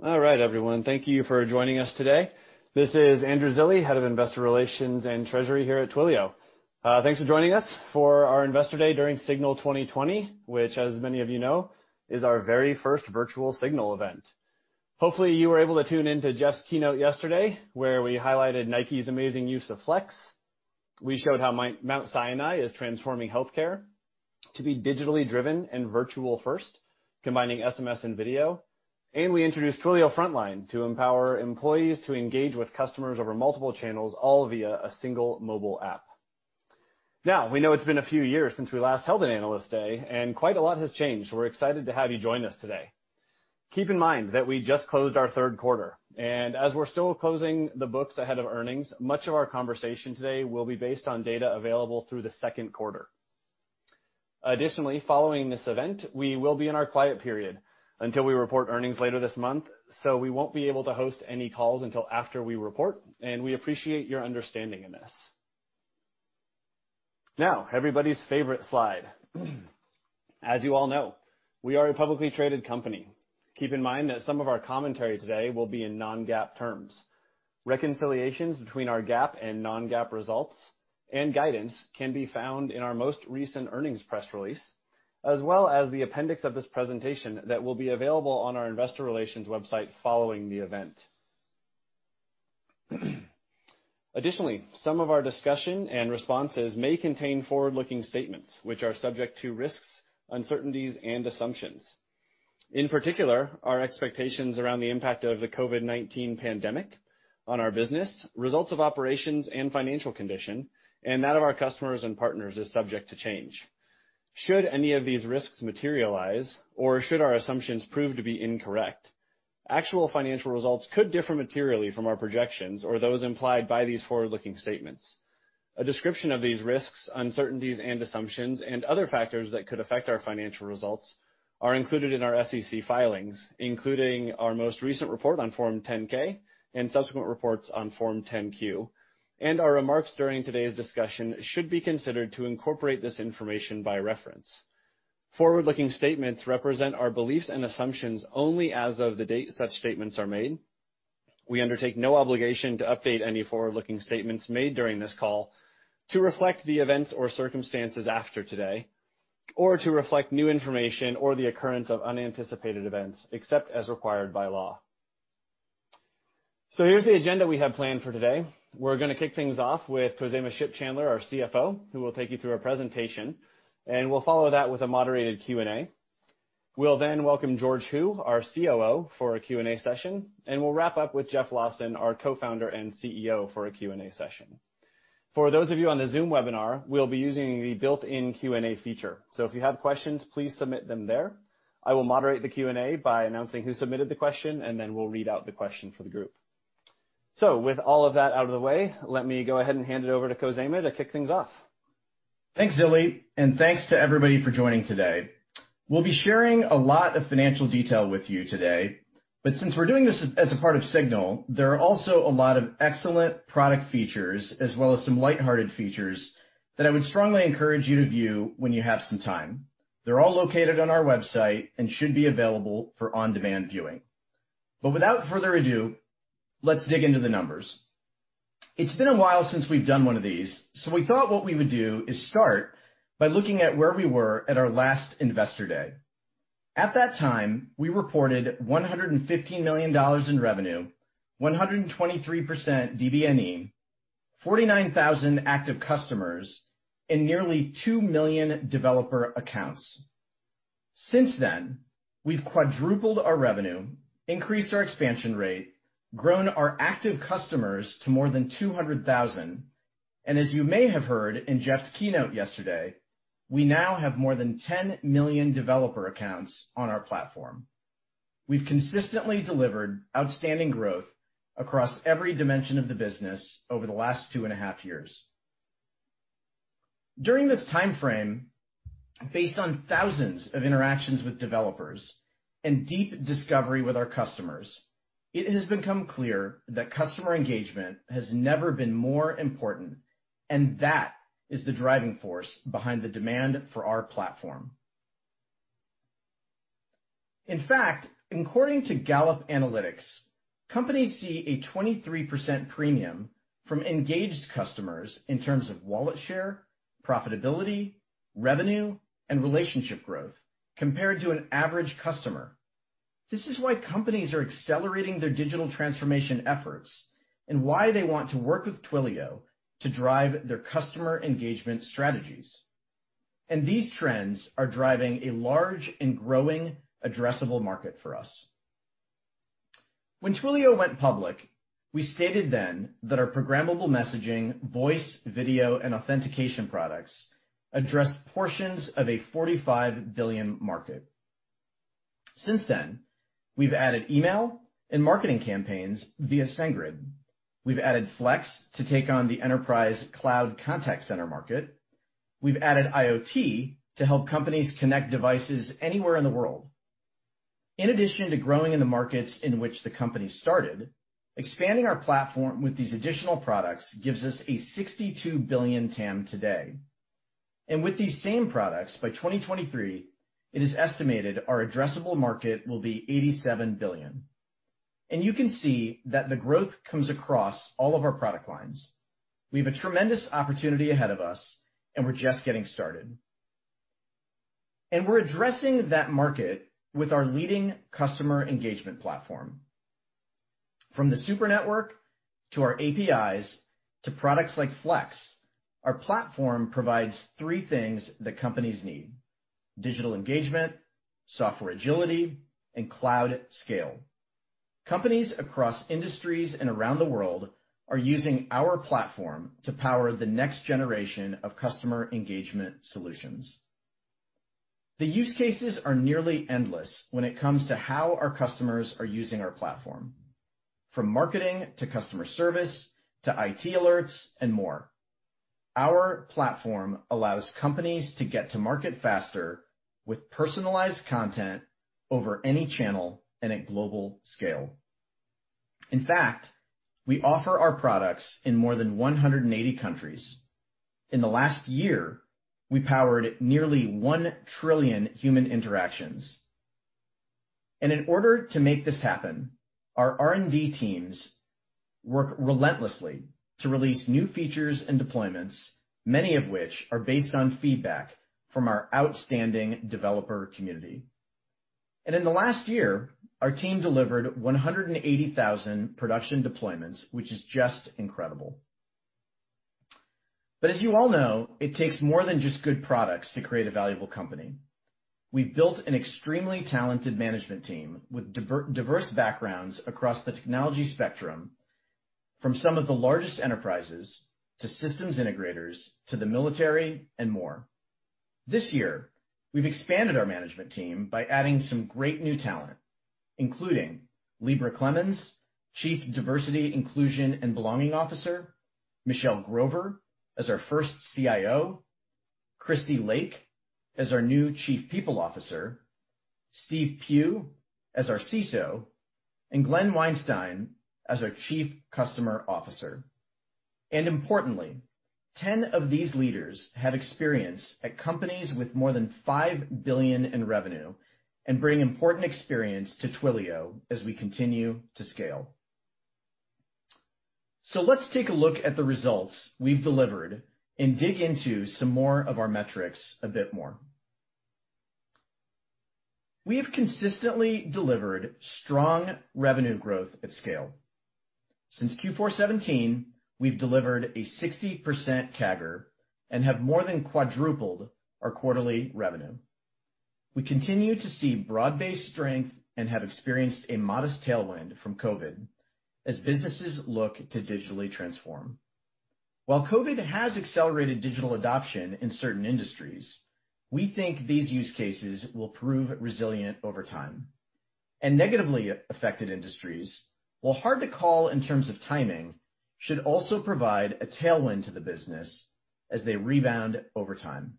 All right, everyone. Thank you for joining us today. This is Andrew Zilli, Head of Investor Relations and Treasury here at Twilio. Thanks for joining us for our Investor Day during SIGNAL 2020, which, as many of you know, is our very first virtual SIGNAL event. Hopefully, you were able to tune in to Jeff's keynote yesterday, where we highlighted Nike's amazing use of Flex. We showed how Mount Sinai is transforming healthcare to be digitally driven and virtual-first, combining SMS and video. We introduced Twilio Frontline to empower employees to engage with customers over multiple channels, all via a single mobile app. We know it's been a few years since we last held an Analyst Day, and quite a lot has changed. We're excited to have you join us today. Keep in mind that we just closed our third quarter, and as we're still closing the books ahead of earnings, much of our conversation today will be based on data available through the second quarter. Additionally, following this event, we will be in our quiet period until we report earnings later this month, so we won't be able to host any calls until after we report, and we appreciate your understanding in this. Now, everybody's favorite slide. As you all know, we are a publicly traded company. Keep in mind that some of our commentary today will be in non-GAAP terms. Reconciliations between our GAAP and non-GAAP results and guidance can be found in our most recent earnings press release, as well as the appendix of this presentation that will be available on our investor relations website following the event. Additionally, some of our discussion and responses may contain forward-looking statements, which are subject to risks, uncertainties, and assumptions. In particular, our expectations around the impact of the COVID-19 pandemic on our business, results of operations and financial condition, and that of our customers and partners is subject to change. Should any of these risks materialize, or should our assumptions prove to be incorrect, actual financial results could differ materially from our projections or those implied by these forward-looking statements. A description of these risks, uncertainties, and assumptions and other factors that could affect our financial results are included in our SEC filings, including our most recent report on Form 10-K and subsequent reports on Form 10-Q, and our remarks during today's discussion should be considered to incorporate this information by reference. Forward-looking statements represent our beliefs and assumptions only as of the date such statements are made. We undertake no obligation to update any forward-looking statements made during this call to reflect the events or circumstances after today, or to reflect new information or the occurrence of unanticipated events, except as required by law. Here's the agenda we have planned for today. We're going to kick things off with Khozema Shipchandler, our CFO, who will take you through our presentation, and we'll follow that with a moderated Q&A. We'll then welcome George Hu, our COO, for a Q&A session, and we'll wrap up with Jeff Lawson, our Co-Founder and CEO, for a Q&A session. For those of you on the Zoom webinar, we'll be using the built-in Q&A feature. If you have questions, please submit them there. I will moderate the Q&A by announcing who submitted the question, and then we'll read out the question for the group. With all of that out of the way, let me go ahead and hand it over to Khozema to kick things off. Thanks, Zilli, thanks to everybody for joining today. We'll be sharing a lot of financial detail with you today, but since we're doing this as a part of SIGNAL, there are also a lot of excellent product features, as well as some lighthearted features that I would strongly encourage you to view when you have some time. They're all located on our website and should be available for on-demand viewing. Without further ado, let's dig into the numbers. It's been a while since we've done one of these, so we thought what we would do is start by looking at where we were at our last Investor Day. At that time, we reported $115 million in revenue, 123% DBNE, 49,000 active customers, and nearly 2 million developer accounts. Since then, we've quadrupled our revenue, increased our expansion rate, grown our active customers to more than 200,000, and as you may have heard in Jeff's keynote yesterday, we now have more than 10 million developer accounts on our platform. We've consistently delivered outstanding growth across every dimension of the business over the last 2.5 years. During this timeframe, based on thousands of interactions with developers and deep discovery with our customers, it has become clear that customer engagement has never been more important, and that is the driving force behind the demand for our platform. In fact, according to Gallup Analytics, companies see a 23% premium from engaged customers in terms of wallet share, profitability, revenue, and relationship growth compared to an average customer. This is why companies are accelerating their digital transformation efforts and why they want to work with Twilio to drive their customer engagement strategies. These trends are driving a large and growing addressable market for us. When Twilio went public, we stated then that our programmable messaging, voice, video, and authentication products address portions of a $45 billion market. Since then, we've added email and marketing campaigns via SendGrid. We've added Flex to take on the enterprise cloud contact center market. We've added IoT to help companies connect devices anywhere in the world. In addition to growing in the markets in which the company started, expanding our platform with these additional products gives us a $62 billion TAM today. With these same products, by 2023, it is estimated our addressable market will be $87 billion. You can see that the growth comes across all of our product lines. We have a tremendous opportunity ahead of us, and we're just getting started. We're addressing that market with our leading customer engagement platform. From the Super Network, to our APIs, to products like Flex, our platform provides three things that companies need: digital engagement, software agility, and cloud scale. Companies across industries and around the world are using our platform to power the next generation of customer engagement solutions. The use cases are nearly endless when it comes to how our customers are using our platform, from marketing to customer service, to IT alerts and more. Our platform allows companies to get to market faster with personalized content over any channel and at global scale. In fact, we offer our products in more than 180 countries. In the last year, we powered nearly 1 trillion human interactions. In order to make this happen, our R&D teams work relentlessly to release new features and deployments, many of which are based on feedback from our outstanding developer community. In the last year, our team delivered 180,000 production deployments, which is just incredible. As you all know, it takes more than just good products to create a valuable company. We've built an extremely talented management team with diverse backgrounds across the technology spectrum, from some of the largest enterprises to Systems Integrators, to the military, and more. This year, we've expanded our management team by adding some great new talent, including Lybra Clemons, Chief Diversity, Inclusion, and Belonging Officer, Michelle Grover, as our first CIO, Christy Lake as our new Chief People Officer, Steve Pugh as our CISO, and Glenn Weinstein as our Chief Customer Officer. Importantly, 10 of these leaders have experience at companies with more than $5 billion in revenue and bring important experience to Twilio as we continue to scale. Let's take a look at the results we've delivered and dig into some more of our metrics a bit more. We have consistently delivered strong revenue growth at scale. Since Q4 2017, we've delivered a 60% CAGR and have more than quadrupled our quarterly revenue. We continue to see broad-based strength and have experienced a modest tailwind from COVID as businesses look to digitally transform. While COVID has accelerated digital adoption in certain industries, we think these use cases will prove resilient over time. Negatively affected industries, while hard to call in terms of timing, should also provide a tailwind to the business as they rebound over time.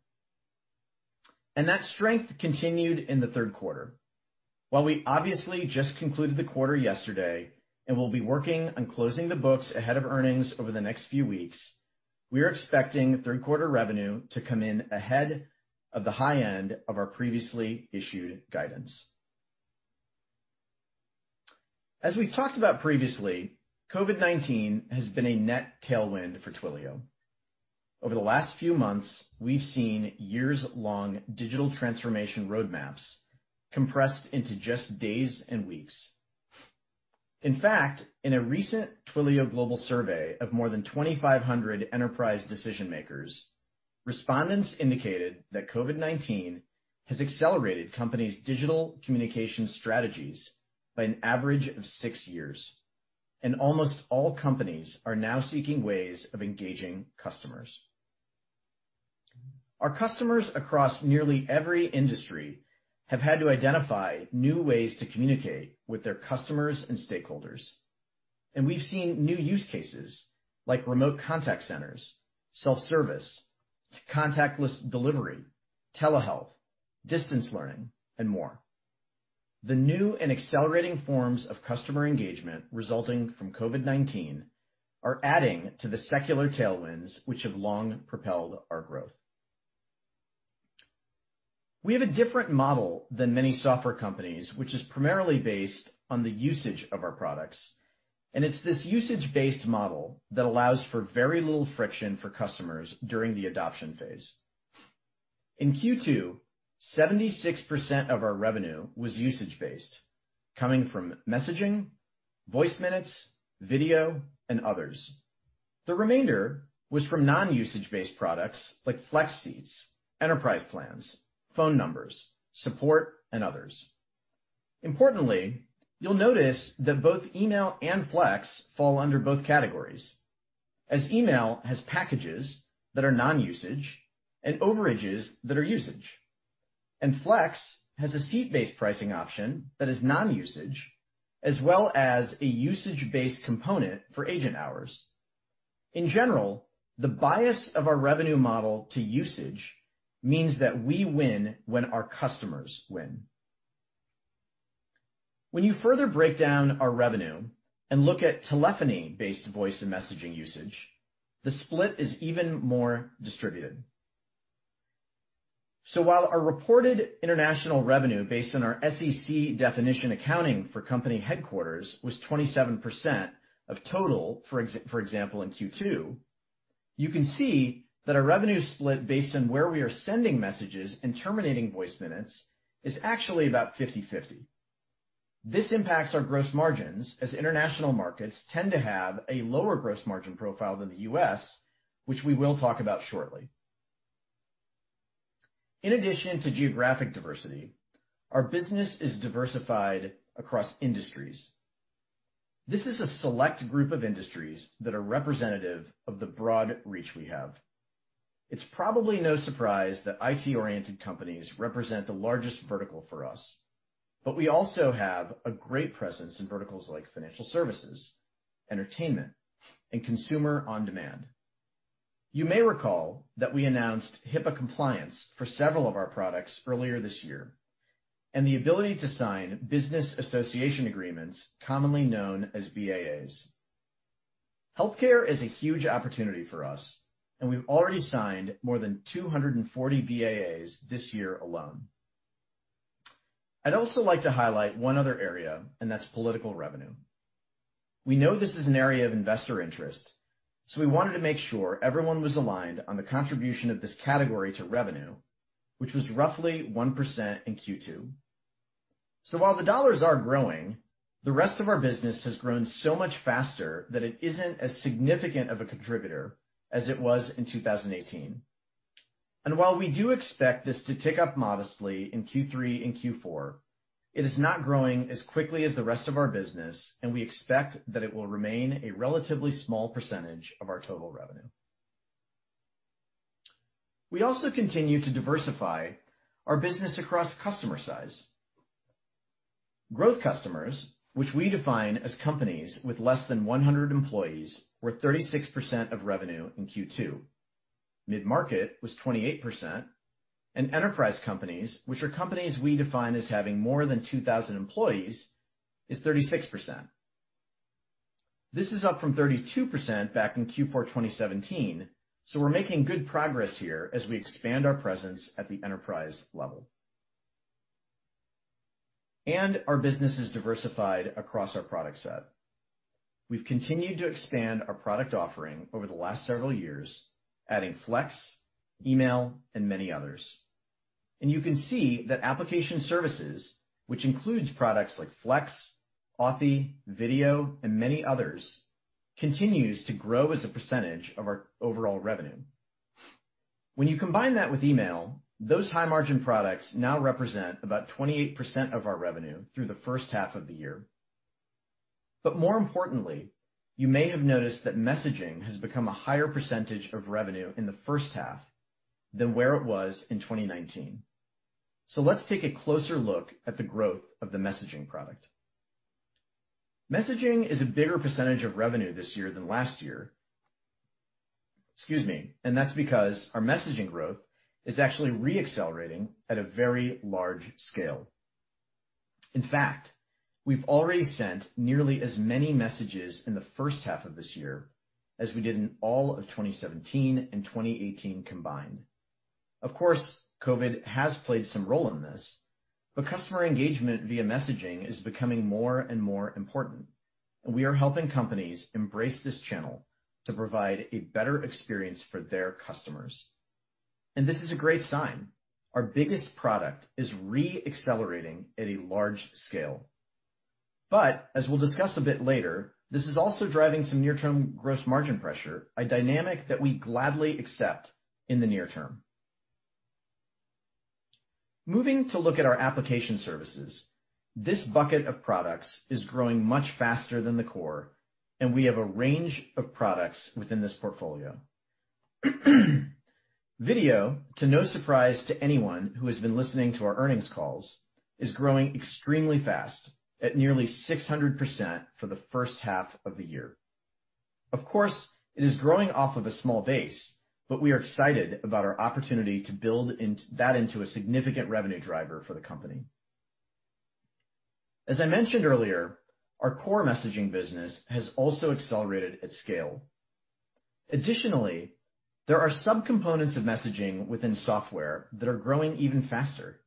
That strength continued in the third quarter. While we obviously just concluded the quarter yesterday, and we'll be working on closing the books ahead of earnings over the next few weeks, we are expecting third quarter revenue to come in ahead of the high end of our previously issued guidance. As we've talked about previously, COVID-19 has been a net tailwind for Twilio. Over the last few months, we've seen years-long digital transformation roadmaps compressed into just days and weeks. In fact, in a recent Twilio global survey of more than 2,500 enterprise decision-makers, respondents indicated that COVID-19 has accelerated companies' digital communication strategies by an average of six years, and almost all companies are now seeking ways of engaging customers. Our customers across nearly every industry have had to identify new ways to communicate with their customers and stakeholders, and we've seen new use cases like remote contact centers, self-service, contactless delivery, telehealth, distance learning, and more. The new and accelerating forms of customer engagement resulting from COVID-19 are adding to the secular tailwinds which have long propelled our growth. We have a different model than many software companies, which is primarily based on the usage of our products. It's this usage-based model that allows for very little friction for customers during the adoption phase. In Q2, 76% of our revenue was usage-based, coming from messaging, voice minutes, video, and others. The remainder was from non-usage-based products like Flex seats, enterprise plans, phone numbers, support, and others. Importantly, you'll notice that both email and Flex fall under both categories. As email has packages that are non-usage and overages that are usage. Flex has a seat-based pricing option that is non-usage, as well as a usage-based component for agent hours. In general, the bias of our revenue model to usage means that we win when our customers win. When you further break down our revenue and look at telephony-based voice and messaging usage, the split is even more distributed. While our reported international revenue, based on our SEC definition accounting for company headquarters, was 27% of total, for example, in Q2, you can see that our revenue split based on where we are sending messages and terminating voice minutes is actually about 50/50. This impacts our gross margins as international markets tend to have a lower gross margin profile than the U.S., which we will talk about shortly. In addition to geographic diversity, our business is diversified across industries. This is a select group of industries that are representative of the broad reach we have. It's probably no surprise that IT-oriented companies represent the largest vertical for us. We also have a great presence in verticals like financial services, entertainment, and consumer on-demand. You may recall that we announced HIPAA compliance for several of our products earlier this year, and the ability to sign Business Associate Agreements, commonly known as BAAs. Healthcare is a huge opportunity for us, and we've already signed more than 240 BAAs this year alone. I'd also like to highlight one other area, and that's political revenue. We know this is an area of investor interest, we wanted to make sure everyone was aligned on the contribution of this category to revenue, which was roughly 1% in Q2. While the dollars are growing, the rest of our business has grown so much faster that it isn't as significant of a contributor as it was in 2018. While we do expect this to tick up modestly in Q3 and Q4, it is not growing as quickly as the rest of our business, and we expect that it will remain a relatively small percentage of our total revenue. We also continue to diversify our business across customer size. Growth customers, which we define as companies with less than 100 employees, were 36% of revenue in Q2. Mid-market was 28%, and enterprise companies, which are companies we define as having more than 2,000 employees, is 36%. This is up from 32% back in Q4 2017, so we're making good progress here as we expand our presence at the enterprise level. Our business is diversified across our product set. We've continued to expand our product offering over the last several years, adding Flex, email, and many others. You can see that application services, which includes products like Flex, Authy, Video, and many others, continues to grow as a percentage of our overall revenue. When you combine that with email, those high-margin products now represent about 28% of our revenue through the first half of the year. More importantly, you may have noticed that messaging has become a higher percentage of revenue in the first half than where it was in 2019. Let's take a closer look at the growth of the messaging product. Messaging is a bigger percentage of revenue this year than last year. Excuse me. That's because our messaging growth is actually re-accelerating at a very large scale. In fact, we've already sent nearly as many messages in the first half of this year as we did in all of 2017 and 2018 combined. Of course, COVID has played some role in this, but customer engagement via messaging is becoming more and more important, and we are helping companies embrace this channel to provide a better experience for their customers. This is a great sign. Our biggest product is re-accelerating at a large scale. As we'll discuss a bit later, this is also driving some near-term gross margin pressure, a dynamic that we gladly accept in the near term. Moving to look at our application services, this bucket of products is growing much faster than the core, and we have a range of products within this portfolio. Video, to no surprise to anyone who has been listening to our earnings calls, is growing extremely fast at nearly 600% for the first half of the year. Of course, it is growing off of a small base, but we are excited about our opportunity to build that into a significant revenue driver for the company. As I mentioned earlier, our core messaging business has also accelerated at scale. Additionally, there are some components of messaging within software that are growing even faster.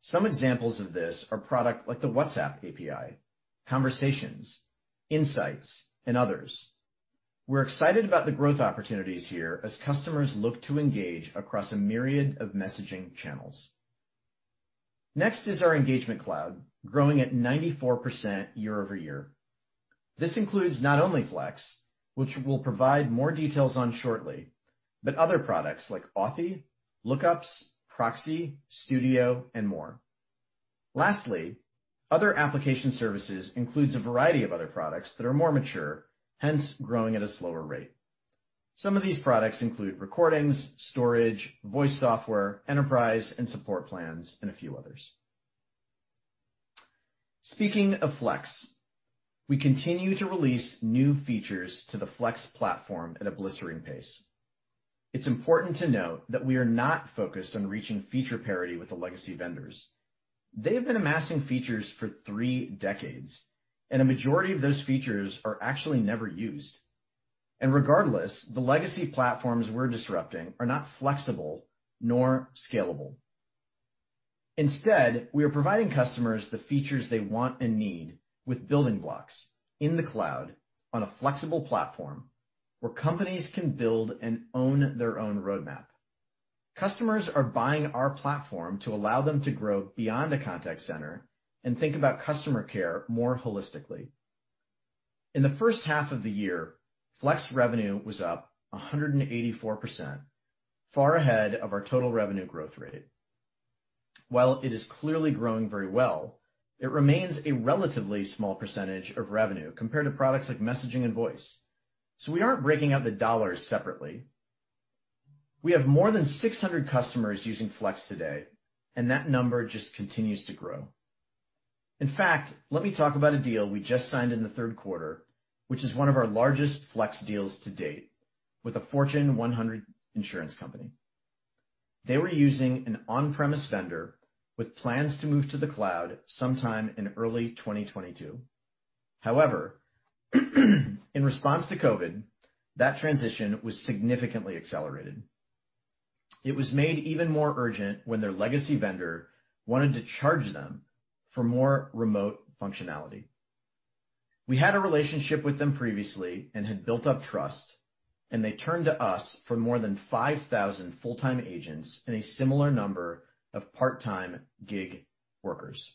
Some examples of this are product like the WhatsApp API, Conversations, Insights, and others. We are excited about the growth opportunities here as customers look to engage across a myriad of messaging channels. Next is our Engagement Cloud, growing at 94% year-over-year. This includes not only Flex, which we'll provide more details on shortly, but other products like Authy, Lookups, Proxy, Studio, and more. Lastly, other application services includes a variety of other products that are more mature, hence growing at a slower rate. Some of these products include recordings, storage, voice software, enterprise and support plans, and a few others. Speaking of Flex, we continue to release new features to the Flex platform at a blistering pace. It's important to note that we are not focused on reaching feature parity with the legacy vendors. They have been amassing features for three decades, and a majority of those features are actually never used. Regardless, the legacy platforms we're disrupting are not flexible nor scalable. Instead, we are providing customers the features they want and need with building blocks in the cloud on a flexible platform where companies can build and own their own roadmap. Customers are buying our platform to allow them to grow beyond a contact center and think about customer care more holistically. In the first half of the year, Flex revenue was up 184%, far ahead of our total revenue growth rate. While it is clearly growing very well, it remains a relatively small percentage of revenue compared to products like messaging and voice. We aren't breaking out the dollar separately. We have more than 600 customers using Flex today, and that number just continues to grow. In fact, let me talk about a deal we just signed in the third quarter, which is one of our largest Flex deals to date, with a Fortune 100 insurance company. They were using an on-premise vendor with plans to move to the cloud sometime in early 2022. In response to COVID, that transition was significantly accelerated. It was made even more urgent when their legacy vendor wanted to charge them for more remote functionality. We had a relationship with them previously and had built up trust, they turned to us for more than 5,000 full-time agents and a similar number of part-time gig workers.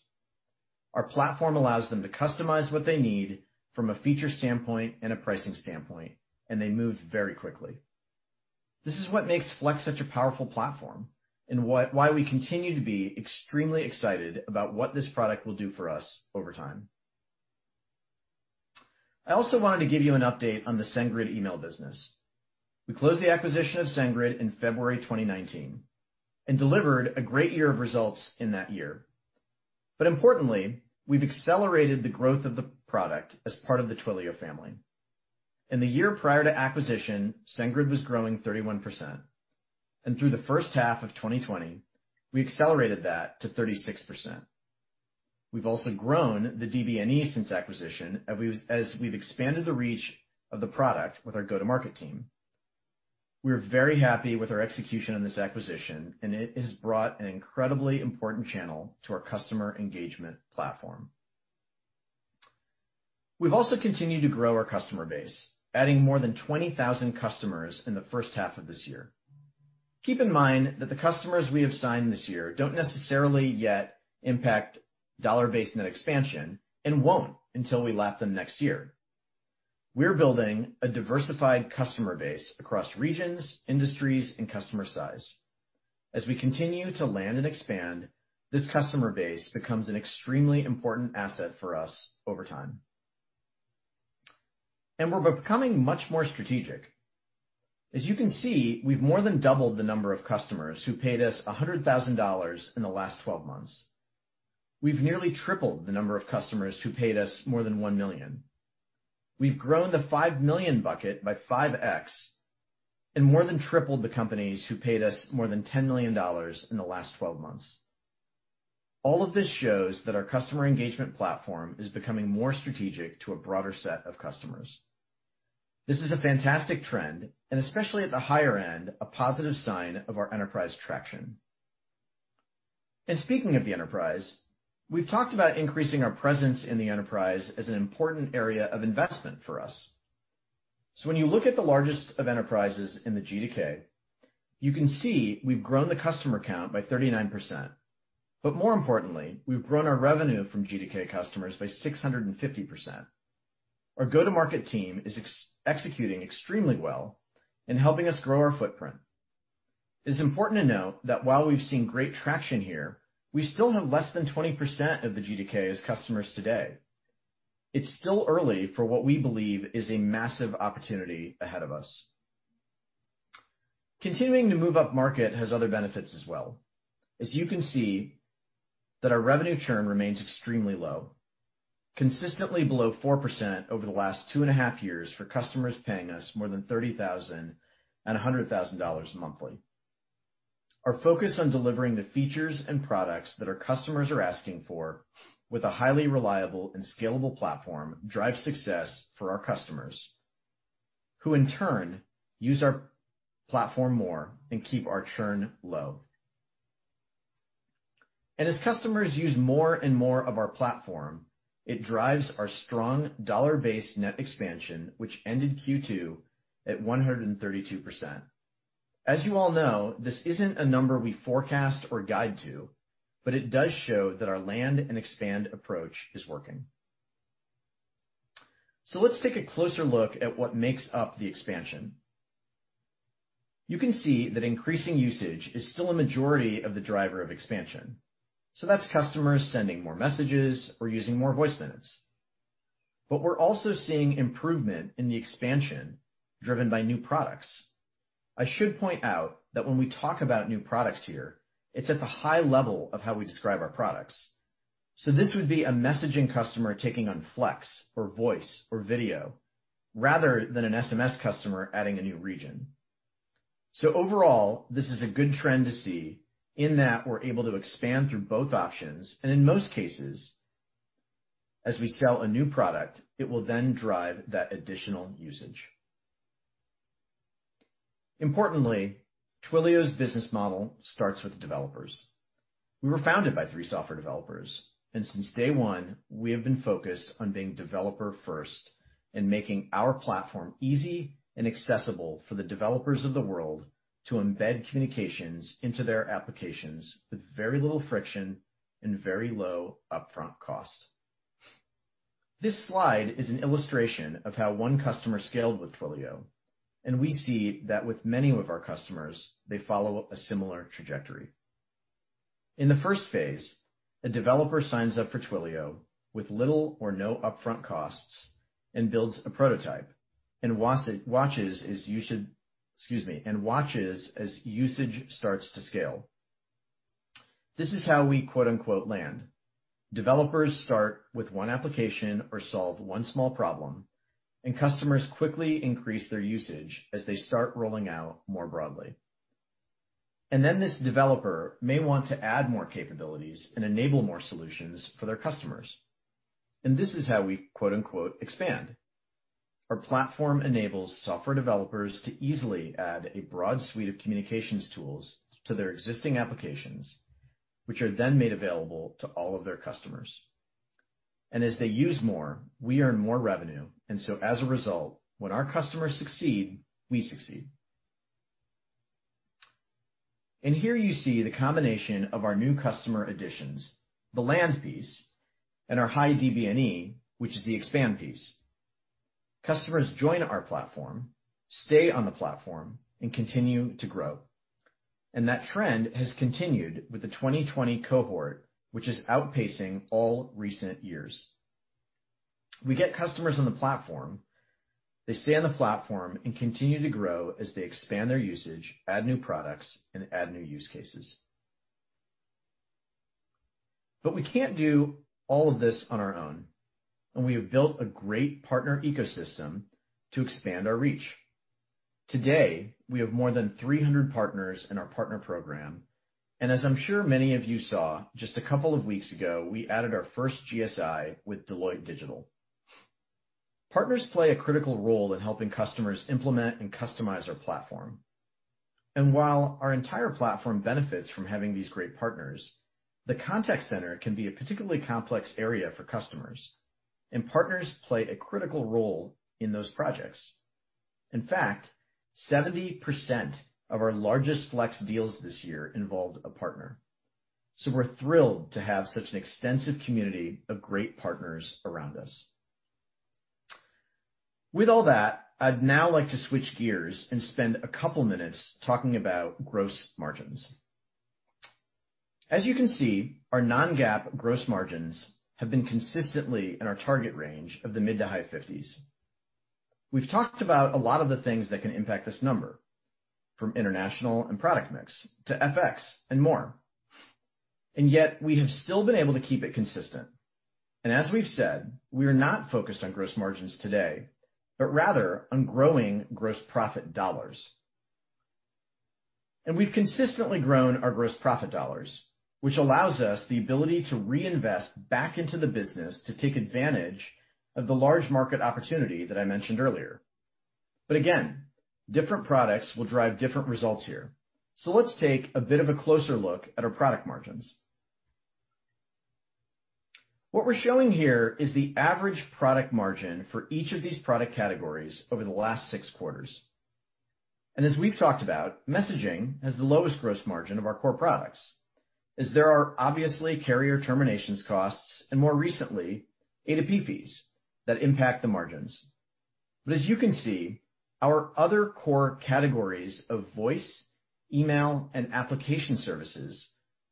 Our platform allows them to customize what they need from a feature standpoint and a pricing standpoint, they moved very quickly. This is what makes Flex such a powerful platform and why we continue to be extremely excited about what this product will do for us over time. I also wanted to give you an update on the SendGrid email business. We closed the acquisition of SendGrid in February 2019 and delivered a great year of results in that year. Importantly, we've accelerated the growth of the product as part of the Twilio family. In the year prior to acquisition, SendGrid was growing 31%, and through the first half of 2020, we accelerated that to 36%. We've also grown the DBNE since acquisition, as we've expanded the reach of the product with our go-to-market team. We are very happy with our execution on this acquisition, and it has brought an incredibly important channel to our customer engagement platform. We've also continued to grow our customer base, adding more than 20,000 customers in the first half of this year. Keep in mind that the customers we have signed this year don't necessarily yet impact dollar-based net expansion and won't until we lap them next year. We're building a diversified customer base across regions, industries, and customer size. As we continue to land and expand, this customer base becomes an extremely important asset for us over time. We're becoming much more strategic. As you can see, we've more than doubled the number of customers who paid us $100,000 in the last 12 months. We've nearly tripled the number of customers who paid us more than $1 million. We've grown the $5 million bucket by 5x and more than tripled the companies who paid us more than $10 million in the last 12 months. All of this shows that our customer engagement platform is becoming more strategic to a broader set of customers. This is a fantastic trend and especially at the higher end, a positive sign of our enterprise traction. Speaking of the enterprise, we've talked about increasing our presence in the enterprise as an important area of investment for us. When you look at the largest of enterprises in the G2K, you can see we've grown the customer count by 39%. More importantly, we've grown our revenue from G2K customers by 650%. Our go-to-market team is executing extremely well and helping us grow our footprint. It's important to note that while we've seen great traction here, we still have less than 20% of the G2K as customers today. It's still early for what we believe is a massive opportunity ahead of us. Continuing to move upmarket has other benefits as well. You can see that our revenue churn remains extremely low, consistently below 4% over the last 2.5 years for customers paying us more than 30,000 and $100,000 monthly. Our focus on delivering the features and products that our customers are asking for with a highly reliable and scalable platform, drive success for our customers, who in turn use our platform more and keep our churn low. As customers use more and more of our platform, it drives our strong Dollar-Based Net Expansion, which ended Q2 at 132%. As you all know, this isn't a number we forecast or guide to, but it does show that our land and expand approach is working. Let's take a closer look at what makes up the expansion. You can see that increasing usage is still a majority of the driver of expansion. That's customers sending more messages or using more voice minutes. We're also seeing improvement in the expansion driven by new products. I should point out that when we talk about new products here, it's at the high level of how we describe our products. This would be a messaging customer taking on Flex or Voice or Video rather than an SMS customer adding a new region. Overall, this is a good trend to see in that we're able to expand through both options, and in most cases, as we sell a new product, it will then drive that additional usage. Importantly, Twilio's business model starts with developers. We were founded by three software developers, and since day one, we have been focused on being developer first and making our platform easy and accessible for the developers of the world to embed communications into their applications with very little friction and very low upfront cost. This slide is an illustration of how one customer scaled with Twilio, and we see that with many of our customers, they follow a similar trajectory. In the first phase, a developer signs up for Twilio with little or no upfront costs and builds a prototype and watches as usage starts to scale. This is how we "land." Developers start with one application or solve one small problem, and customers quickly increase their usage as they start rolling out more broadly. This developer may want to add more capabilities and enable more solutions for their customers. This is how we "expand." Our platform enables software developers to easily add a broad suite of communications tools to their existing applications, which are then made available to all of their customers. As they use more, we earn more revenue, and so as a result, when our customers succeed, we succeed. Here you see the combination of our new customer additions, the land piece, and our high DBNE, which is the expand piece. Customers join our platform, stay on the platform, and continue to grow. That trend has continued with the 2020 cohort, which is outpacing all recent years. We get customers on the platform, they stay on the platform and continue to grow as they expand their usage, add new products, and add new use cases. We can't do all of this on our own, and we have built a great partner ecosystem to expand our reach. Today, we have more than 300 partners in our partner program, and as I'm sure many of you saw, just a couple of weeks ago, we added our first GSI with Deloitte Digital. Partners play a critical role in helping customers implement and customize our platform. While our entire platform benefits from having these great partners, the contact center can be a particularly complex area for customers. Partners play a critical role in those projects. In fact, 70% of our largest Flex deals this year involved a partner. We're thrilled to have such an extensive community of great partners around us. With all that, I'd now like to switch gears and spend a couple minutes talking about gross margins. As you can see, our non-GAAP gross margins have been consistently in our target range of the mid to high 50s. We've talked about a lot of the things that can impact this number, from international and product mix to FX and more. Yet we have still been able to keep it consistent. As we've said, we are not focused on gross margins today, but rather on growing gross profit dollars. We've consistently grown our gross profit dollars, which allows us the ability to reinvest back into the business to take advantage of the large market opportunity that I mentioned earlier. Again, different products will drive different results here. Let's take a bit of a closer look at our product margins. What we're showing here is the average product margin for each of these product categories over the last six quarters. As we've talked about, messaging has the lowest gross margin of our core products, as there are obviously carrier terminations costs, and more recently, A2P fees that impact the margins. As you can see, our other core categories of Voice, Email, and Application Services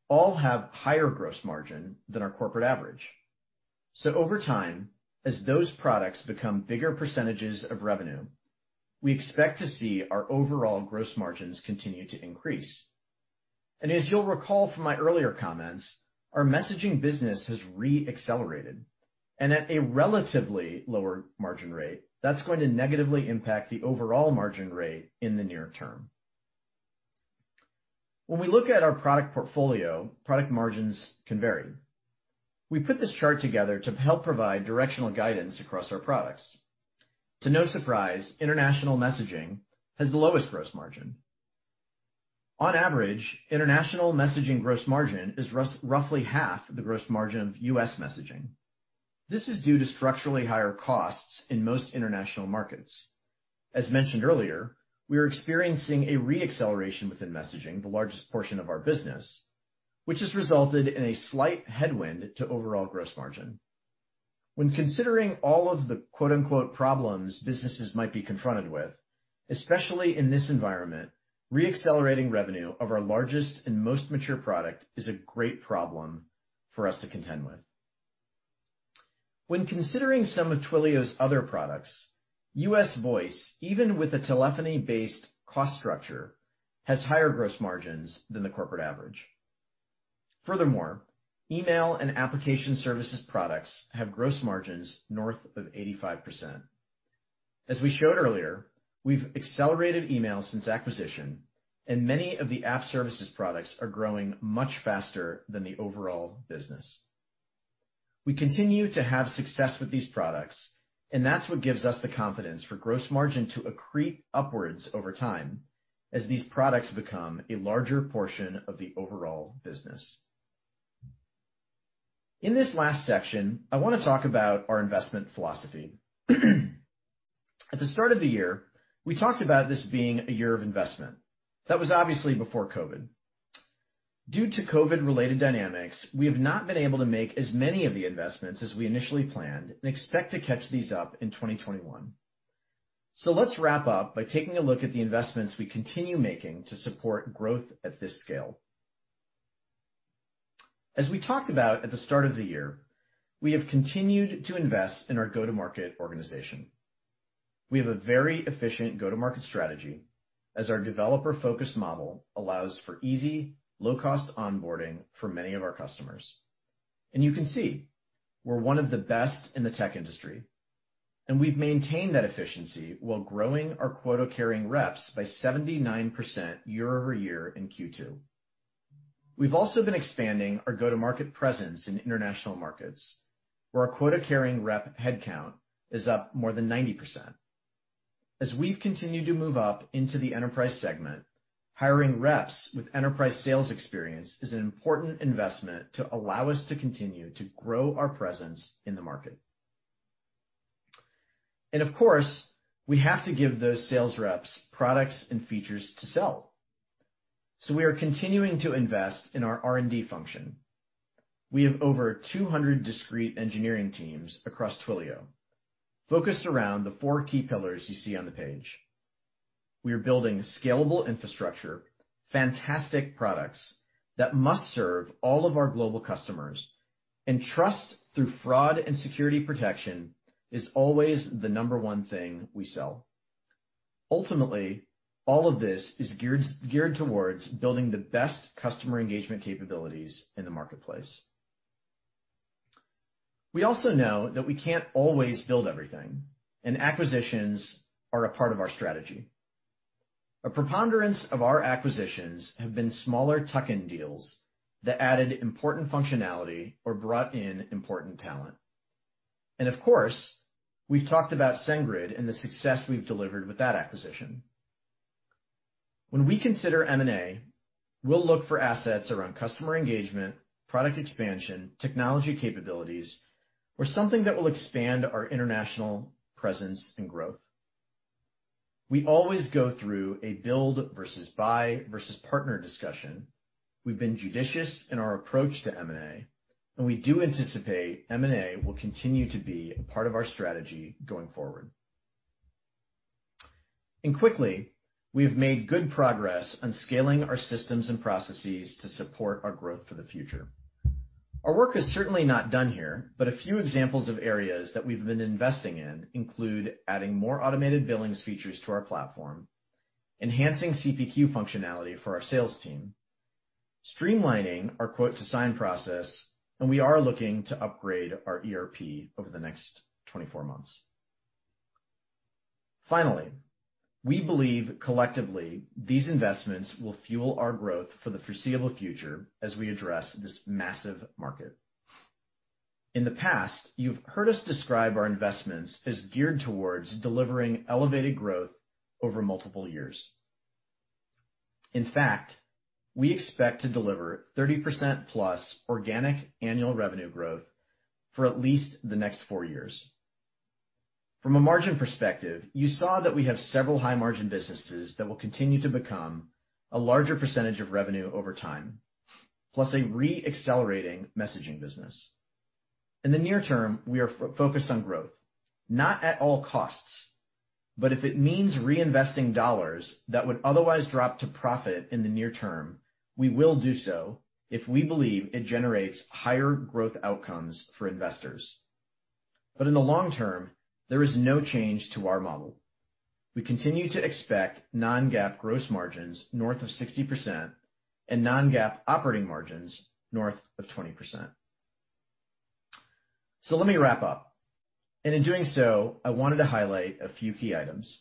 all have higher gross margin than our corporate average. Over time, as those products become bigger percentages of revenue, we expect to see our overall gross margins continue to increase. As you'll recall from my earlier comments, our messaging business has re-accelerated and at a relatively lower margin rate that's going to negatively impact the overall margin rate in the near term. When we look at our product portfolio, product margins can vary. We put this chart together to help provide directional guidance across our products. To no surprise, international messaging has the lowest gross margin. On average, international messaging gross margin is roughly half the gross margin of U.S. messaging. This is due to structurally higher costs in most international markets. As mentioned earlier, we are experiencing a re-acceleration within messaging, the largest portion of our business, which has resulted in a slight headwind to overall gross margin. When considering all of the "problems" businesses might be confronted with, especially in this environment, re-accelerating revenue of our largest and most mature product is a great problem for us to contend with. When considering some of Twilio's other products, U.S. Voice, even with a telephony-based cost structure, has higher gross margins than the corporate average. Furthermore, email and application services products have gross margins north of 85%. As we showed earlier, we've accelerated email since acquisition, and many of the app services products are growing much faster than the overall business. We continue to have success with these products. That's what gives us the confidence for gross margin to accrete upwards over time as these products become a larger portion of the overall business. In this last section, I want to talk about our investment philosophy. At the start of the year, we talked about this being a year of investment. That was obviously before COVID. Due to COVID-related dynamics, we have not been able to make as many of the investments as we initially planned and expect to catch these up in 2021. Let's wrap up by taking a look at the investments we continue making to support growth at this scale. As we talked about at the start of the year, we have continued to invest in our go-to-market organization. We have a very efficient go-to-market strategy as our developer-focused model allows for easy, low-cost onboarding for many of our customers. You can see we're one of the best in the tech industry, and we've maintained that efficiency while growing our quota-carrying reps by 79% year-over-year in Q2. We've also been expanding our go-to-market presence in international markets, where our quota-carrying rep headcount is up more than 90%. As we've continued to move up into the enterprise segment, hiring reps with enterprise sales experience is an important investment to allow us to continue to grow our presence in the market. Of course, we have to give those sales reps products and features to sell. We are continuing to invest in our R&D function. We have over 200 discrete engineering teams across Twilio, focused around the four key pillars you see on the page. We are building scalable infrastructure, fantastic products that must serve all of our global customers, and trust through fraud and security protection is always the number one thing we sell. Ultimately, all of this is geared towards building the best customer engagement capabilities in the marketplace. Acquisitions are a part of our strategy. A preponderance of our acquisitions have been smaller tuck-in deals that added important functionality or brought in important talent. Of course, we've talked about SendGrid and the success we've delivered with that acquisition. When we consider M&A, we'll look for assets around customer engagement, product expansion, technology capabilities. Something that will expand our international presence and growth. We always go through a build versus buy versus partner discussion. We've been judicious in our approach to M&A, and we do anticipate M&A will continue to be part of our strategy going forward. Quickly, we have made good progress on scaling our systems and processes to support our growth for the future. Our work is certainly not done here, but a few examples of areas that we've been investing in include adding more automated billings features to our platform, enhancing CPQ functionality for our sales team, streamlining our quote-to-sign process, and we are looking to upgrade our ERP over the next 24 months. We believe collectively, these investments will fuel our growth for the foreseeable future as we address this massive market. In the past, you've heard us describe our investments as geared towards delivering elevated growth over multiple years. In fact, we expect to deliver 30%+ organic annual revenue growth for at least the next four years. From a margin perspective, you saw that we have several high-margin businesses that will continue to become a larger percentage of revenue over time, plus a re-accelerating messaging business. In the near term, we are focused on growth, not at all costs, but if it means reinvesting dollars that would otherwise drop to profit in the near term, we will do so if we believe it generates higher growth outcomes for investors. In the long term, there is no change to our model. We continue to expect non-GAAP gross margins north of 60% and non-GAAP operating margins north of 20%. Let me wrap up. In doing so, I wanted to highlight a few key items.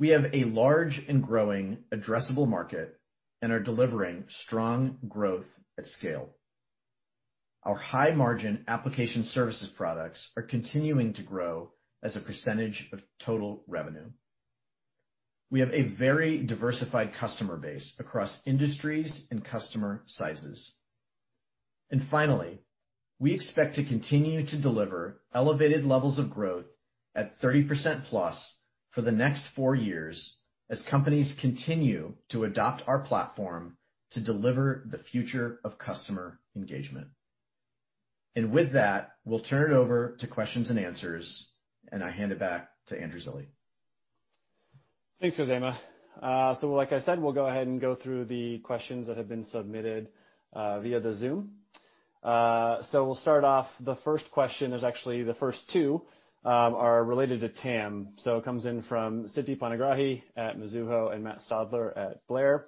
We have a large and growing addressable market and are delivering strong growth at scale. Our high-margin application services products are continuing to grow as a percentage of total revenue. We have a very diversified customer base across industries and customer sizes. Finally, we expect to continue to deliver elevated levels of growth at 30%+ for the next four years as companies continue to adopt our platform to deliver the future of customer engagement. With that, we'll turn it over to questions and answers, and I hand it back to Andrew Zilli. Thanks, Khozema. Like I said, we'll go ahead and go through the questions that have been submitted via the Zoom. We'll start off, the first question is actually the first two, are related to TAM. It comes in from Siti Panigrahi at Mizuho and Matt Stotler at Blair.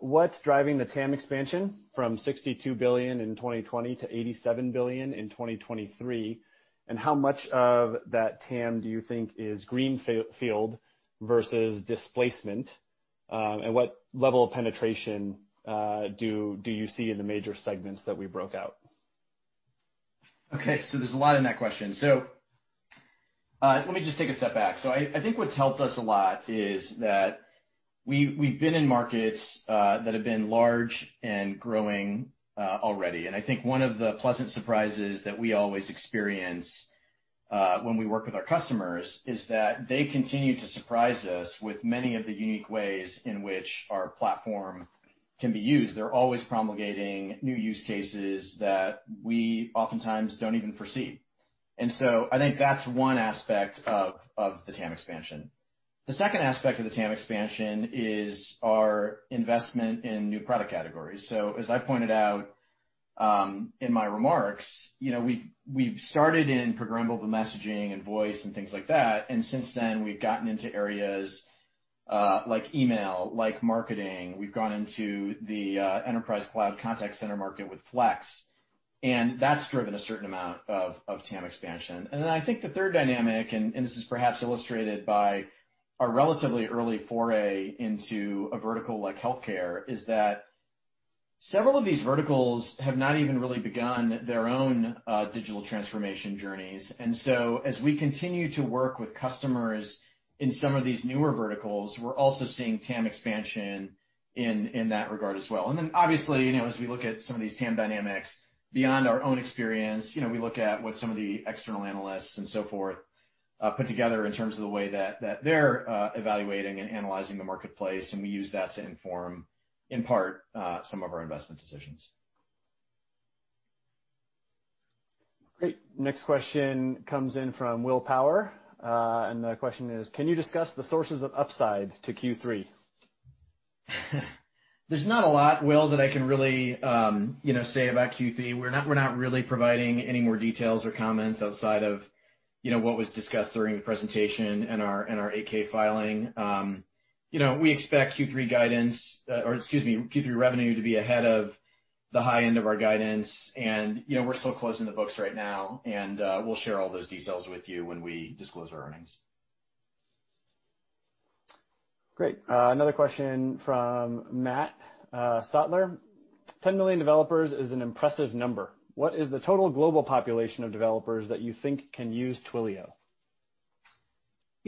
What's driving the TAM expansion from $62 billion in 2020 to $87 billion in 2023, and how much of that TAM do you think is greenfield versus displacement? What level of penetration do you see in the major segments that we broke out? There's a lot in that question. Let me just take a step back. I think what's helped us a lot is that we've been in markets that have been large and growing already. I think one of the pleasant surprises that we always experience when we work with our customers is that they continue to surprise us with many of the unique ways in which our platform can be used. They're always promulgating new use cases that we oftentimes don't even foresee. I think that's one aspect of the TAM expansion. The second aspect of the TAM expansion is our investment in new product categories. As I pointed out in my remarks, we started in programmable messaging and voice and things like that, and since then, we've gotten into areas like email, like marketing. We've gone into the enterprise cloud contact center market with Flex. That's driven a certain amount of TAM expansion. Then I think the third dynamic, and this is perhaps illustrated by our relatively early foray into a vertical like healthcare, is that several of these verticals have not even really begun their own digital transformation journeys. As we continue to work with customers in some of these newer verticals, we're also seeing TAM expansion in that regard as well. Obviously, as we look at some of these TAM dynamics beyond our own experience, we look at what some of the external analysts and so forth put together in terms of the way that they're evaluating and analyzing the marketplace, and we use that to inform, in part, some of our investment decisions. Great. Next question comes in from Will Power, and the question is, can you discuss the sources of upside to Q3? There's not a lot, Will, that I can really say about Q3. We're not really providing any more details or comments outside of what was discussed during the presentation and our 8-K filing. We expect Q3 revenue to be ahead of the high end of our guidance, and we're still closing the books right now, and we'll share all those details with you when we disclose our earnings. Great. Another question from Matt Stotler. 10 million developers is an impressive number. What is the total global population of developers that you think can use Twilio?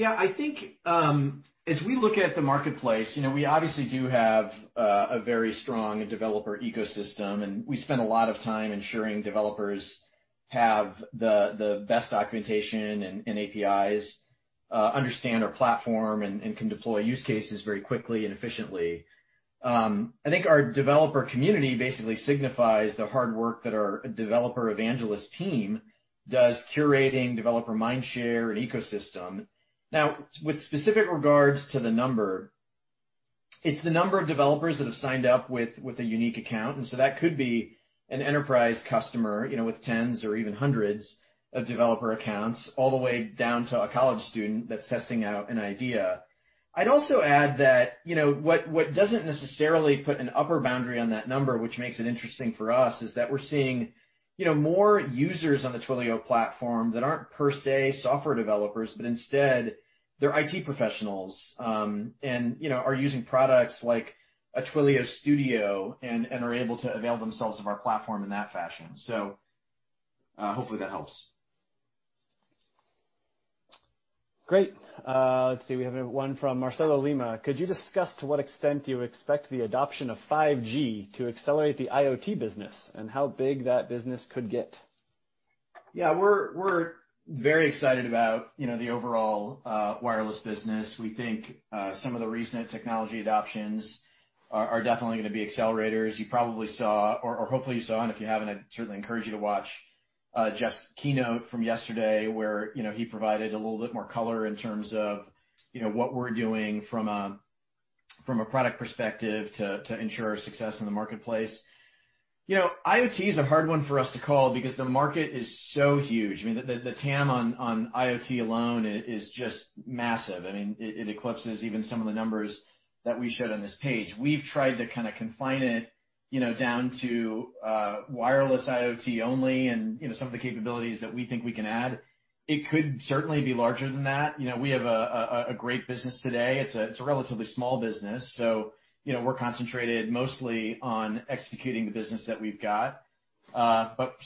I think as we look at the marketplace, we obviously do have a very strong developer ecosystem, and we spend a lot of time ensuring developers have the best documentation and APIs, understand our platform, and can deploy use cases very quickly and efficiently. I think our developer community basically signifies the hard work that our developer evangelist team does curating developer mind share and ecosystem. With specific regards to the number, it's the number of developers that have signed up with a unique account, and so that could be an enterprise customer with tens or even hundreds of developer accounts, all the way down to a college student that's testing out an idea. I'd also add that what doesn't necessarily put an upper boundary on that number, which makes it interesting for us, is that we're seeing more users on the Twilio platform that aren't per se software developers, but instead they're IT professionals, and are using products like a Twilio Studio and are able to avail themselves of our platform in that fashion. Hopefully that helps. Great. Let's see, we have one from Marcelo Lima. Could you discuss to what extent you expect the adoption of 5G to accelerate the IoT business, and how big that business could get? Yeah, we're very excited about the overall wireless business. We think some of the recent technology adoptions are definitely going to be accelerators. You probably saw, or hopefully you saw, and if you haven't, I'd certainly encourage you to watch Jeff's keynote from yesterday, where he provided a little bit more color in terms of what we're doing from a product perspective to ensure our success in the marketplace. IoT is a hard one for us to call because the market is so huge. I mean, the TAM on IoT alone is just massive. It eclipses even some of the numbers that we showed on this page. We've tried to kind of confine it down to wireless IoT only and some of the capabilities that we think we can add. It could certainly be larger than that. We have a great business today. It's a relatively small business, so we're concentrated mostly on executing the business that we've got.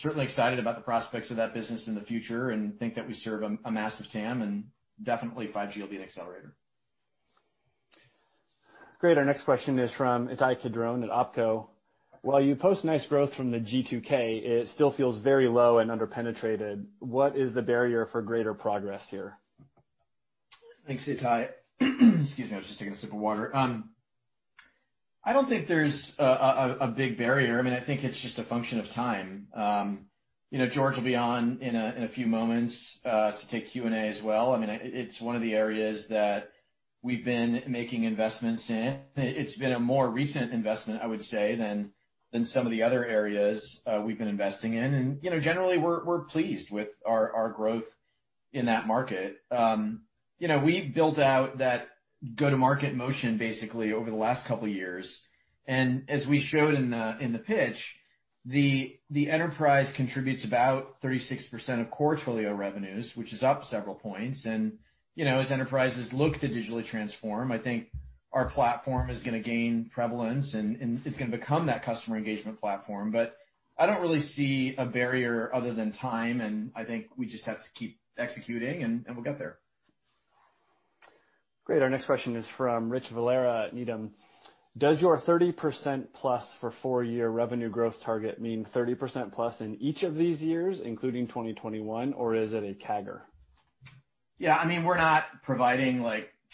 Certainly excited about the prospects of that business in the future and think that we serve a massive TAM, and definitely 5G will be an accelerator. Great. Our next question is from Ittai Kidron at OpCo. "While you post nice growth from the G2K, it still feels very low and under-penetrated. What is the barrier for greater progress here? Thanks, Ittai. Excuse me, I was just taking a sip of water. I don't think there's a big barrier. I think it's just a function of time. George will be on in a few moments, to take Q&A as well. It's one of the areas that we've been making investments in. It's been a more recent investment, I would say, than some of the other areas we've been investing in. Generally, we're pleased with our growth in that market. We built out that go-to-market motion basically over the last couple of years. As we showed in the pitch, the enterprise contributes about 36% of core Twilio revenues, which is up several points. As enterprises look to digitally transform, I think our platform is going to gain prevalence, and it's going to become that customer engagement platform. I don't really see a barrier other than time, and I think we just have to keep executing and we'll get there. Great. Our next question is from Richard Valera at Needham. "Does your 30%+ for four-year revenue growth target mean 30%+ in each of these years, including 2021, or is it a CAGR? Yeah. We're not providing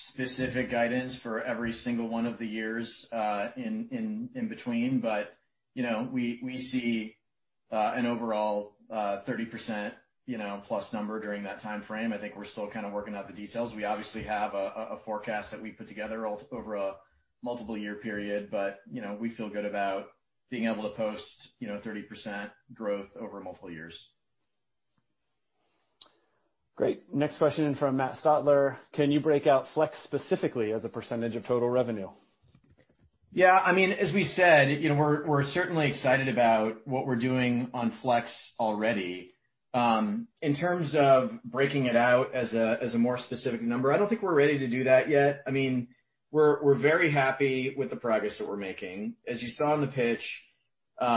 specific guidance for every single one of the years in between, but we see an overall 30%+ number during that timeframe. I think we're still working out the details. We obviously have a forecast that we put together over a multiple-year period, but we feel good about being able to post 30% growth over multiple years. Great. Next question from Matt Stotler: "Can you break out Flex specifically as a percentage of total revenue? As we said, we're certainly excited about what we're doing on Flex already. In terms of breaking it out as a more specific number, I don't think we're ready to do that yet. We're very happy with the progress that we're making. As you saw in the pitch,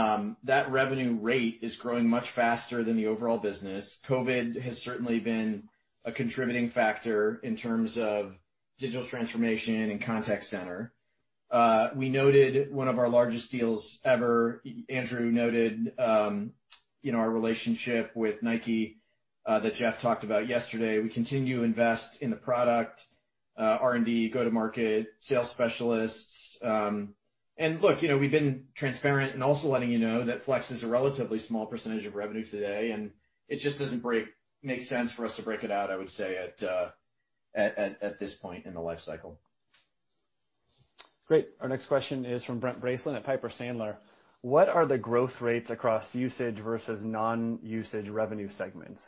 that revenue rate is growing much faster than the overall business. COVID has certainly been a contributing factor in terms of digital transformation and contact center. We noted one of our largest deals ever. Andrew noted our relationship with Nike, that Jeff talked about yesterday. We continue to invest in the product, R&D, go-to-market, sales specialists. Look, we've been transparent in also letting you know that Flex is a relatively small percentage of revenue today, and it just doesn't make sense for us to break it out, I would say, at this point in the life cycle. Great. Our next question is from Brent Bracelin at Piper Sandler. "What are the growth rates across usage versus non-usage revenue segments?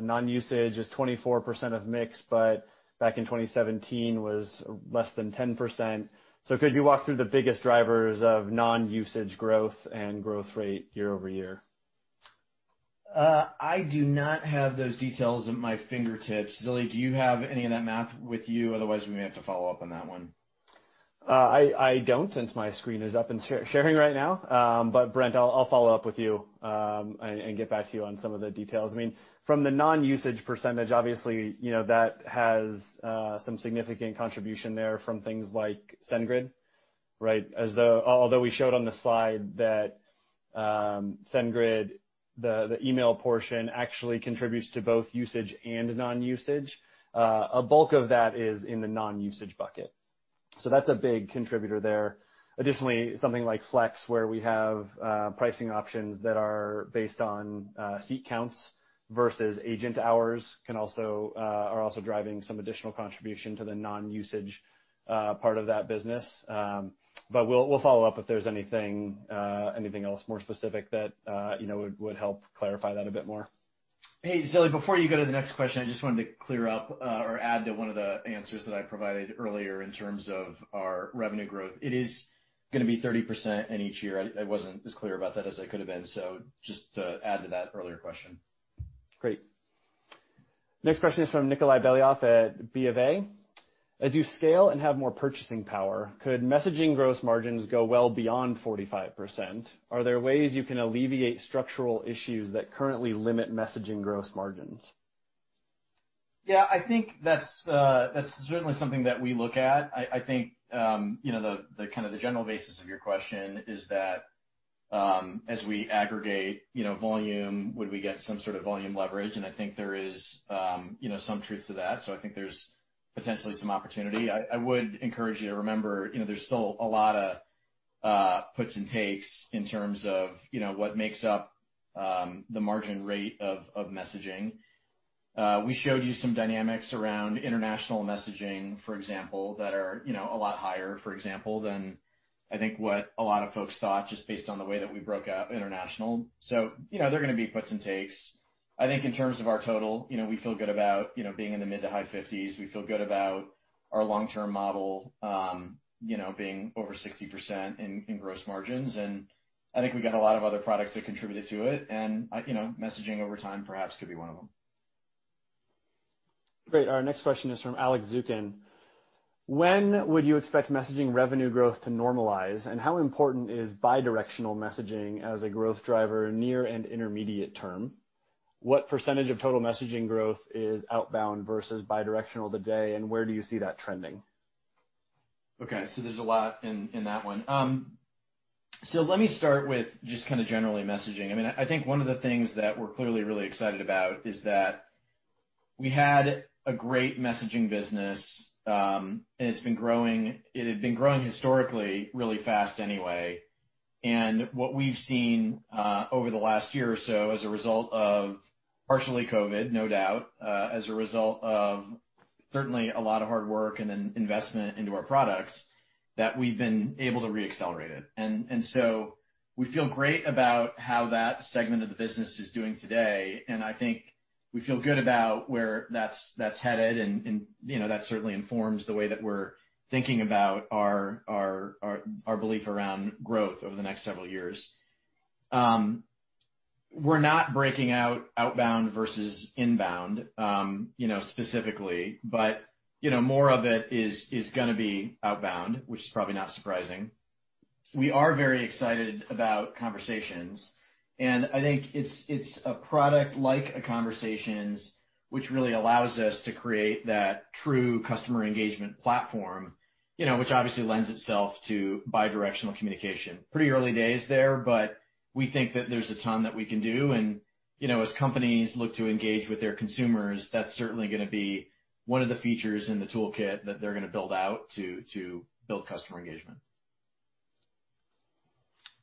Non-usage is 24% of mix, but back in 2017 was less than 10%. Could you walk through the biggest drivers of non-usage growth and growth rate year-over-year? I do not have those details at my fingertips. Zilli, do you have any of that math with you? Otherwise, we may have to follow up on that one. I don't, since my screen is up and sharing right now. Brent, I'll follow up with you, and get back to you on some of the details. From the non-usage percentage, obviously, that has some significant contribution there from things like SendGrid, right? Although we showed on the slide that SendGrid, the email portion, actually contributes to both usage and non-usage. A bulk of that is in the non-usage bucket. That's a big contributor there. Additionally, something like Flex, where we have pricing options that are based on seat counts versus agent hours are also driving some additional contribution to the non-usage part of that business. We'll follow up if there's anything else more specific that would help clarify that a bit more. Hey, Zilli, before you go to the next question, I just wanted to clear up or add to one of the answers that I provided earlier in terms of our revenue growth. It is going to be 30% in each year. I wasn't as clear about that as I could have been. Just to add to that earlier question. Great. Next question is from Nikolay Beliov at BofA. As you scale and have more purchasing power, could messaging gross margins go well beyond 45%? Are there ways you can alleviate structural issues that currently limit messaging gross margins? I think that's certainly something that we look at. I think the general basis of your question is that, as we aggregate volume, would we get some sort of volume leverage? I think there is some truth to that. I think there's potentially some opportunity. I would encourage you to remember, there's still a lot of puts and takes in terms of what makes up the margin rate of messaging. We showed you some dynamics around international messaging, for example, that are a lot higher than, I think, what a lot of folks thought just based on the way that we broke up international. There are going to be puts and takes. I think in terms of our total, we feel good about being in the mid to high 50s. We feel good about our long-term model being over 60% in gross margins. I think we got a lot of other products that contributed to it, and messaging over time perhaps could be one of them. Great. Our next question is from Alex Zukin. When would you expect messaging revenue growth to normalize, and how important is bidirectional messaging as a growth driver near and intermediate term? What percentage of total messaging growth is outbound versus bidirectional today, and where do you see that trending? Okay, there's a lot in that one. Let me start with just generally messaging. I think one of the things that we're clearly really excited about is that we had a great messaging business, and it had been growing historically really fast anyway. What we've seen over the last year or so as a result of partially COVID, no doubt, as a result of certainly a lot of hard work and investment into our products, that we've been able to re-accelerate it. We feel great about how that segment of the business is doing today, and I think we feel good about where that's headed, and that certainly informs the way that we're thinking about our belief around growth over the next several years. We're not breaking out outbound versus inbound specifically, but more of it is going to be outbound, which is probably not surprising. We are very excited about Conversations, and I think it's a product like a Conversations, which really allows us to create that true customer engagement platform, which obviously lends itself to bidirectional communication. Pretty early days there, but we think that there's a ton that we can do, and as companies look to engage with their consumers, that's certainly going to be one of the features in the toolkit that they're going to build out to build customer engagement.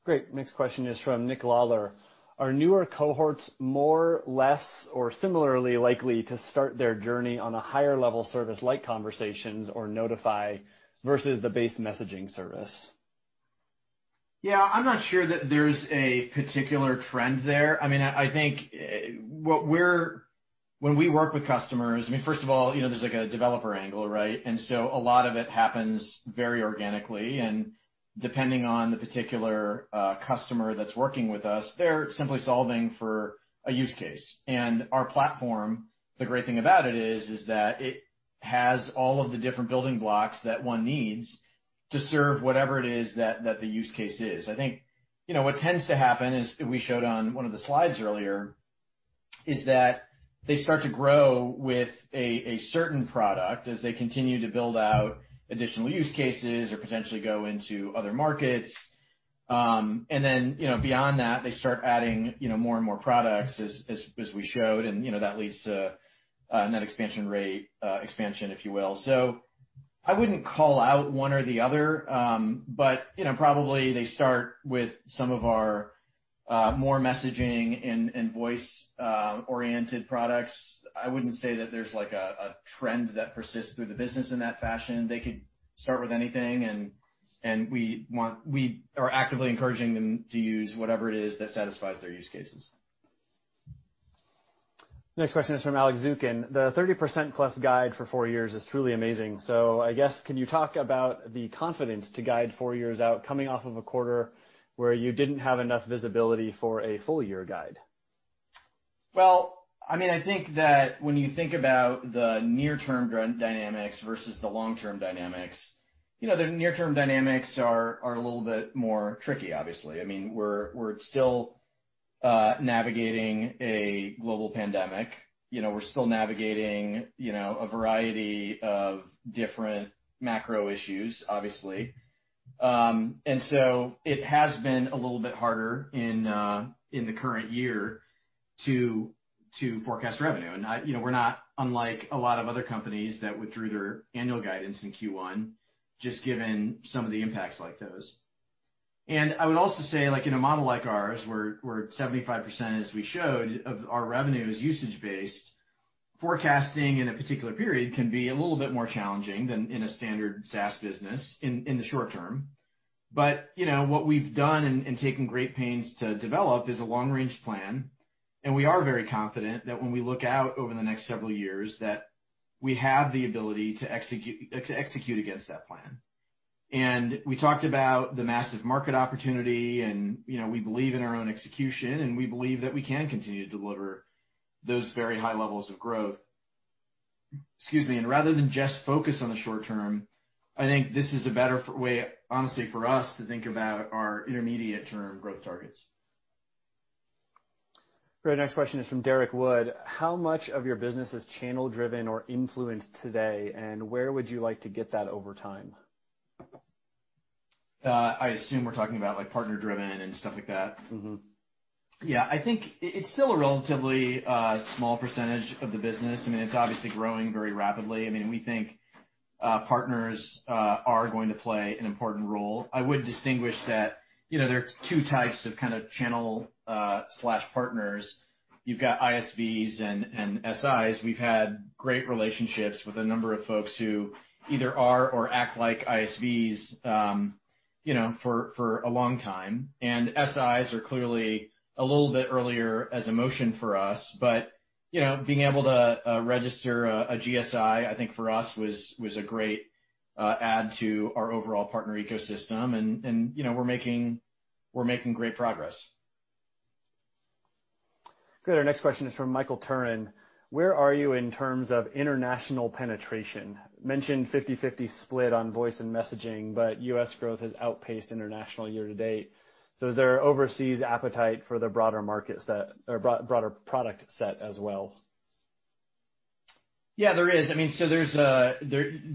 Great. Next question is from Nick Lawler. Are newer cohorts more, less, or similarly likely to start their journey on a higher-level service like Conversations or Notify versus the base messaging service? Yeah, I'm not sure that there's a particular trend there. When we work with customers, first of all, there's a developer angle, right? A lot of it happens very organically, and depending on the particular customer that's working with us, they're simply solving for a use case. Our platform, the great thing about it is that it has all of the different building blocks that one needs to serve whatever it is that the use case is. I think what tends to happen is, we showed on one of the slides earlier, is that they start to grow with a certain product as they continue to build out additional use cases or potentially go into other markets. Beyond that, they start adding more and more products as we showed, and that leads to a net expansion rate expansion, if you will. I wouldn't call out one or the other, but probably they start with some of our more messaging and voice-oriented products. I wouldn't say that there's a trend that persists through the business in that fashion. They could start with anything, and we are actively encouraging them to use whatever it is that satisfies their use cases. Next question is from Alex Zukin. The 30%+ guide for four years is truly amazing. I guess, can you talk about the confidence to guide four years out, coming off of a quarter where you didn't have enough visibility for a full-year guide? I think that when you think about the near-term dynamics versus the long-term dynamics, the near-term dynamics are a little bit more tricky, obviously. We're still navigating a global pandemic. We're still navigating a variety of different macro issues, obviously. It has been a little bit harder in the current year to forecast revenue. We're not unlike a lot of other companies that withdrew their annual guidance in Q1, just given some of the impacts like those. I would also say, in a model like ours, where 75%, as we showed, of our revenue is usage-based, forecasting in a particular period can be a little bit more challenging than in a standard SaaS business in the short term. What we've done, and taken great pains to develop, is a long-range plan, and we are very confident that when we look out over the next several years, that we have the ability to execute against that plan. We talked about the massive market opportunity, and we believe in our own execution, and we believe that we can continue to deliver those very high levels of growth. Excuse me. Rather than just focus on the short term, I think this is a better way, honestly, for us to think about our intermediate term growth targets. Great. Next question is from Derrick Wood. How much of your business is channel-driven or influenced today, and where would you like to get that over time? I assume we're talking about partner-driven and stuff like that. Yeah. I think it's still a relatively small percentage of the business. It's obviously growing very rapidly. We think partners are going to play an important role. I would distinguish that there are two types of channel/partners. You've got ISV and SI. We've had great relationships with a number of folks who either are or act like ISV for a long time, and SI are clearly a little bit earlier as a motion for us. Being able to register a GSI, I think for us, was a great add to our overall partner ecosystem, and we're making great progress. Great. Our next question is from Michael Turrin. Where are you in terms of international penetration? Mentioned 50/50 split on voice and messaging, U.S. growth has outpaced international year to date. Is there overseas appetite for the broader product set as well? Yeah, there is.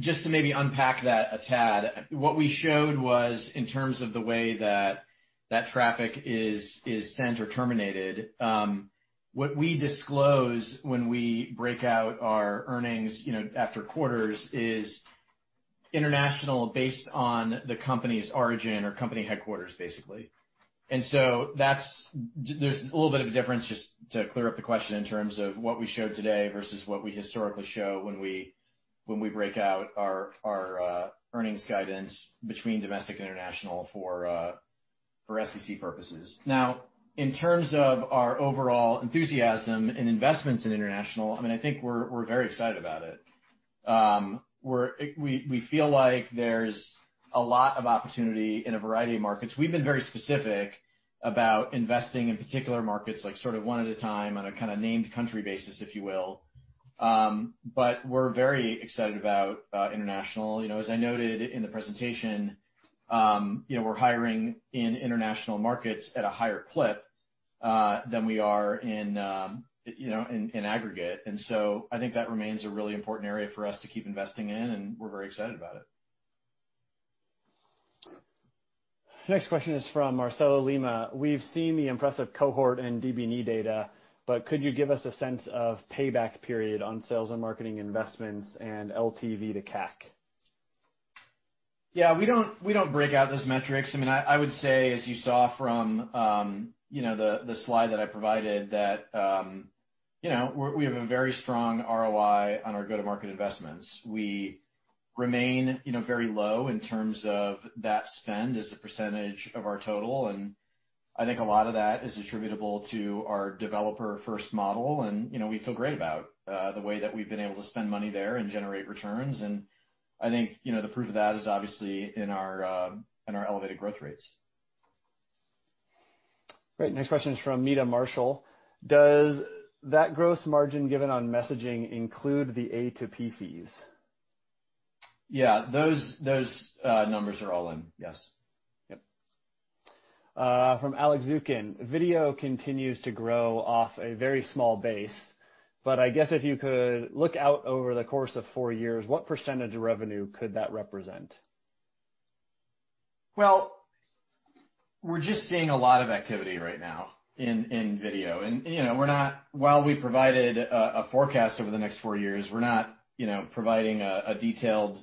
Just to maybe unpack that a tad, what we showed was in terms of the way that that traffic is sent or terminated. What we disclose when we break out our earnings after quarters is international based on the company's origin or company headquarters, basically. There's a little bit of a difference, just to clear up the question in terms of what we showed today versus what we historically show when we break out our earnings guidance between domestic and international for SEC purposes. In terms of our overall enthusiasm and investments in international, I think we're very excited about it. We feel like there's a lot of opportunity in a variety of markets. We've been very specific about investing in particular markets, one at a time on a kind of named country basis, if you will. We're very excited about international. As I noted in the presentation, we're hiring in international markets at a higher clip, than we are in aggregate. I think that remains a really important area for us to keep investing in, and we're very excited about it. Next question is from Marcelo Lima. We've seen the impressive cohort and DBNE data, but could you give us a sense of payback period on sales and marketing investments and LTV to CAC? Yeah, we don't break out those metrics. I would say, as you saw from the slide that I provided, that we have a very strong ROI on our go-to-market investments. We remain very low in terms of that spend as a percentage of our total, and I think a lot of that is attributable to our developer-first model, and we feel great about the way that we've been able to spend money there and generate returns. I think, the proof of that is obviously in our elevated growth rates. Great. Next question is from Meta Marshall. Does that gross margin given on messaging include the A2P fees? Yeah, those numbers are all in. Yes. Yep. From Alex Zukin. Video continues to grow off a very small base, I guess if you could look out over the course of four years, what percentage of revenue could that represent? Well, we're just seeing a lot of activity right now in video. While we provided a forecast over the next four years, we're not providing a detailed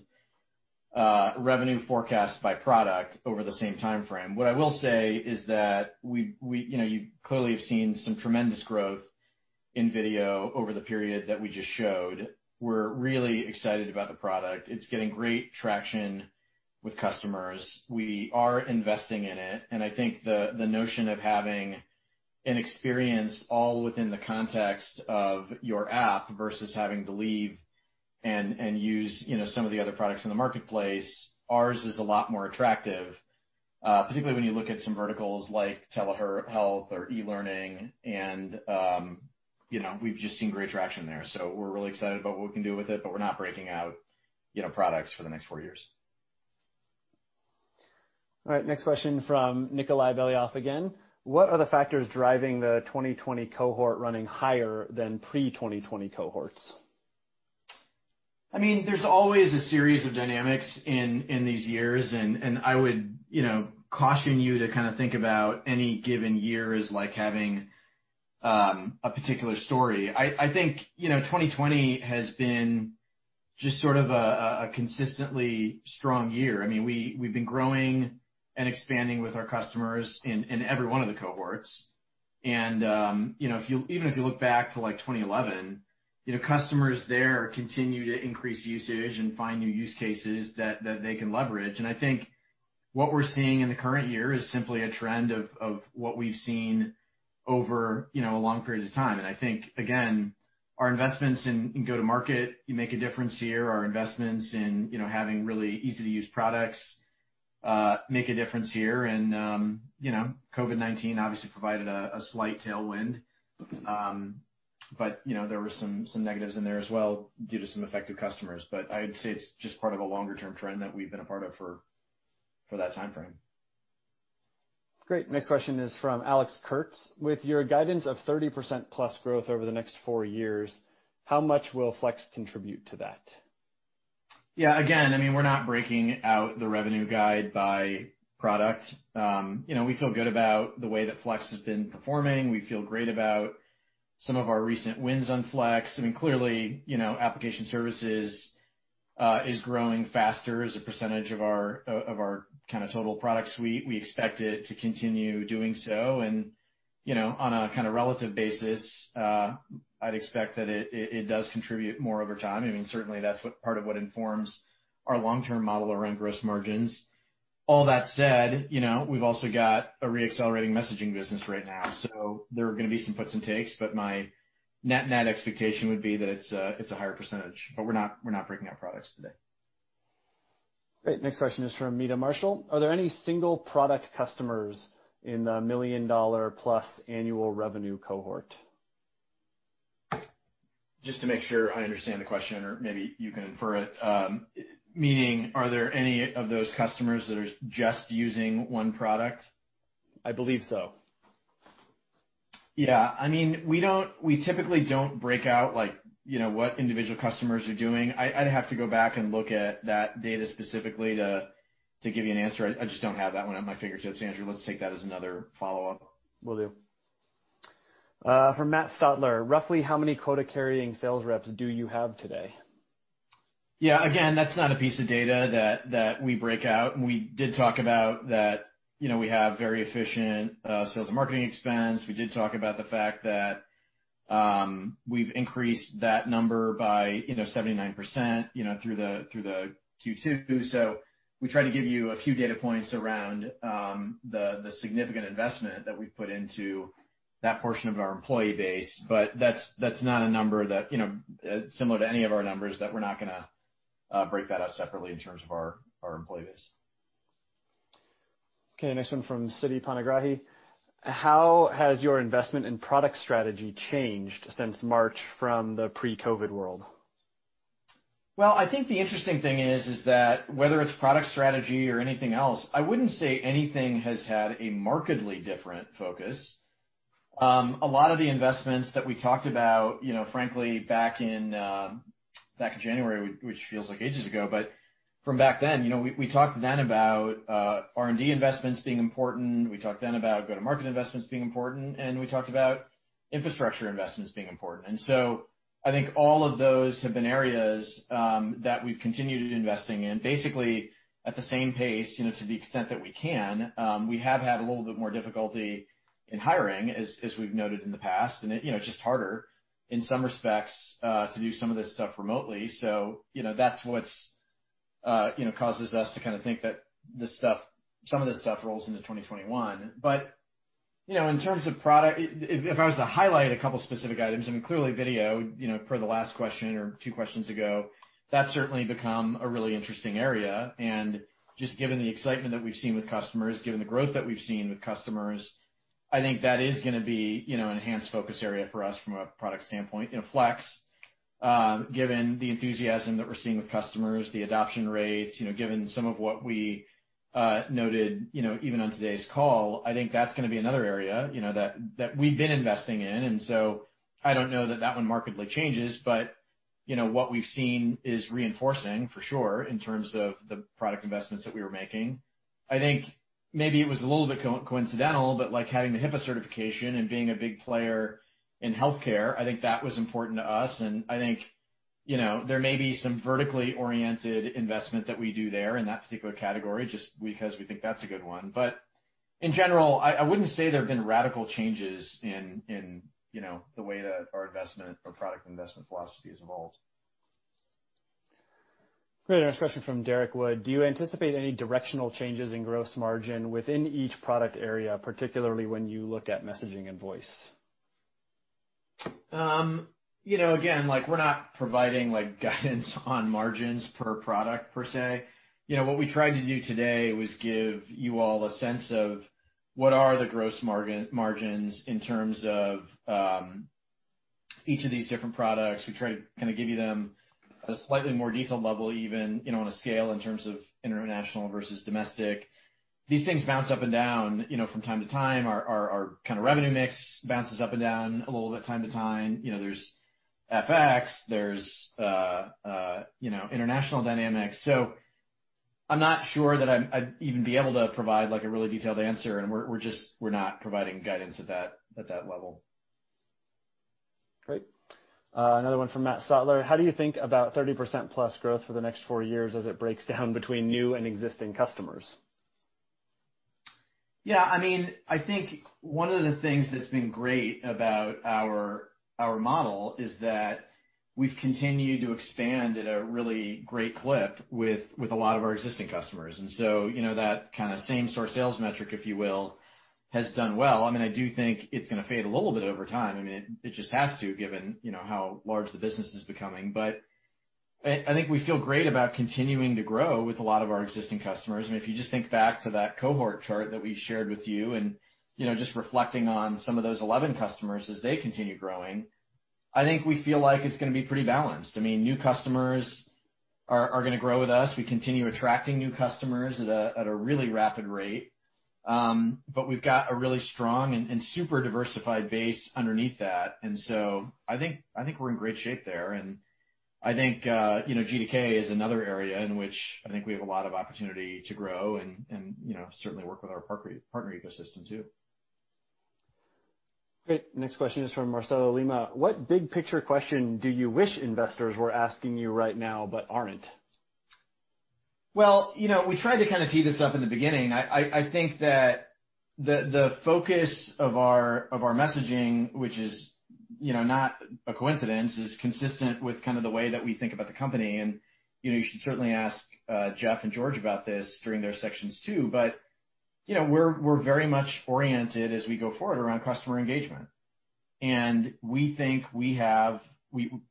revenue forecast by product over the same timeframe. What I will say is that you clearly have seen some tremendous growth in video over the period that we just showed. We're really excited about the product. It's getting great traction with customers. We are investing in it, and I think the notion of having an experience all within the context of your app versus having to leave and use some of the other products in the marketplace, ours is a lot more attractive, particularly when you look at some verticals like telehealth or e-learning, and we've just seen great traction there. We're really excited about what we can do with it, but we're not breaking out products for the next four years. All right. Next question from Nikolay Beliov again. What are the factors driving the 2020 cohort running higher than pre-2020 cohorts? There's always a series of dynamics in these years. I would caution you to think about any given year as like having a particular story. I think 2020 has been just sort of a consistently strong year. We've been growing and expanding with our customers in every one of the cohorts. Even if you look back to 2011, customers there continue to increase usage and find new use cases that they can leverage. I think what we're seeing in the current year is simply a trend of what we've seen over a long period of time. I think, again, our investments in go-to-market make a difference here. Our investments in having really easy-to-use products make a difference here. COVID-19 obviously provided a slight tailwind, but there were some negatives in there as well due to some affected customers. I'd say it's just part of a longer-term trend that we've been a part of for that timeframe. Great. Next question is from Alex Kurtz. With your guidance of 30%+ growth over the next four years, how much will Flex contribute to that? Yeah, again, we're not breaking out the revenue guide by product. We feel good about the way that Flex has been performing. We feel great about some of our recent wins on Flex. Clearly, application services is growing faster as a percentage of our total product suite. We expect it to continue doing so. On a relative basis, I'd expect that it does contribute more over time. Certainly that's part of what informs our long-term model around gross margins. All that said, we've also got a re-accelerating messaging business right now. There are going to be some puts and takes, my net expectation would be that it's a higher percentage, we're not breaking out products today. Great. Next question is from Meta Marshall. Are there any single product customers in the million-dollar-plus annual revenue cohort? Just to make sure I understand the question, or maybe you can infer it. Meaning, are there any of those customers that are just using one product? I believe so. Yeah. We typically don't break out what individual customers are doing. I'd have to go back and look at that data specifically to give you an answer. I just don't have that one at my fingertips, Andrew. Let's take that as another follow-up. Will do. From Matt Stotler, "Roughly how many quota-carrying sales reps do you have today? That's not a piece of data that we break out, and we did talk about that we have very efficient sales and marketing expense. We did talk about the fact that we've increased that number by 79% through the Q2. We try to give you a few data points around the significant investment that we've put into that portion of our employee base. That's not a number that, similar to any of our numbers, that we're not going to break that out separately in terms of our employee base. Okay, next one from Siti Panigrahi. "How has your investment and product strategy changed since March from the pre-COVID world? I think the interesting thing is that whether it's product strategy or anything else, I wouldn't say anything has had a markedly different focus. A lot of the investments that we talked about, frankly, back in January, which feels like ages ago, but from back then, we talked then about R&D investments being important. We talked then about go-to-market investments being important, and we talked about infrastructure investments being important. I think all of those have been areas that we've continued investing in basically at the same pace to the extent that we can. We have had a little bit more difficulty in hiring, as we've noted in the past, and it's just harder in some respects to do some of this stuff remotely. That's what causes us to kind of think that some of this stuff rolls into 2021. In terms of product, if I was to highlight a couple specific items, clearly video, per the last question or two questions ago, that's certainly become a really interesting area. Just given the excitement that we've seen with customers, given the growth that we've seen with customers, I think that is going to be enhanced focus area for us from a product standpoint. Flex, given the enthusiasm that we're seeing with customers, the adoption rates, given some of what we noted even on today's call, I think that's going to be another area that we've been investing in. I don't know that that one markedly changes, but what we've seen is reinforcing, for sure, in terms of the product investments that we were making. I think maybe it was a little bit coincidental, like having the HIPAA certification and being a big player in healthcare, I think that was important to us, and I think there may be some vertically oriented investment that we do there in that particular category, just because we think that's a good one. In general, I wouldn't say there have been radical changes in the way that our investment or product investment philosophy has evolved. Great. Our next question from Derrick Wood, "Do you anticipate any directional changes in gross margin within each product area, particularly when you look at messaging and voice? Again, we're not providing guidance on margins per product per se. What we tried to do today was give you all a sense of what are the gross margins in terms of each of these different products. We try to kind of give you them at a slightly more detailed level even on a scale in terms of international versus domestic. These things bounce up and down from time to time. Our kind of revenue mix bounces up and down a little bit time to time. There's FX, there's international dynamics. I'm not sure that I'd even be able to provide a really detailed answer, and we're not providing guidance at that level. Great. Another one from Matt Stotler, "How do you think about 30%+ growth for the next four years as it breaks down between new and existing customers? Yeah. I think one of the things that's been great about our model is that we've continued to expand at a really great clip with a lot of our existing customers. That kind of same-store sales metric, if you will, has done well. I do think it's going to fade a little bit over time. It just has to, given how large the business is becoming. I think we feel great about continuing to grow with a lot of our existing customers, and if you just think back to that cohort chart that we shared with you, and just reflecting on some of those 11 customers as they continue growing, I think we feel like it's going to be pretty balanced. New customers are going to grow with us. We continue attracting new customers at a really rapid rate. We've got a really strong and super diversified base underneath that. I think we're in great shape there. I think G2K is another area in which I think we have a lot of opportunity to grow and certainly work with our partner ecosystem too. Great. Next question is from Marcelo Lima, "What big picture question do you wish investors were asking you right now but aren't? We tried to kind of tee this up in the beginning. I think that the focus of our messaging, which is not a coincidence, is consistent with kind of the way that we think about the company, and you should certainly ask Jeff and George about this during their sections too. We're very much oriented as we go forward around customer engagement. We think we have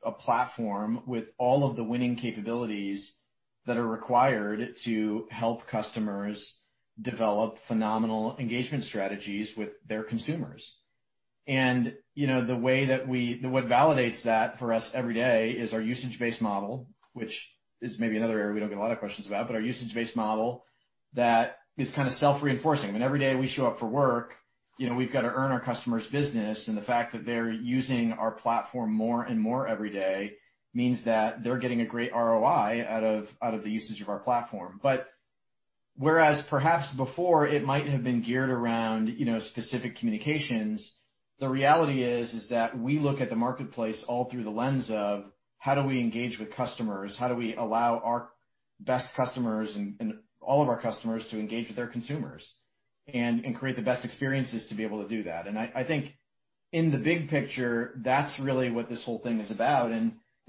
a platform with all of the winning capabilities that are required to help customers develop phenomenal engagement strategies with their consumers. What validates that for us every day is our usage-based model, which is maybe another area we don't get a lot of questions about, but our usage-based model that is kind of self-reinforcing. When every day we show up for work, we've got to earn our customers' business, and the fact that they're using our platform more and more every day means that they're getting a great ROI out of the usage of our platform. Whereas perhaps before it might have been geared around specific communications, the reality is that we look at the marketplace all through the lens of how do we engage with customers, how do we allow our best customers and all of our customers to engage with their consumers and create the best experiences to be able to do that. I think in the big picture, that's really what this whole thing is about.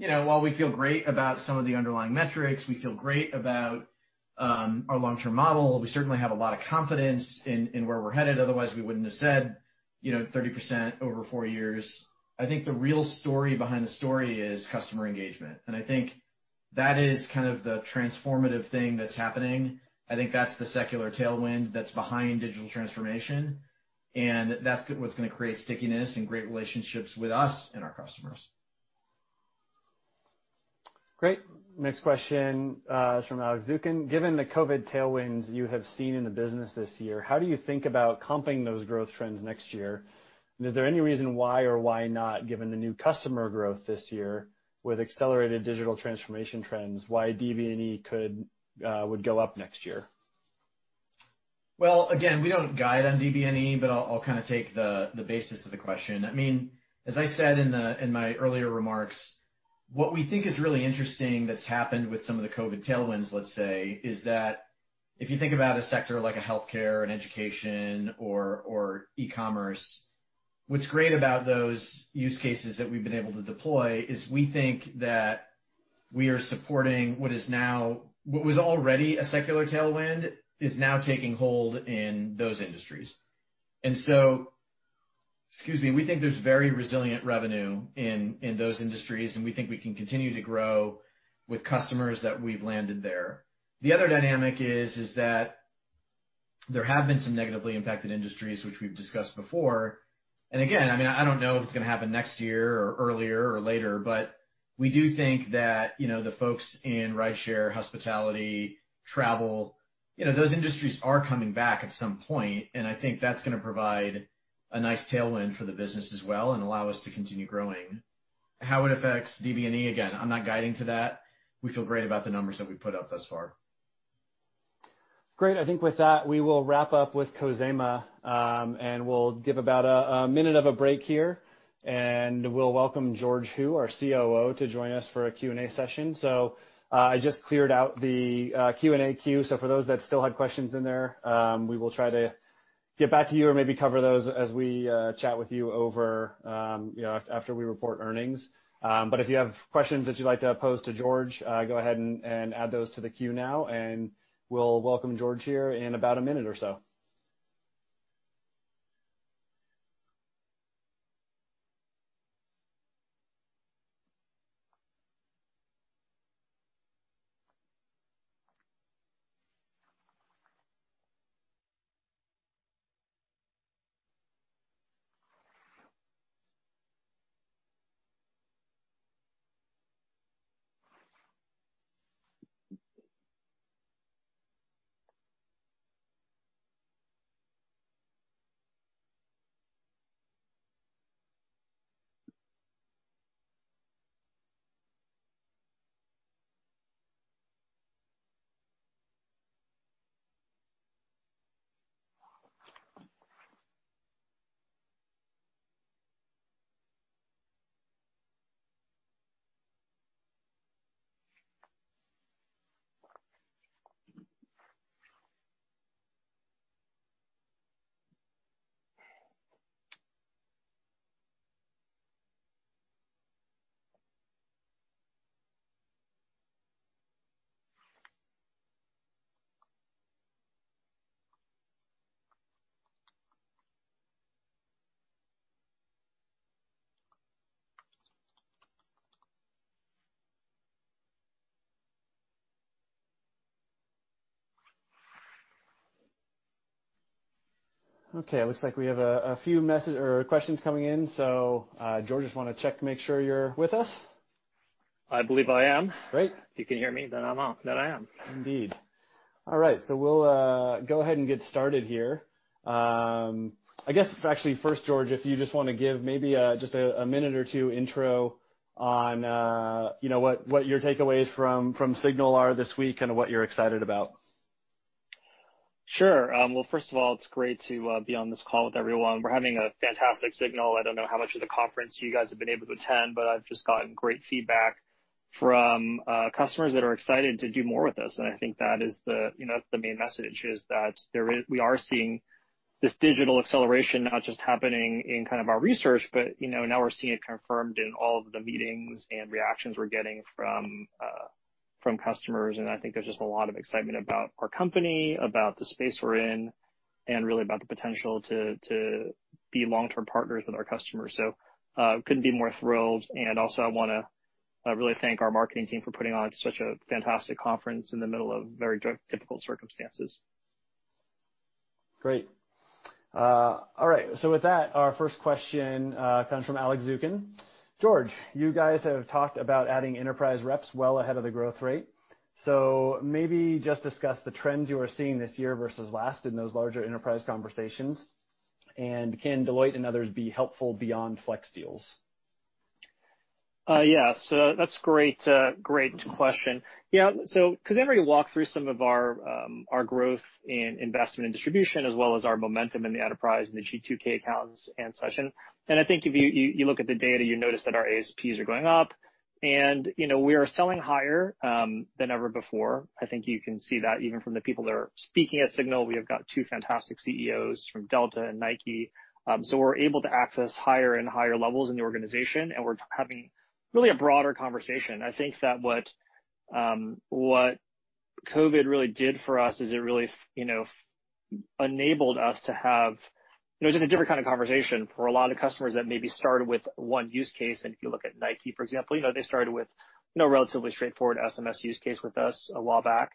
While we feel great about some of the underlying metrics, we feel great about our long-term model, we certainly have a lot of confidence in where we're headed, otherwise we wouldn't have said 30% over four years. I think the real story behind the story is customer engagement. I think that is the transformative thing that's happening. I think that's the secular tailwind that's behind digital transformation. That's what's going to create stickiness and great relationships with us and our customers. Great. Next question is from Alex Zukin. Given the COVID tailwinds you have seen in the business this year, how do you think about comping those growth trends next year? Is there any reason why or why not, given the new customer growth this year with accelerated digital transformation trends, why DBNE would go up next year? Again, we don't guide on DBNE, but I'll take the basis of the question. As I said in my earlier remarks, what we think is really interesting that's happened with some of the COVID tailwinds, let's say, is that if you think about a sector like a healthcare and education or e-commerce, what's great about those use cases that we've been able to deploy is we think that we are supporting what was already a secular tailwind, is now taking hold in those industries. Excuse me. We think there's very resilient revenue in those industries, and we think we can continue to grow with customers that we've landed there. The other dynamic is that there have been some negatively impacted industries, which we've discussed before. Again, I don't know if it's going to happen next year or earlier or later, but we do think that the folks in rideshare, hospitality, travel, those industries are coming back at some point, and I think that's going to provide a nice tailwind for the business as well and allow us to continue growing. How it affects DBNE, again, I'm not guiding to that. We feel great about the numbers that we've put up thus far. Great. I think with that, we will wrap up with Khozema, and we'll give about a minute of a break here, and we'll welcome George Hu, our COO, to join us for a Q&A session. I just cleared out the Q&A queue. For those that still had questions in there, we will try to get back to you or maybe cover those as we chat with you after we report earnings. If you have questions that you'd like to pose to George, go ahead and add those to the queue now, and we'll welcome George here in about a minute or so. Okay, looks like we have a few questions coming in. George, just want to check to make sure you're with us. I believe I am. Great. If you can hear me, then I am. Indeed. All right, we'll go ahead and get started here. I guess actually first, George, if you just want to give maybe just a minute or two intro on what your takeaways from SIGNAL are this week and what you're excited about. Sure. Well, first of all, it's great to be on this call with everyone. We're having a fantastic SIGNAL. I don't know how much of the conference you guys have been able to attend, I've just gotten great feedback from customers that are excited to do more with us. I think that's the main message, is that we are seeing this digital acceleration not just happening in our research, now we're seeing it confirmed in all of the meetings and reactions we're getting from customers. I think there's just a lot of excitement about our company, about the space we're in, and really about the potential to be long-term partners with our customers. Couldn't be more thrilled. Also I want to really thank our marketing team for putting on such a fantastic conference in the middle of very difficult circumstances. Great. All right, with that, our first question comes from Alex Zukin. George, you guys have talked about adding enterprise reps well ahead of the growth rate. Maybe just discuss the trends you are seeing this year versus last in those larger enterprise Conversations, and can Deloitte and others be helpful beyond Flex deals? Yeah. That's great question. Khozema walked through some of our growth in investment and distribution as well as our momentum in the enterprise and the G2K accounts and such, and I think if you look at the data, you notice that our ASPs are going up, and we are selling higher than ever before. I think you can see that even from the people that are speaking at SIGNAL. We have got two fantastic CEOs from Delta and Nike. We're able to access higher and higher levels in the organization, and we're having really a broader conversation. I think that what COVID really did for us is it really enabled us to have just a different kind of conversation for a lot of customers that maybe started with one use case. If you look at Nike, for example, they started with relatively straightforward SMS use case with us a while back.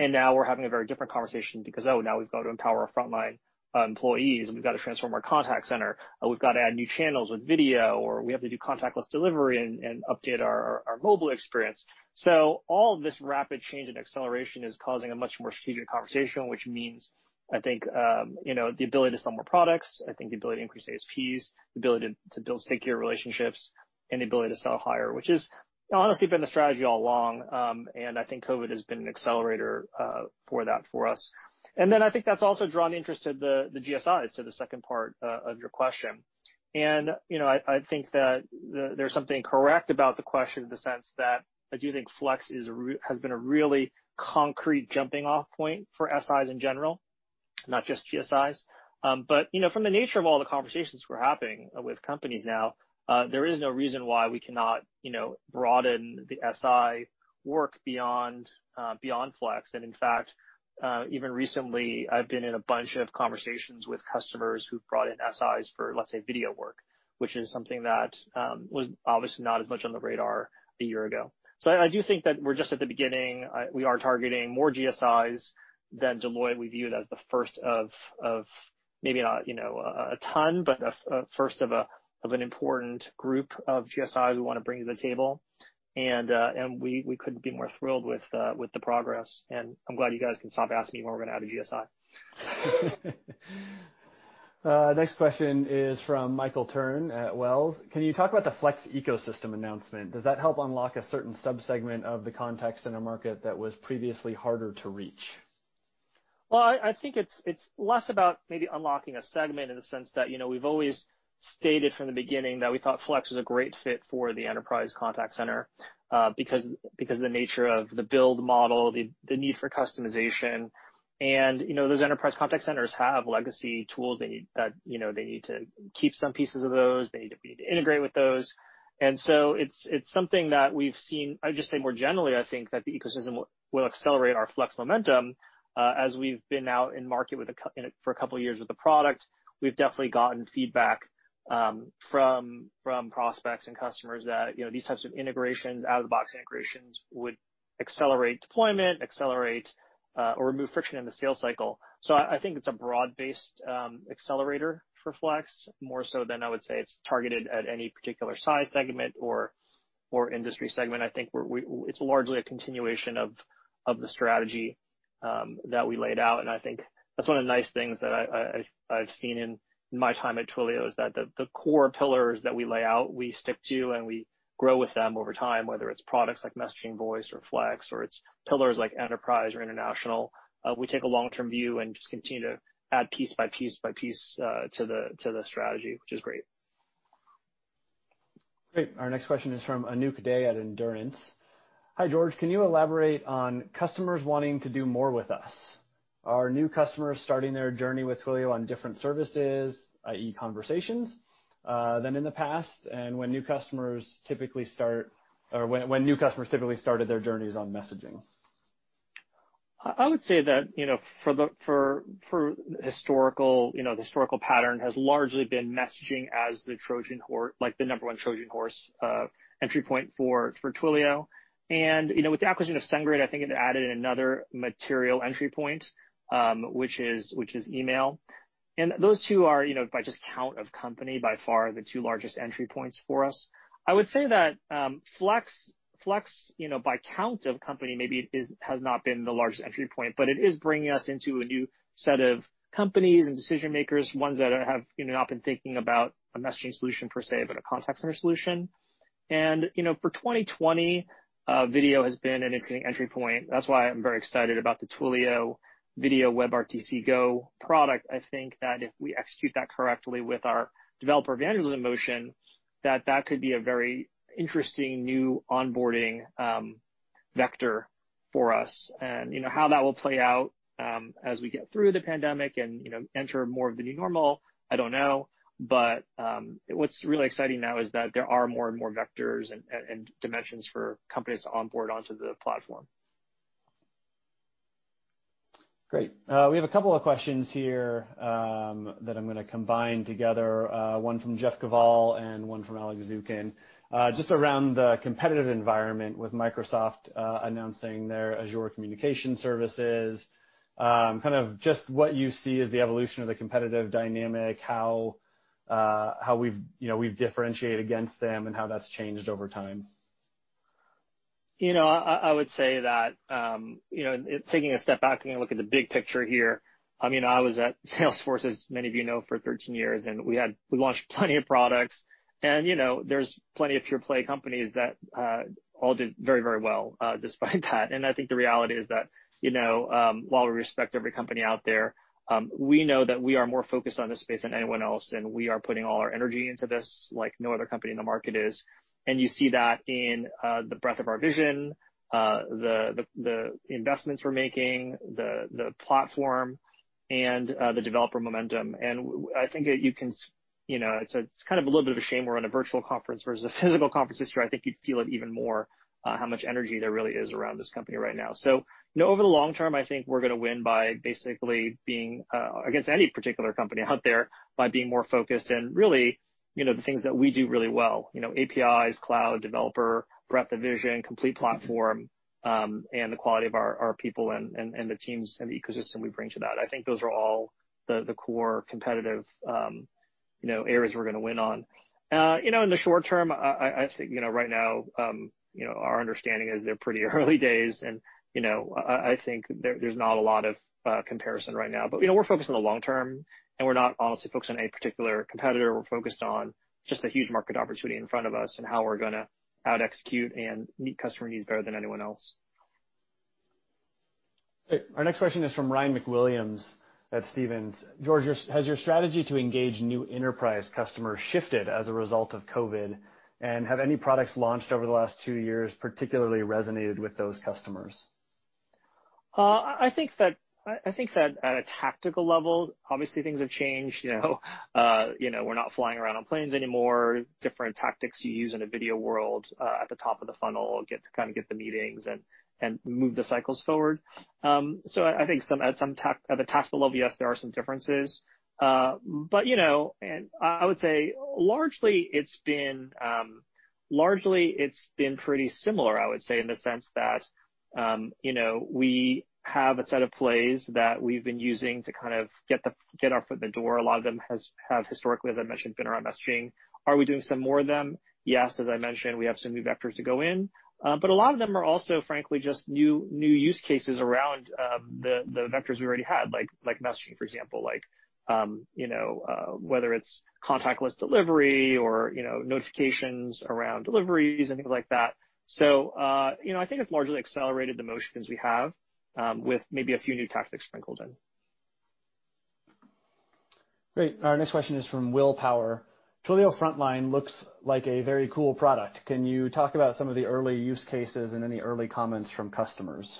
Now we're having a very different conversation because, now we've got to empower our frontline employees, and we've got to transform our contact center, or we've got to add new channels with video, or we have to do contactless delivery and update our mobile experience. All of this rapid change and acceleration is causing a much more strategic conversation, which means, I think, the ability to sell more products, I think the ability to increase ASPs, the ability to build stickier relationships, and the ability to sell higher, which has honestly been the strategy all along. I think COVID has been an accelerator for that for us. I think that's also drawn interest to the GSIs, to the second part of your question. I think that there's something correct about the question in the sense that I do think Flex has been a really concrete jumping-off point for SIs in general, not just GSIs. From the nature of all the Conversations we're having with companies now, there is no reason why we cannot broaden the SI work beyond Flex. In fact, even recently, I've been in a bunch of Conversations with customers who've brought in SIs for, let's say, video work, which is something that was obviously not as much on the radar a year ago. I do think that we're just at the beginning. We are targeting more GSIs than Deloitte. We view it as the first of maybe not a ton, but first of an important group of GSIs we want to bring to the table. We couldn't be more thrilled with the progress, and I'm glad you guys can stop asking me when we're going to add a GSI. Next question is from Michael Turrin at Wells. Can you talk about the Flex ecosystem announcement? Does that help unlock a certain sub-segment of the contact center market that was previously harder to reach? Well, I think it's less about maybe unlocking a segment in the sense that we've always stated from the beginning that we thought Flex was a great fit for the enterprise contact center because of the nature of the build model, the need for customization. Those enterprise contact centers have legacy tools that they need to keep some pieces of those. They need to be able to integrate with those. It's something that we've seen, I would just say more generally, I think that the ecosystem will accelerate our Flex momentum. As we've been out in market for a couple of years with the product, we've definitely gotten feedback from prospects and customers that these types of integrations, out-of-the-box integrations, would accelerate deployment, accelerate or remove friction in the sales cycle. I think it's a broad-based accelerator for Flex, more so than I would say it's targeted at any particular size segment or industry segment. I think it's largely a continuation of the strategy that we laid out, and I think that's one of the nice things that I've seen in my time at Twilio, is that the core pillars that we lay out, we stick to, and we grow with them over time, whether it's products like messaging, voice, or Flex, or it's pillars like enterprise or international. We take a long-term view and just continue to add piece by piece by piece to the strategy, which is great. Great. Our next question is from Anouk Dey at Endurance. Hi, George. Can you elaborate on customers wanting to do more with us? Are new customers starting their journey with Twilio on different services, i.e., Conversations, than in the past? When new customers typically start, or when new customers typically started their journeys on messaging? I would say that the historical pattern has largely been messaging as the Trojan Horse, the number one Trojan Horse entry point for Twilio. With the acquisition of SendGrid, I think it added another material entry point, which is email. Those two are, by just count of company, by far the two largest entry points for us. I would say that Flex, by count of company, maybe has not been the largest entry point, but it is bringing us into a new set of companies and decision-makers, ones that have not been thinking about a messaging solution per se, but a contact center solution. For 2020, video has been an interesting entry point. That's why I'm very excited about the Twilio Video WebRTC Go product. I think that if we execute that correctly with our developer evangelism motion, that that could be a very interesting new onboarding vector for us. How that will play out as we get through the pandemic and enter more of the new normal, I don't know. What's really exciting now is that there are more and more vectors and dimensions for companies to onboard onto the platform. Great. We have a couple of questions here that I'm going to combine together, one from Jeff Kvaal and one from Alex Zukin, just around the competitive environment with Microsoft announcing their Azure Communication Services. Just what you see as the evolution of the competitive dynamic, how we've differentiated against them and how that's changed over time. I would say that, taking a step back and look at the big picture here, I was at Salesforce, as many of you know, for 13 years, we launched plenty of products. There's plenty of pure play companies that all did very well despite that. I think the reality is that, while we respect every company out there, we know that we are more focused on this space than anyone else, and we are putting all our energy into this like no other company in the market is. You see that in the breadth of our vision, the investments we're making, the platform, and the developer momentum. I think it's a little bit of a shame we're on a virtual conference versus a physical conference this year. I think you'd feel it even more, how much energy there really is around this company right now. Over the long term, I think we're going to win by basically being against any particular company out there, by being more focused and really the things that we do really well: APIs, cloud, developer, breadth of vision, complete platform, and the quality of our people and the teams and the ecosystem we bring to that. I think those are all the core competitive areas we're going to win on. In the short term, I think right now, our understanding is they're pretty early days, and I think there's not a lot of comparison right now. We're focused on the long term, and we're not honestly focused on any particular competitor. We're focused on just the huge market opportunity in front of us and how we're going to out-execute and meet customer needs better than anyone else. Our next question is from Ryan MacWilliams at Stephens. George, has your strategy to engage new enterprise customers shifted as a result of COVID? Have any products launched over the last two years particularly resonated with those customers? I think that at a tactical level, obviously things have changed. We're not flying around on planes anymore. Different tactics you use in a video world at the top of the funnel get to get the meetings and move the cycles forward. I think at the tactical level, yes, there are some differences. I would say largely it's been pretty similar, I would say, in the sense that we have a set of plays that we've been using to get our foot in the door. A lot of them have historically, as I mentioned, been around messaging. Are we doing some more of them? Yes. As I mentioned, we have some new vectors to go in. A lot of them are also, frankly, just new use cases around the vectors we already had, like messaging, for example. Whether it's contactless delivery or notifications around deliveries and things like that. I think it's largely accelerated the motions we have, with maybe a few new tactics sprinkled in. Great. Our next question is from Will Power. Twilio Frontline looks like a very cool product. Can you talk about some of the early use cases and any early comments from customers?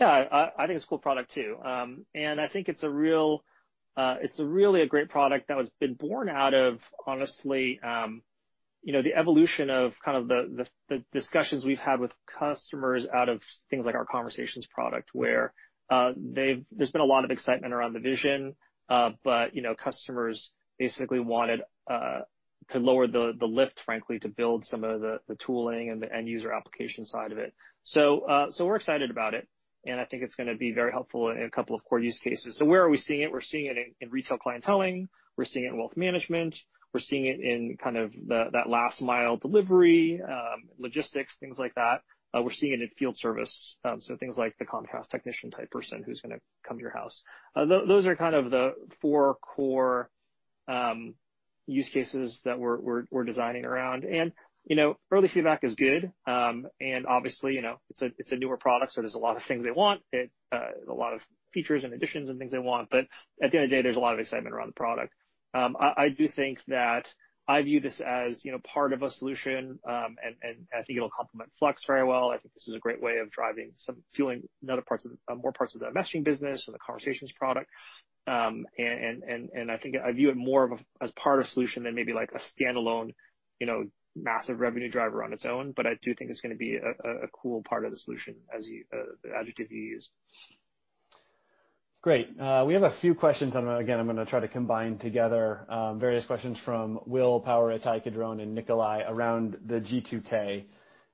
Yeah. I think it's a cool product, too. I think it's really a great product that has been born out of, honestly, the evolution of the discussions we've had with customers out of things like our Conversations product, where there's been a lot of excitement around the vision. Customers basically wanted to lower the lift, frankly, to build some of the tooling and the end user application side of it. We're excited about it, and I think it's going to be very helpful in a couple of core use cases. Where are we seeing it? We're seeing it in retail clienteling. We're seeing it in wealth management. We're seeing it in that last mile delivery, logistics, things like that. We're seeing it in field service, so things like the Comcast technician type person who's going to come to your house. Those are the four core use cases that we're designing around. Early feedback is good. Obviously, it's a newer product, so there's a lot of things they want, a lot of features and additions and things they want. At the end of the day, there's a lot of excitement around the product. I do think that I view this as part of a solution, and I think it'll complement Flex very well. I think this is a great way of fueling more parts of the messaging business and the Conversations product. I think I view it more as part of solution than maybe like a standalone massive revenue driver on its own. I do think it's going to be a cool part of the solution, as the adjective you used. Great. We have a few questions. Again, I'm going to try to combine together various questions from Will Power, Ittai Kidron and Nikolay around the G2K.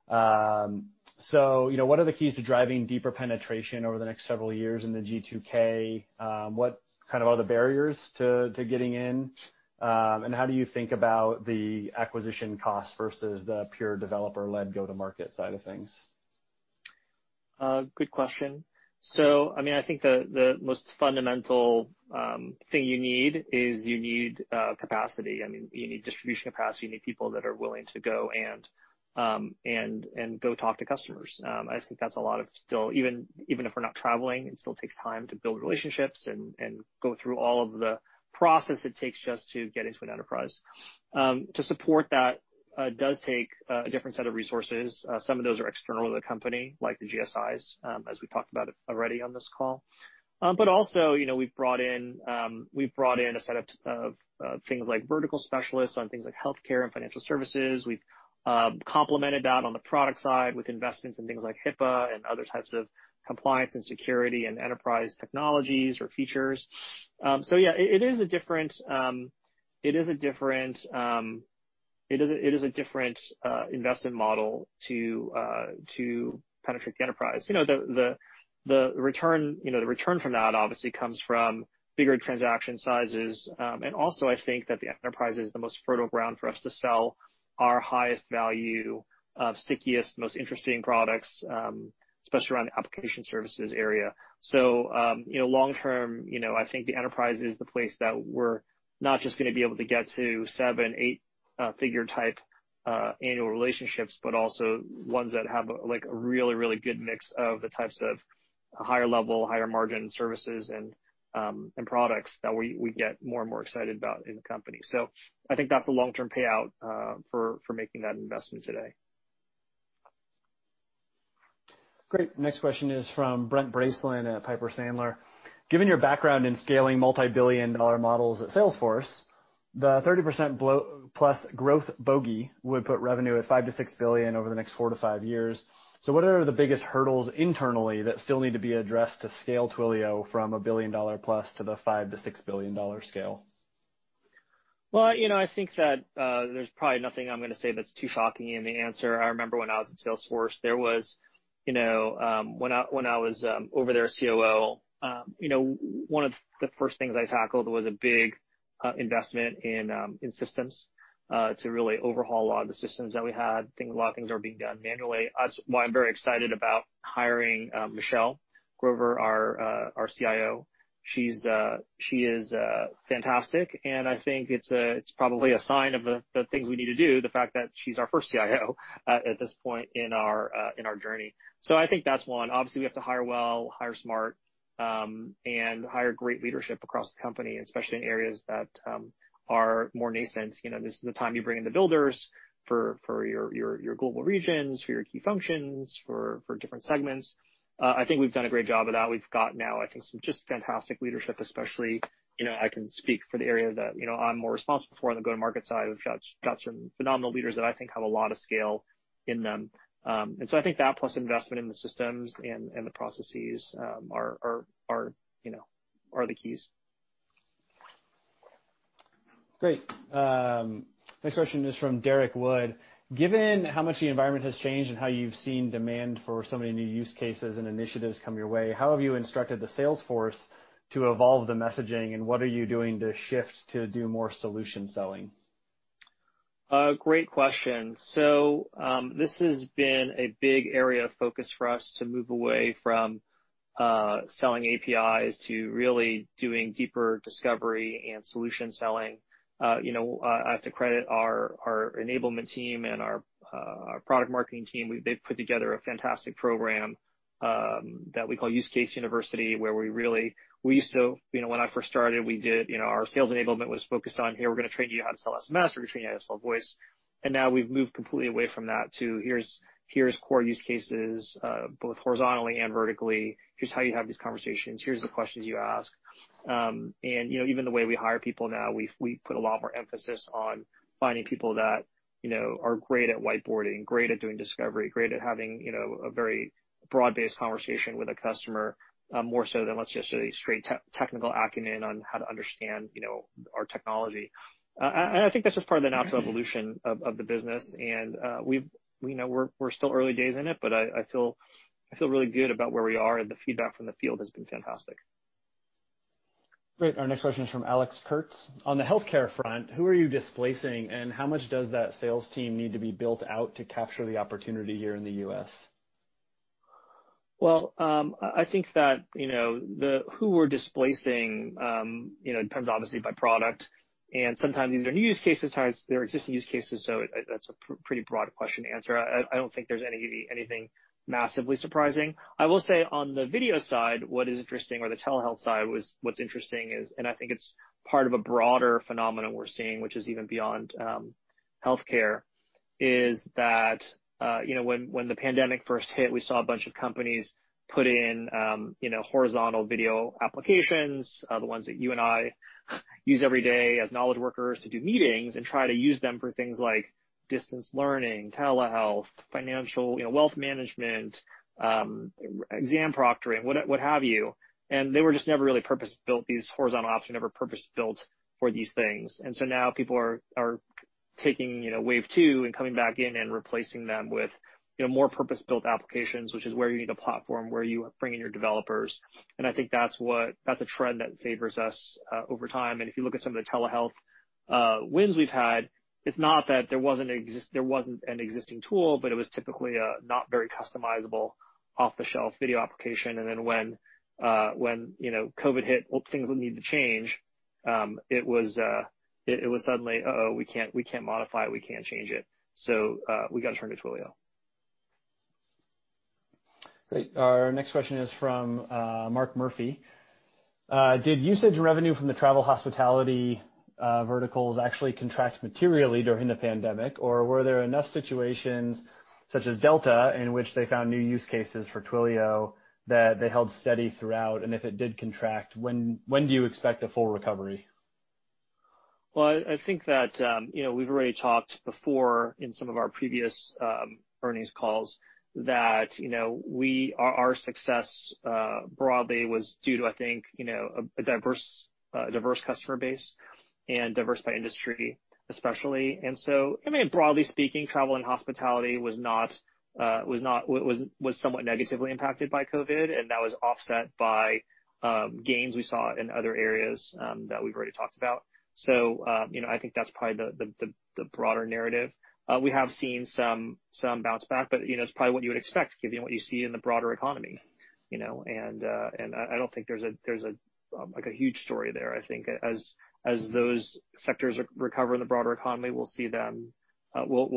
What are the keys to driving deeper penetration over the next several years in the G2K? What are the barriers to getting in? How do you think about the acquisition cost versus the pure developer-led go-to-market side of things? Good question. I think the most fundamental thing you need is you need capacity. You need distribution capacity. You need people that are willing to go talk to customers. I think that's a lot of still, even if we're not traveling, it still takes time to build relationships and go through all of the process it takes just to get into an enterprise. To support that does take a different set of resources. Some of those are external to the company, like the GSIs, as we talked about already on this call. Also, we've brought in a set of things like vertical specialists on things like healthcare and financial services. We've complemented that on the product side with investments in things like HIPAA and other types of compliance and security and enterprise technologies or features. Yeah, it is a different investment model to penetrate the enterprise. The return from that obviously comes from bigger transaction sizes. I think that the enterprise is the most fertile ground for us to sell our highest value of stickiest, most interesting products, especially around the application services area. Long term, I think the enterprise is the place that we're not just going to be able to get to seven, eight-figure type annual relationships, but also ones that have a really good mix of the types of higher level, higher margin services and products that we get more and more excited about in the company. I think that's a long-term payout for making that investment today. Great. Next question is from Brent Bracelin at Piper Sandler. Given your background in scaling multi-billion dollar models at Salesforce, the 30%+ growth bogey would put revenue at $5 billion-$6 billion over the next four to five years. What are the biggest hurdles internally that still need to be addressed to scale Twilio from $1 billion+ to the $5 billion-$6 billion scale? Well, I think that there's probably nothing I'm going to say that's too shocking in the answer. I remember when I was at Salesforce, when I was over there as COO, one of the first things I tackled was a big investment in systems, to really overhaul a lot of the systems that we had. I think a lot of things were being done manually. That's why I'm very excited about hiring Michelle Grover, our CIO. She is fantastic, and I think it's probably a sign of the things we need to do, the fact that she's our first CIO at this point in our journey. I think that's one. Obviously, we have to hire well, hire smart, and hire great leadership across the company, and especially in areas that are more nascent. This is the time you bring in the builders for your global regions, for your key functions, for different segments. I think we've done a great job of that. We've got now, I think, some just fantastic leadership, especially, I can speak for the area that I'm more responsible for on the go-to-market side. We've got some phenomenal leaders that I think have a lot of scale in them. I think that plus investment in the systems and the processes are the keys. Great. Next question is from Derrick Wood. Given how much the environment has changed and how you've seen demand for so many new use cases and initiatives come your way, how have you instructed the sales force to evolve the messaging, and what are you doing to shift to do more solution selling? Great question. This has been a big area of focus for us to move away from selling APIs to really doing deeper discovery and solution selling. I have to credit our enablement team and our product marketing team. They've put together a fantastic program that we call Use Case University, where when I first started, our sales enablement was focused on, here, we're going to train you how to sell SMS. We're going to train you how to sell voice. Now we've moved completely away from that to, here's core use cases, both horizontally and vertically. Here's how you have these Conversations. Here's the questions you ask. Even the way we hire people now, we put a lot more emphasis on finding people that are great at whiteboarding, great at doing discovery, great at having a very broad-based conversation with a customer, more so than let's just say straight technical acumen on how to understand our technology. I think that's just part of the natural evolution of the business, and we're still early days in it, but I feel really good about where we are, and the feedback from the field has been fantastic. Great. Our next question is from Alex Kurtz. On the healthcare front, who are you displacing, and how much does that sales team need to be built out to capture the opportunity here in the U.S.? Well, I think that who we're displacing depends obviously by product, and sometimes these are new use cases, sometimes they're existing use cases, so that's a pretty broad question to answer. I don't think there's anything massively surprising. I will say on the video side, what is interesting, or the telehealth side, what's interesting is, and I think it's part of a broader phenomenon we're seeing, which is even beyond healthcare, is that when the pandemic first hit, we saw a bunch of companies put in horizontal video applications, the ones that you and I use every day as knowledge workers to do meetings and try to use them for things like distance learning, telehealth, financial wealth management, exam proctoring, what have you. These horizontal apps were never purpose-built for these things. Now people are taking wave two and coming back in and replacing them with more purpose-built applications, which is where you need a platform where you bring in your developers. I think that's a trend that favors us over time. If you look at some of the telehealth wins we've had, it's not that there wasn't an existing tool, but it was typically a not very customizable off-the-shelf video application. Then when COVID hit, things need to change, it was suddenly, uh-oh, we can't modify it, we can't change it. We got to turn to Twilio. Great. Our next question is from Mark Murphy. Did usage revenue from the travel hospitality verticals actually contract materially during the pandemic, or were there enough situations such as Delta, in which they found new use cases for Twilio that they held steady throughout? If it did contract, when do you expect a full recovery? Well, I think that we've already talked before in some of our previous earnings calls that our success broadly was due to, I think, a diverse customer base and diverse by industry, especially. I mean, broadly speaking, travel and hospitality was somewhat negatively impacted by COVID, and that was offset by gains we saw in other areas that we've already talked about. I think that's probably the broader narrative. We have seen some bounce back, it's probably what you would expect given what you see in the broader economy. I don't think there's a huge story there. I think as those sectors recover in the broader economy, we'll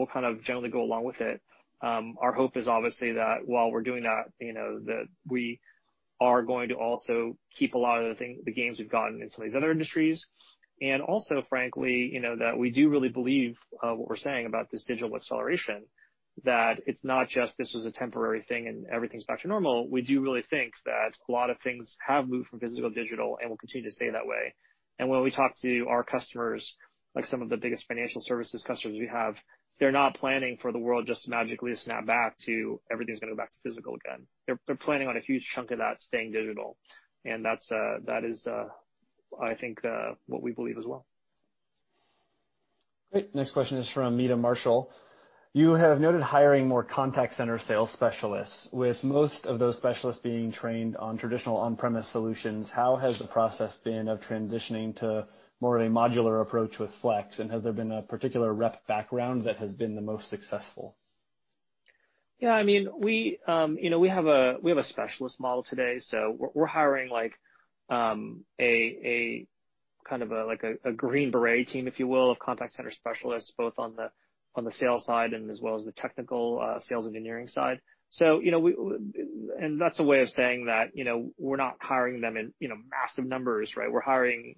kind of generally go along with it. Our hope is obviously that while we're doing that we are going to also keep a lot of the gains we've gotten into these other industries. Also, frankly, that we do really believe what we're saying about this digital acceleration, that it's not just this was a temporary thing and everything's back to normal. We do really think that a lot of things have moved from physical to digital and will continue to stay that way. When we talk to our customers, like some of the biggest financial services customers we have, they're not planning for the world just magically to snap back to everything's going to go back to physical again. They're planning on a huge chunk of that staying digital. That is, I think, what we believe as well. Great. Next question is from Meta Marshall. You have noted hiring more contact center sales specialists, with most of those specialists being trained on traditional on-premise solutions. How has the process been of transitioning to more of a modular approach with Flex, and has there been a particular rep background that has been the most successful? Yeah, we have a specialist model today. We're hiring a kind of like a Green Beret team, if you will, of contact center specialists, both on the sales side and as well as the technical sales engineering side. That's a way of saying that we're not hiring them in massive numbers, right? We're hiring,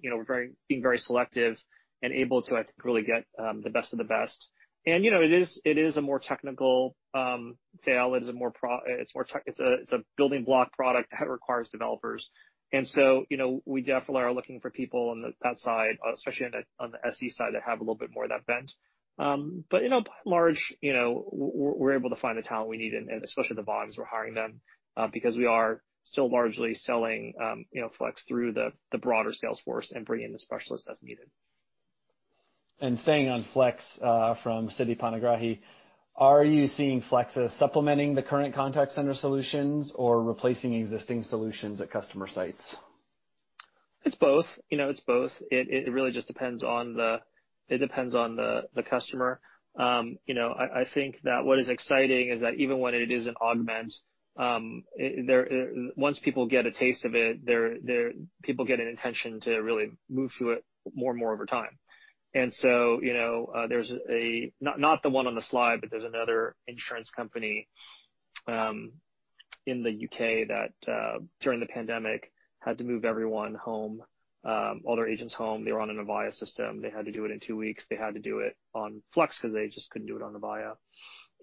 being very selective and able to, I think, really get the best of the best. It is a more technical sale. It's a building block product that requires developers. We definitely are looking for people on that side, especially on the SE side, that have a little bit more of that bent. By and large, we're able to find the talent we need, and especially at the volumes we're hiring them, because we are still largely selling Flex through the broader sales force and bringing the specialists as needed. Staying on Flex, from Siti Panigrahi, are you seeing Flex as supplementing the current contact center solutions or replacing existing solutions at customer sites? It's both. It really just depends on the customer. I think that what is exciting is that even when it is an augment, once people get a taste of it, people get an intention to really move to it more and more over time. There's, not the one on the slide, but there's another insurance company in the U.K. that, during the pandemic, had to move everyone home, all their agents home. They were on a Avaya system. They had to do it in two weeks. They had to do it on Flex because they just couldn't do it on Avaya.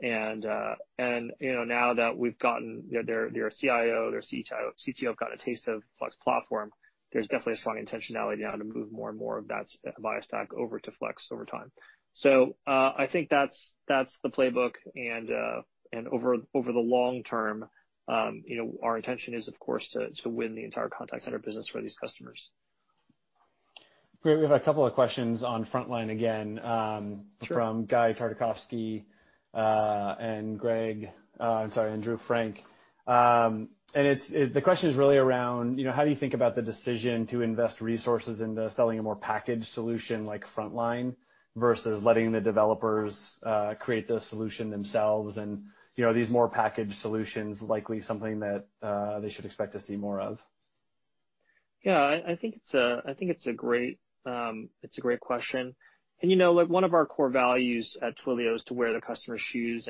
Now that their CIO, their CTO have gotten a taste of Flex platform, there's definitely a strong intentionality now to move more and more of that Avaya stack over to Flex over time. I think that's the playbook. Over the long term, our intention is, of course, to win the entire contact center business for these customers. Great. We have a couple of questions on Frontline again from Guy Tartakovsky and Drew Frank. The question is really around, how do you think about the decision to invest resources into selling a more packaged solution like Frontline versus letting the developers create the solution themselves? Are these more packaged solutions likely something that they should expect to see more of? Yeah, I think it's a great question. One of our core values at Twilio is to wear the customer's shoes.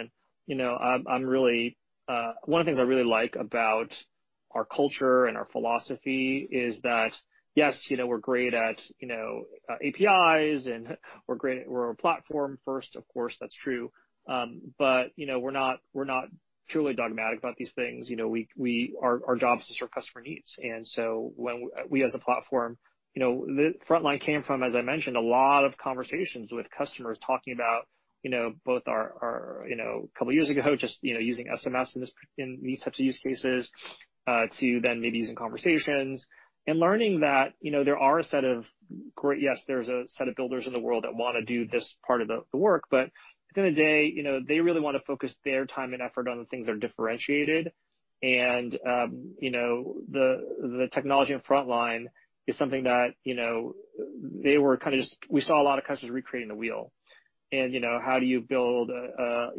One of the things I really like about our culture and our philosophy is that, yes, we're great at APIs and we're a platform first. Of course, that's true. We're not truly dogmatic about these things. Our job is to serve customer needs. We as a platform, Frontline came from, as I mentioned, a lot of Conversations with customers talking about both our, a couple of years ago, just using SMS in these types of use cases, to then maybe using Conversations, and learning that there are a set of builders in the world that want to do this part of the work. At the end of the day, they really want to focus their time and effort on the things that are differentiated. The technology in Frontline is something that we saw a lot of customers recreating the wheel. How do you build a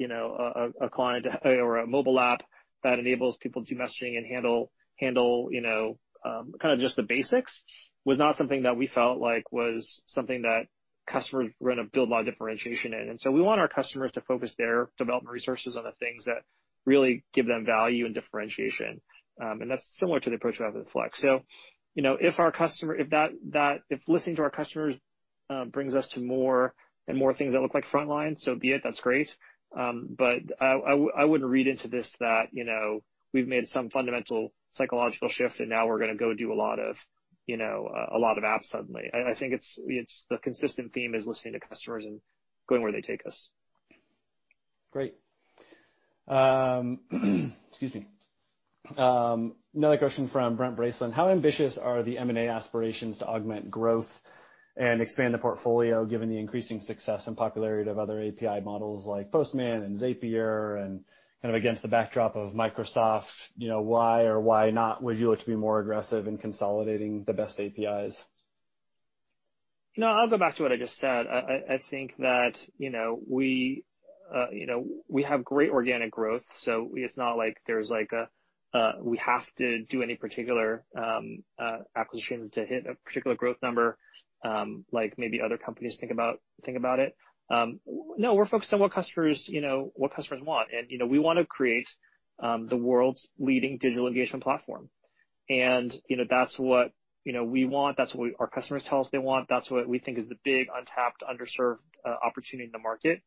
mobile app that enables people to do messaging and handle kind of just the basics, was not something that we felt like was something that customers were going to build a lot of differentiation in. We want our customers to focus their development resources on the things that really give them value and differentiation. That's similar to the approach we have with Flex. If listening to our customers brings us to more and more things that look like Frontline, so be it. That's great. I wouldn't read into this that we've made some fundamental psychological shift and now we're going to go do a lot of apps suddenly. I think the consistent theme is listening to customers and going where they take us. Great. Excuse me. Another question from Brent Bracelin. How ambitious are the M&A aspirations to augment growth and expand the portfolio, given the increasing success and popularity of other API models like Postman and Zapier, kind of against the backdrop of Microsoft? Why or why not would you look to be more aggressive in consolidating the best APIs? I'll go back to what I just said. I think that we have great organic growth. It's not like we have to do any particular acquisitions to hit a particular growth number like maybe other companies think about it. No, we're focused on what customers want. We want to create the world's leading digital engagement platform. That's what we want, that's what our customers tell us they want. That's what we think is the big, untapped, underserved opportunity in the market.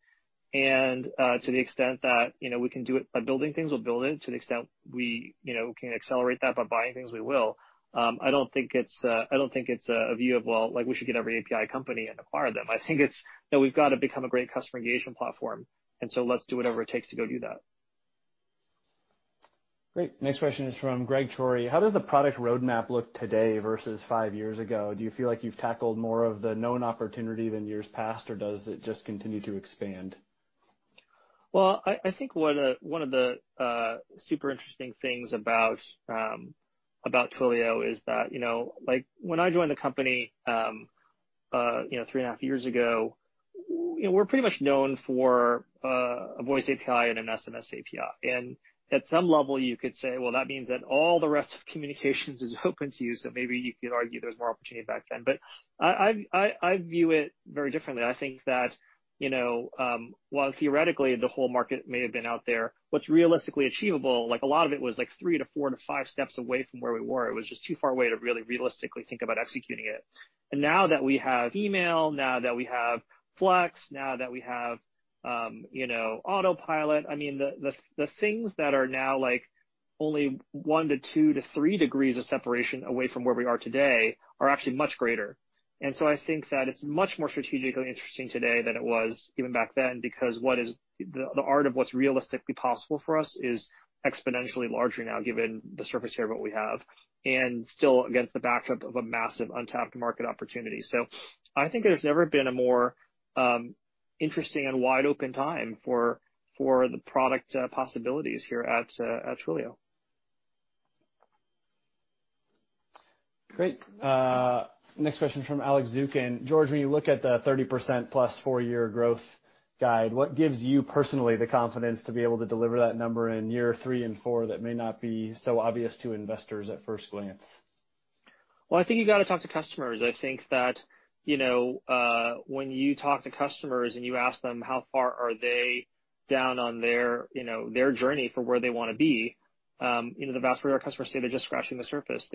To the extent that we can do it by building things, we'll build it. To the extent we can accelerate that by buying things, we will. I don't think it's a view of, well, we should get every API company and acquire them. I think it's that we've got to become a great customer engagement platform. Let's do whatever it takes to go do that. Great. Next question is from Greg Terry. How does the product roadmap look today versus five years ago? Do you feel like you've tackled more of the known opportunity than years past, or does it just continue to expand? Well, I think one of the super interesting things about Twilio is that when I joined the company 3.5 years ago, we were pretty much known for a voice API and an SMS API. At some level, you could say, well, that means that all the rest of communications is open to you, so maybe you could argue there was more opportunity back then. I view it very differently. I think that while theoretically the whole market may have been out there, what's realistically achievable, a lot of it was three to four to five steps away from where we were. It was just too far away to really realistically think about executing it. Now that we have email, now that we have Flex, now that we have Autopilot, the things that are now only one to two to three degrees of separation away from where we are today are actually much greater. I think that it's much more strategically interesting today than it was even back then, because the art of what's realistically possible for us is exponentially larger now, given the surface area of what we have, and still against the backdrop of a massive untapped market opportunity. I think there's never been a more interesting and wide-open time for the product possibilities here at Twilio. Great. Next question from Alex Zukin. George, when you look at the 30%+ four-year growth guide, what gives you personally the confidence to be able to deliver that number in year three and four that may not be so obvious to investors at first glance? Well, I think you got to talk to customers. I think that when you talk to customers and you ask them how far are they down on their journey for where they want to be, the vast majority of our customers say they're just scratching the surface.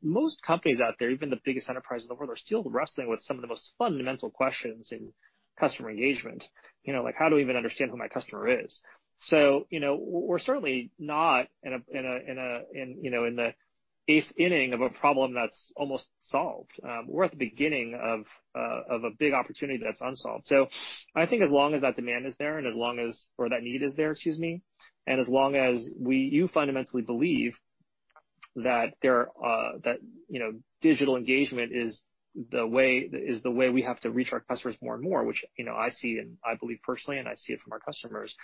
Most companies out there, even the biggest enterprise in the world, are still wrestling with some of the most fundamental questions in customer engagement like, how do we even understand who my customer is? We're certainly not in the eighth inning of a problem that's almost solved. We're at the beginning of a big opportunity that's unsolved. I think as long as that demand is there, or that need is there, excuse me, and as long as you fundamentally believe that digital engagement is the way we have to reach our customers more and more, which I see and I believe personally, and I see it from our customers.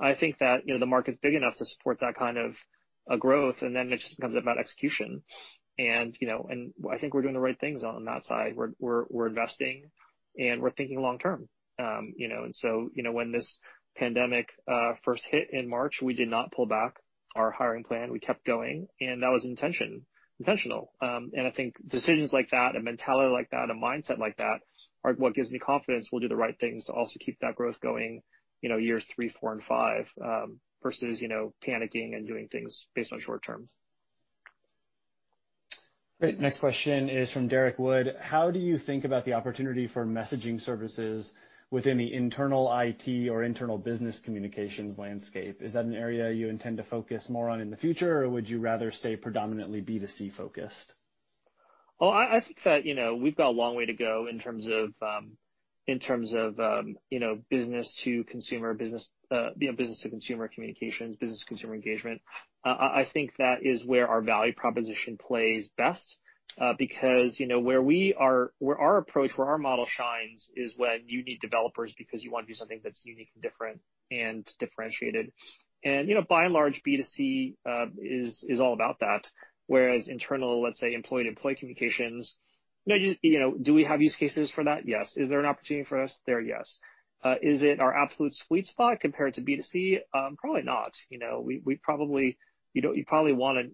I think that the market's big enough to support that kind of growth, and then it just becomes about execution. I think we're doing the right things on that side. We're investing, and we're thinking long term. When this pandemic first hit in March, we did not pull back our hiring plan. We kept going, and that was intentional. I think decisions like that and mentality like that and mindset like that are what gives me confidence we'll do the right things to also keep that growth going years three, four, and five, versus panicking and doing things based on short term. Great. Next question is from Derrick Wood. How do you think about the opportunity for messaging services within the internal IT or internal business communications landscape? Is that an area you intend to focus more on in the future, or would you rather stay predominantly B2C focused? I think that we've got a long way to go in terms of business to consumer communications, business to consumer engagement. I think that is where our value proposition plays best, because where our approach, where our model shines is when you need developers because you want to do something that's unique and different and differentiated. By and large, B2C is all about that, whereas internal, let's say, employee-to-employee communications, do we have use cases for that? Yes. Is there an opportunity for us there? Yes. Is it our absolute sweet spot compared to B2C? Probably not. You probably want to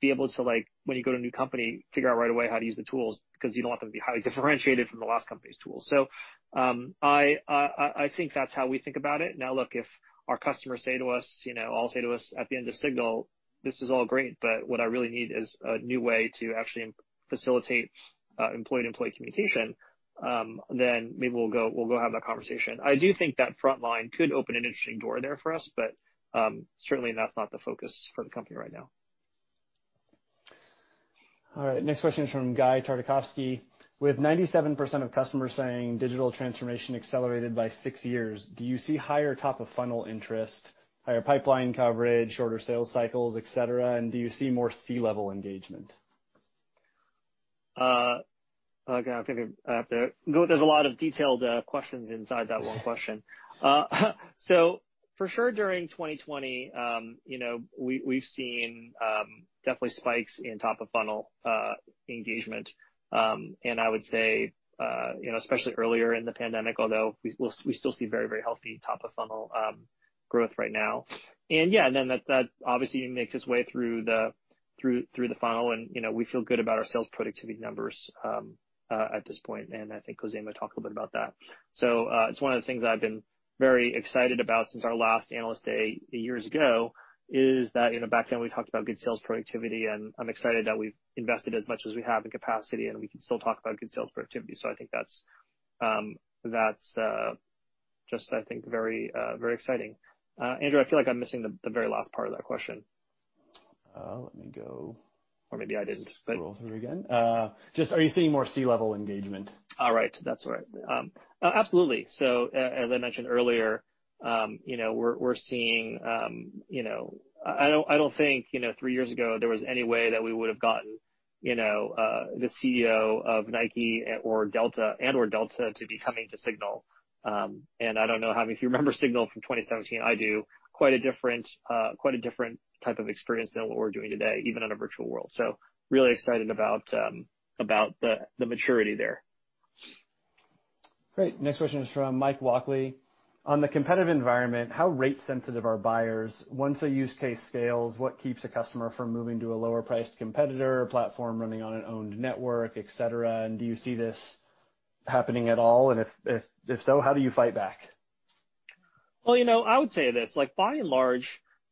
be able to, when you go to a new company, figure out right away how to use the tools because you don't want them to be highly differentiated from the last company's tools. I think that's how we think about it. Now, look, if our customers say to us, all say to us at the end of SIGNAL, "This is all great, but what I really need is a new way to actually facilitate employee-to-employee communication," maybe we'll go have that conversation. I do think that Frontline could open an interesting door there for us, certainly that's not the focus for the company right now. All right, next question is from Guy Tartakovsky. With 97% of customers saying digital transformation accelerated by six years, do you see higher top of funnel interest, higher pipeline coverage, shorter sales cycles, et cetera, and do you see more C-level engagement? There's a lot of detailed questions inside that one question. For sure, during 2020, we've seen definitely spikes in top of funnel engagement. I would say, especially earlier in the pandemic, although we still see very healthy top of funnel growth right now. That obviously makes its way through the funnel, and we feel good about our sales productivity numbers at this point, and I think Khozema talked a bit about that. It's one of the things I've been very excited about since our last Analyst Day years ago, is that back then we talked about good sales productivity, and I'm excited that we've invested as much as we have in capacity, and we can still talk about good sales productivity. I think that's just very exciting. Andrew, I feel like I'm missing the very last part of that question. Let me go. Maybe I didn't. Let me just scroll through again. Just are you seeing more C-level engagement? Right. That's right. Absolutely. As I mentioned earlier, we're seeing. I don't think three years ago there was any way that we would've gotten the CEO of Nike and/or Delta to be coming to SIGNAL. I don't know if you remember SIGNAL from 2017, I do. Quite a different type of experience than what we're doing today, even in a virtual world. Really excited about the maturity there. Great. Next question is from Mike Walkley. On the competitive environment, how rate sensitive are buyers? Once a use case scales, what keeps a customer from moving to a lower priced competitor or platform running on an owned network, et cetera, and do you see this happening at all? If so, how do you fight back? I would say this, by and large,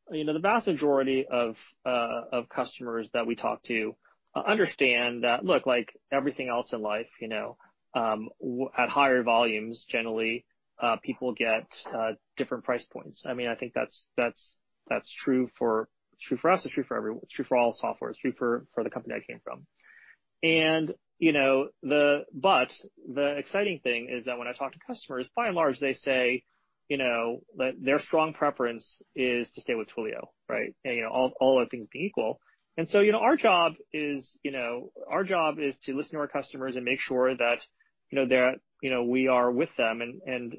the vast majority of customers that we talk to understand that, look, like everything else in life, at higher volumes, generally, people get different price points. I think that's true for us, it's true for everyone. It's true for all software. It's true for the company I came from. The exciting thing is that when I talk to customers, by and large, they say that their strong preference is to stay with Twilio, right, all other things being equal. Our job is to listen to our customers and make sure that we are with them and,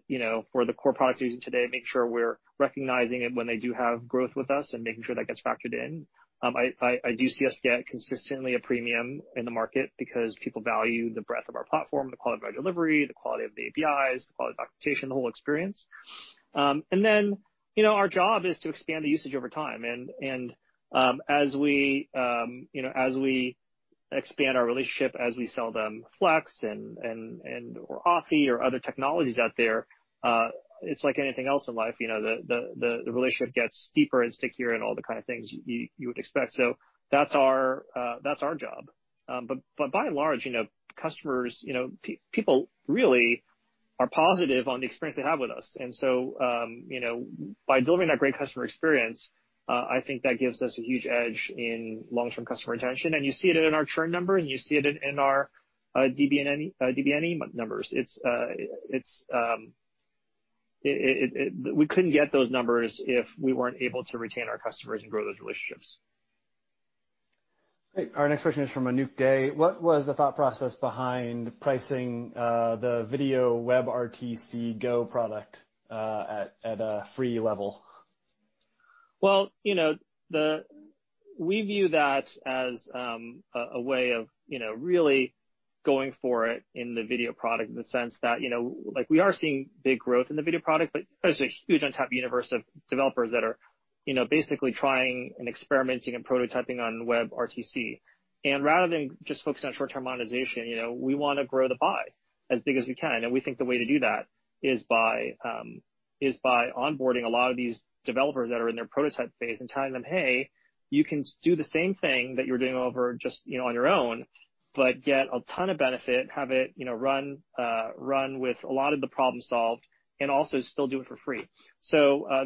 for the core products we use today, make sure we're recognizing it when they do have growth with us and making sure that gets factored in. I do see us get consistently a premium in the market because people value the breadth of our platform, the quality of our delivery, the quality of the APIs, the quality of documentation, the whole experience. Our job is to expand the usage over time. As we expand our relationship, as we sell them Flex or Authy or other technologies out there, it's like anything else in life, the relationship gets deeper and stickier and all the kind of things you would expect. That's our job. By and large, people really are positive on the experience they have with us. By delivering that great customer experience, I think that gives us a huge edge in long-term customer retention, and you see it in our churn number, and you see it in our DBNE numbers. We couldn't get those numbers if we weren't able to retain our customers and grow those relationships. Great. Our next question is from Anouk Dey. What was the thought process behind pricing the Video WebRTC Go product at a free level? Well, we view that as a way of really going for it in the video product in the sense that we are seeing big growth in the video product, but there's a huge untapped universe of developers that are basically trying and experimenting and prototyping on WebRTC. Rather than just focusing on short-term monetization, we want to grow the pie as big as we can, and we think the way to do that is by onboarding a lot of these developers that are in their prototype phase and telling them, "Hey, you can do the same thing that you're doing over just on your own, but get a ton of benefit, have it run with a lot of the problem solved, and also still do it for free." I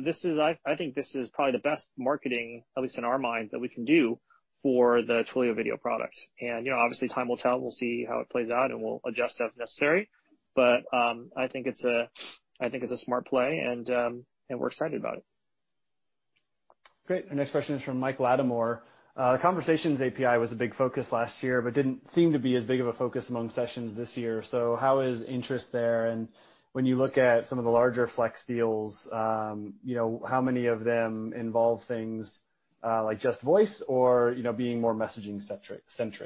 think this is probably the best marketing, at least in our minds, that we can do for the Twilio video product. Obviously, time will tell, and we'll see how it plays out, and we'll adjust as necessary. I think it's a smart play, and we're excited about it. Great. Our next question is from Mike Latimore. The Conversations API was a big focus last year but didn't seem to be as big of a focus among sessions this year. How is interest there? When you look at some of the larger Flex deals, how many of them involve things like just voice or being more messaging centric?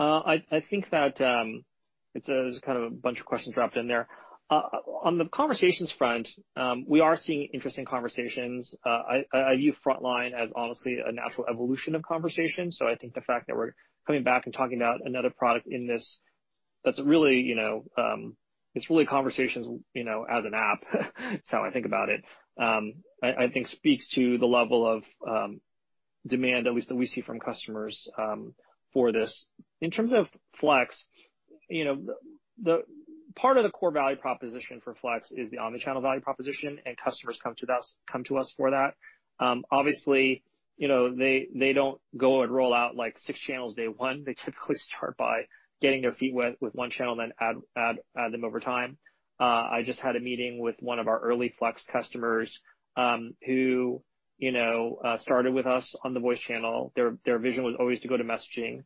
I think that there's kind of a bunch of questions wrapped in there. On the Conversations front, we are seeing interest in Conversations. I view Frontline as honestly a natural evolution of Conversations. I think the fact that we're coming back and talking about another product in this, it's really Conversations as an app is how I think about it, I think speaks to the level of demand, at least, that we see from customers for this. In terms of Flex. Part of the core value proposition for Flex is the omnichannel value proposition, customers come to us for that. Obviously, they don't go and roll out six channels day one. They typically start by getting their feet wet with one channel, add them over time. I just had a meeting with one of our early Flex customers, who started with us on the voice channel. Their vision was always to go to messaging.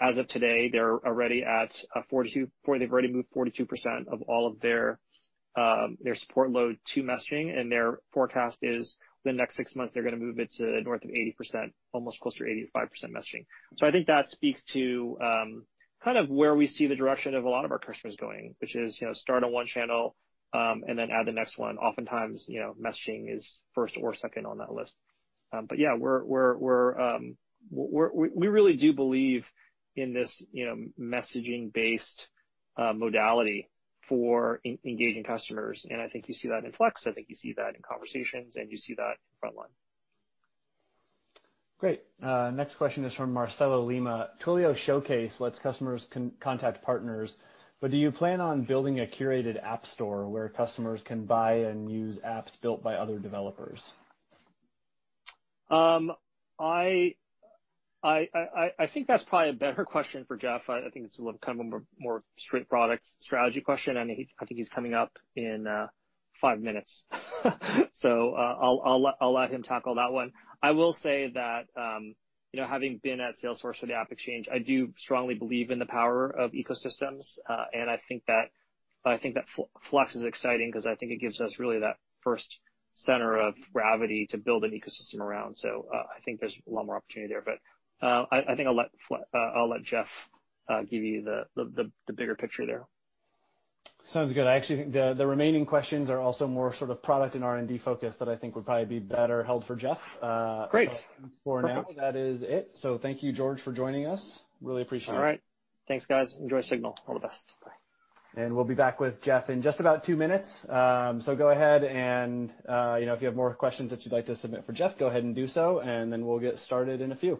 As of today, they've already moved 42% of all of their support load to messaging, and their forecast is within the next six months, they're going to move it to north of 80%, almost closer to 85% messaging. I think that speaks to where we see the direction of a lot of our customers going, which is, start on one channel, and then add the next one. Oftentimes, messaging is first or second on that list. Yeah, we really do believe in this messaging-based modality for engaging customers, and I think you see that in Flex, I think you see that in Conversations, and you see that in Frontline. Great. Next question is from Marcelo Lima. "Twilio Showcase lets customers contact partners, but do you plan on building a curated app store where customers can buy and use apps built by other developers? I think that's probably a better question for Jeff. I think it's a more straight product strategy question, and I think he's coming up in five minutes. I'll let him tackle that one. I will say that, having been at Salesforce for the AppExchange, I do strongly believe in the power of ecosystems. I think that Flex is exciting because I think it gives us really that first center of gravity to build an ecosystem around. I think there's a lot more opportunity there. I think I'll let Jeff give you the bigger picture there. Sounds good. I actually think the remaining questions are also more product and R&D focused that I think would probably be better held for Jeff. Great. For now, that is it. Thank you, George, for joining us. Really appreciate it. All right. Thanks, guys. Enjoy SIGNAL. All the best. Bye. We'll be back with Jeff in just about two minutes. Go ahead and, if you have more questions that you'd like to submit for Jeff, go ahead and do so, and then we'll get started in a few.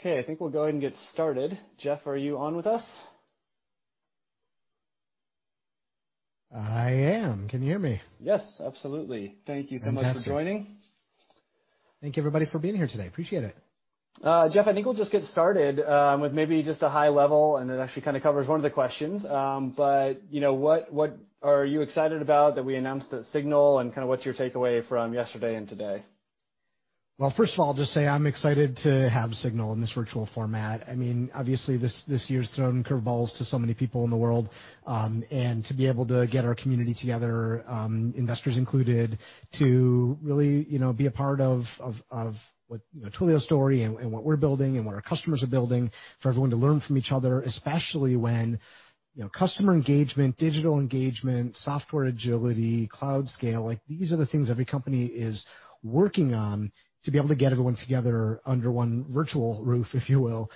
Okay, I think we'll go ahead and get started. Jeff, are you on with us? I am. Can you hear me? Yes, absolutely. Thank you so much for joining. Fantastic. Thank you, everybody, for being here today. Appreciate it. Jeff, I think we'll just get started with maybe just a high level, and it actually kind of covers one of the questions. What are you excited about that we announced at SIGNAL, and what's your takeaway from yesterday and today? First of all, just say I'm excited to have SIGNAL in this virtual format. Obviously, this year's thrown curveballs to so many people in the world, and to be able to get our community together, investors included, to really be a part of Twilio's story and what we're building and what our customers are building, for everyone to learn from each other, especially when customer engagement, digital engagement, software agility, cloud scale, these are the things every company is working on. To be able to get everyone together under one virtual roof, if you will,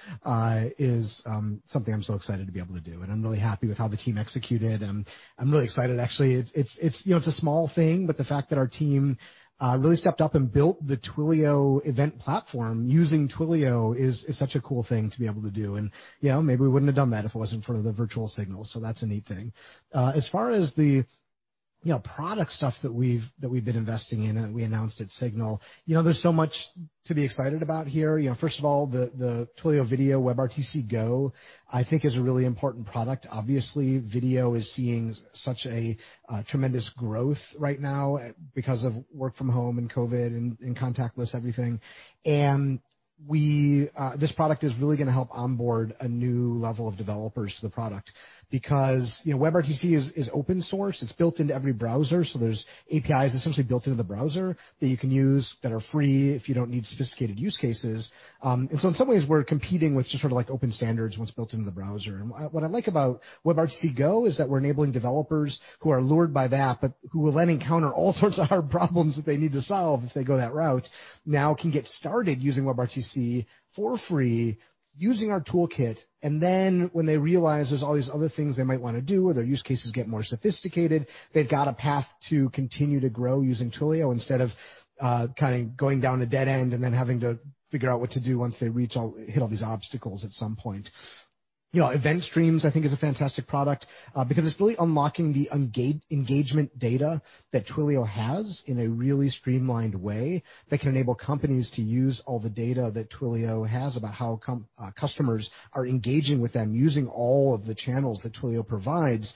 is something I'm so excited to be able to do, and I'm really happy with how the team executed. I'm really excited, actually. It's a small thing, but the fact that our team really stepped up and built the Twilio event platform using Twilio is such a cool thing to be able to do. Maybe we wouldn't have done that if it wasn't for the virtual SIGNAL, so that's a neat thing. As far as the product stuff that we've been investing in and that we announced at SIGNAL, there's so much to be excited about here. First of all, the Twilio Video WebRTC Go, I think is a really important product. Obviously, video is seeing such a tremendous growth right now because of work from home and COVID and contactless everything. This product is really going to help onboard a new level of developers to the product because WebRTC is open source. It's built into every browser, so there's APIs essentially built into the browser that you can use that are free if you don't need sophisticated use cases. In some ways, we're competing with just sort of open standards, what's built into the browser. What I like about WebRTC Go is that we're enabling developers who are lured by the app, but who will then encounter all sorts of hard problems that they need to solve if they go that route, now can get started using WebRTC for free using our toolkit. Then when they realize there's all these other things they might want to do, or their use cases get more sophisticated, they've got a path to continue to grow using Twilio instead of going down a dead end and then having to figure out what to do once they hit all these obstacles at some point. Event Streams, I think, is a fantastic product, because it's really unlocking the engagement data that Twilio has in a really streamlined way that can enable companies to use all the data that Twilio has about how customers are engaging with them using all of the channels that Twilio provides,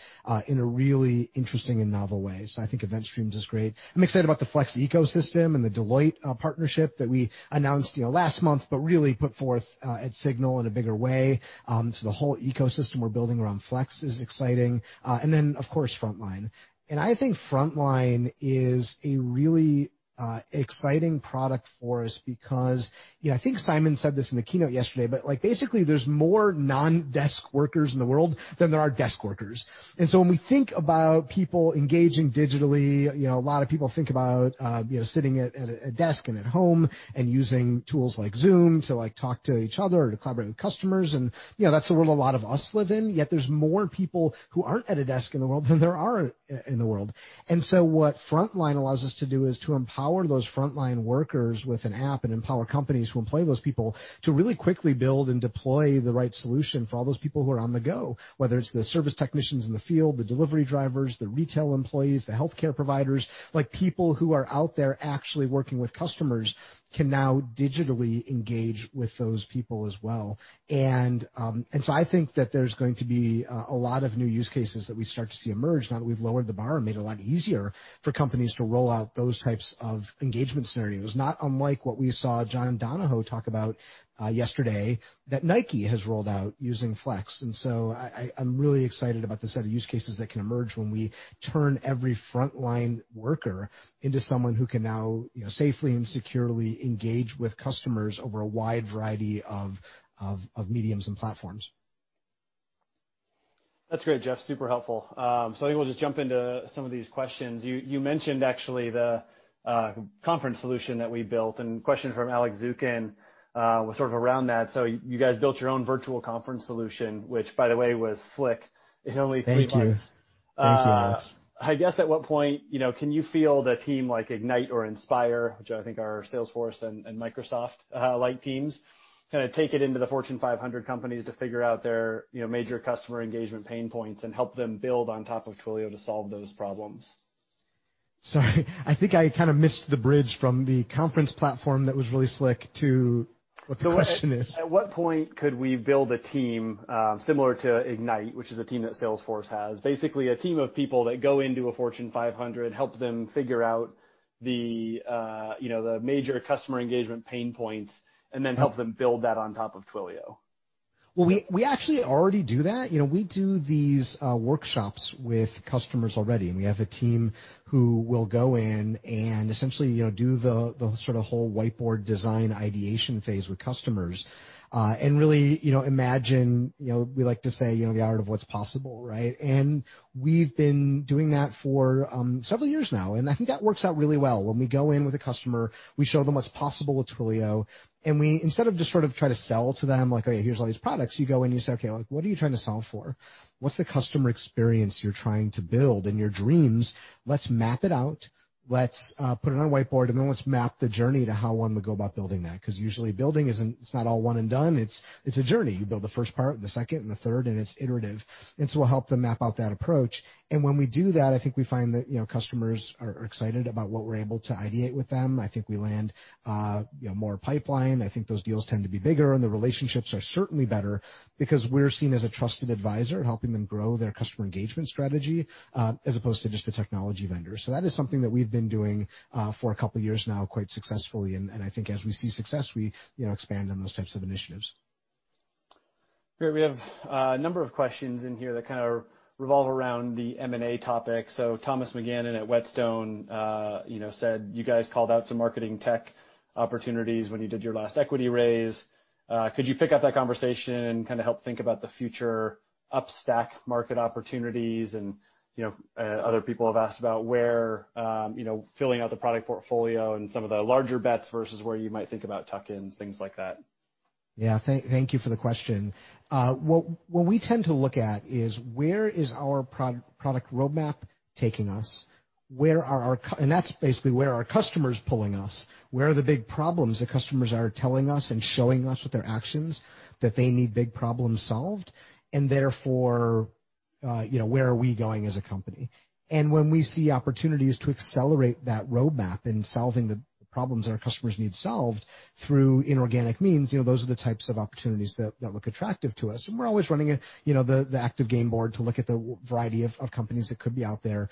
in a really interesting and novel way. I think Event Streams is great. I'm excited about the Flex ecosystem and the Deloitte partnership that we announced last month, but really put forth at SIGNAL in a bigger way. The whole ecosystem we're building around Flex is exciting. Of course, Frontline. I think Frontline is a really exciting product for us because, I think Simon said this in the keynote yesterday, but basically there's more non-desk workers in the world than there are desk workers. When we think about people engaging digitally, a lot of people think about sitting at a desk and at home and using tools like Zoom to talk to each other or to collaborate with customers, and that's the world a lot of us live in, yet there's more people who aren't at a desk in the world than there are in the world. What Frontline allows us to do is to empower those frontline workers with an app and empower companies who employ those people to really quickly build and deploy the right solution for all those people who are on the go, whether it's the service technicians in the field, the delivery drivers, the retail employees, the healthcare providers, people who are out there actually working with customers can now digitally engage with those people as well. I think that there's going to be a lot of new use cases that we start to see emerge now that we've lowered the bar and made it a lot easier for companies to roll out those types of engagement scenarios, not unlike what we saw John Donahoe talk about yesterday, that Nike has rolled out using Flex. I'm really excited about the set of use cases that can emerge when we turn every frontline worker into someone who can now safely and securely engage with customers over a wide variety of mediums and platforms. That's great, Jeff. Super helpful. I think we'll just jump into some of these questions. You mentioned actually the conference solution that we built, and question from Alex Zukin was sort of around that. You guys built your own virtual conference solution, which by the way, was slick in only three months. Thank you. Thank you, Alex. I guess at what point can you field a team like Ignite or Inspire, which I think are our Salesforce and Microsoft-like teams, kind of take it into the Fortune 500 companies to figure out their major customer engagement pain points and help them build on top of Twilio to solve those problems? Sorry. I think I kind of missed the bridge from the conference platform that was really slick to what the question is. At what point could we build a team similar to Ignite, which is a team that Salesforce has? Basically, a team of people that go into a Fortune 500, help them figure out the major customer engagement pain points, and then help them build that on top of Twilio. Well, we actually already do that. We do these workshops with customers already, and we have a team who will go in and essentially do the sort of whole whiteboard design ideation phase with customers, and really imagine, we like to say, the art of what's possible, right? We've been doing that for several years now, and I think that works out really well. When we go in with a customer, we show them what's possible with Twilio, and we, instead of just sort of try to sell to them, like, "Oh, here's all these products," you go in, you say, "Okay, what are you trying to solve for? What's the customer experience you're trying to build in your dreams? Let's map it out. Let's put it on a whiteboard, and then let's map the journey to how one would go about building that. Because usually building, it's not all one and done. It's a journey. You build the first part, and the second, and the third, and it's iterative. We'll help them map out that approach. When we do that, I think we find that customers are excited about what we're able to ideate with them. I think we land more pipeline. I think those deals tend to be bigger, and the relationships are certainly better because we're seen as a trusted advisor helping them grow their customer engagement strategy, as opposed to just a technology vendor. That is something that we've been doing for a couple of years now quite successfully, and I think as we see success, we expand on those types of initiatives. Great. We have a number of questions in here that kind of revolve around the M&A topic. Thomas McGannon at Whetstone said you guys called out some marketing tech opportunities when you did your last equity raise. Could you pick up that conversation and kind of help think about the future up-stack market opportunities? Other people have asked about where filling out the product portfolio and some of the larger bets versus where you might think about tuck-ins, things like that. Yeah. Thank you for the question. What we tend to look at is where is our product roadmap taking us? That's basically where are customers pulling us? Where are the big problems that customers are telling us and showing us with their actions that they need big problems solved? Therefore where are we going as a company? When we see opportunities to accelerate that roadmap in solving the problems that our customers need solved through inorganic means, those are the types of opportunities that look attractive to us. We're always running the active game board to look at the variety of companies that could be out there.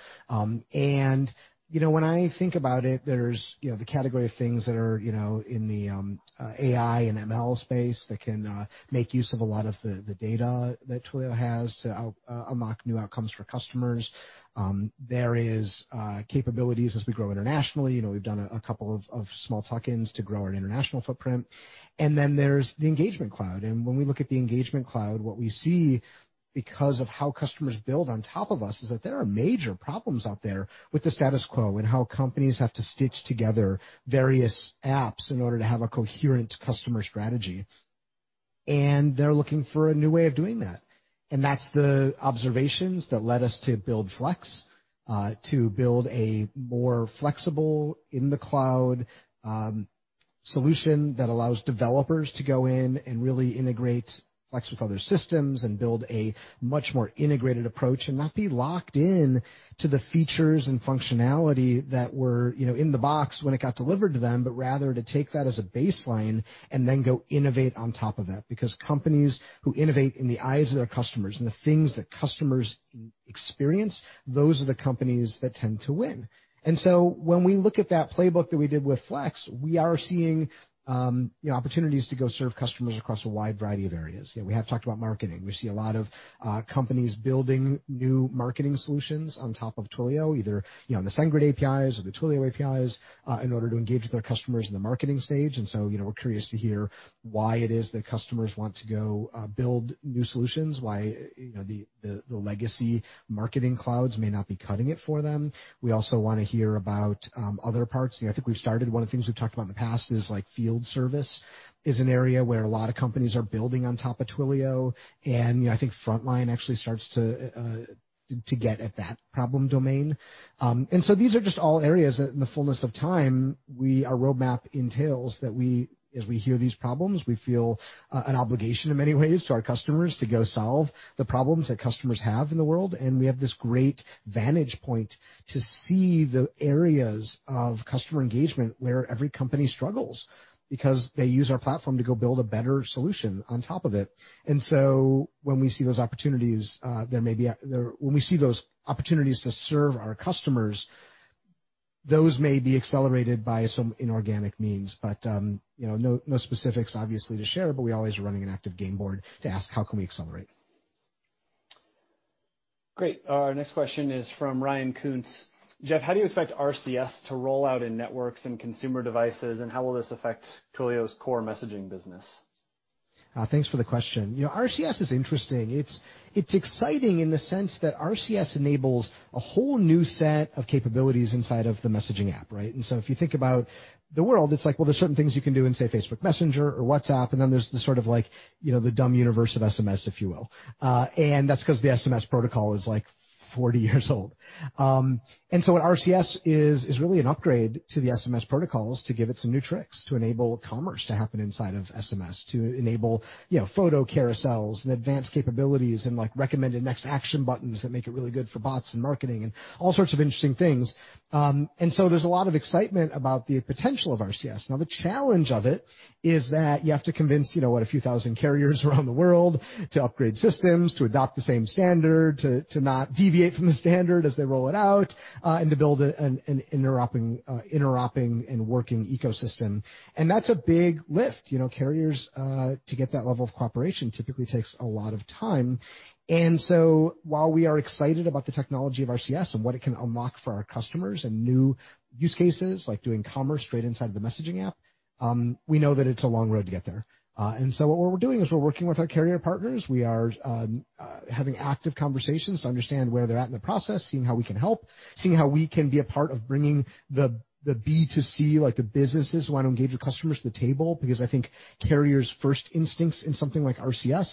When I think about it, there's the category of things that are in the AI and ML space that can make use of a lot of the data that Twilio has to unlock new outcomes for customers. There is capabilities as we grow internationally. We've done a couple of small tuck-ins to grow our international footprint. Then there's the Engagement Cloud. When we look at the Engagement Cloud, what we see, because of how customers build on top of us, is that there are major problems out there with the status quo and how companies have to stitch together various apps in order to have a coherent customer strategy. They're looking for a new way of doing that. That's the observations that led us to build Flex, to build a more flexible, in the cloud solution that allows developers to go in and really integrate Flex with other systems and build a much more integrated approach, not be locked in to the features and functionality that were in the box when it got delivered to them, but rather to take that as a baseline and then go innovate on top of that. Companies who innovate in the eyes of their customers and the things that customers experience, those are the companies that tend to win. When we look at that playbook that we did with Flex, we are seeing opportunities to go serve customers across a wide variety of areas. We have talked about marketing. We see a lot of companies building new marketing solutions on top of Twilio, either the SendGrid APIs or the Twilio APIs, in order to engage with their customers in the marketing stage. We're curious to hear why it is that customers want to go build new solutions, why the legacy marketing clouds may not be cutting it for them. We also want to hear about other parts. I think we've started, one of the things we've talked about in the past is field service is an area where a lot of companies are building on top of Twilio, and I think Frontline actually starts to get at that problem domain. These are just all areas that in the fullness of time, our roadmap entails that as we hear these problems, we feel an obligation in many ways to our customers to go solve the problems that customers have in the world. We have this great vantage point to see the areas of customer engagement where every company struggles, because they use our platform to go build a better solution on top of it. When we see those opportunities to serve our customers, those may be accelerated by some inorganic means. No specifics obviously to share, but we're always running an active game board to ask how can we accelerate. Great. Our next question is from Ryan Koontz. "Jeff, how do you expect RCS to roll out in networks and consumer devices, and how will this affect Twilio's core messaging business? Thanks for the question. RCS is interesting. It's exciting in the sense that RCS enables a whole new set of capabilities inside of the messaging app, right? If you think about the world, it's like, well, there's certain things you can do in, say, Facebook Messenger or WhatsApp, and then there's the sort of the dumb universe of SMS, if you will. That's because the SMS protocol is, like, 40 years old. What RCS is really an upgrade to the SMS protocols to give it some new tricks, to enable commerce to happen inside of SMS, to enable photo carousels and advanced capabilities and recommended next action buttons that make it really good for bots and marketing and all sorts of interesting things. There's a lot of excitement about the potential of RCS. The challenge of it is that you have to convince what a few thousand carriers around the world to upgrade systems, to adopt the same standard, to not deviate from the standard as they roll it out, and to build an inter-operating and working ecosystem. That's a big lift. Carriers to get that level of cooperation typically takes a lot of time. While we are excited about the technology of RCS and what it can unlock for our customers and new use cases, like doing commerce straight inside the messaging app, we know that it's a long road to get there. What we're doing is we're working with our carrier partners. We are having active Conversations to understand where they're at in the process, seeing how we can help, seeing how we can be a part of bringing the B2C, like the businesses who want to engage with customers to the table, because I think carriers first instincts in something like RCS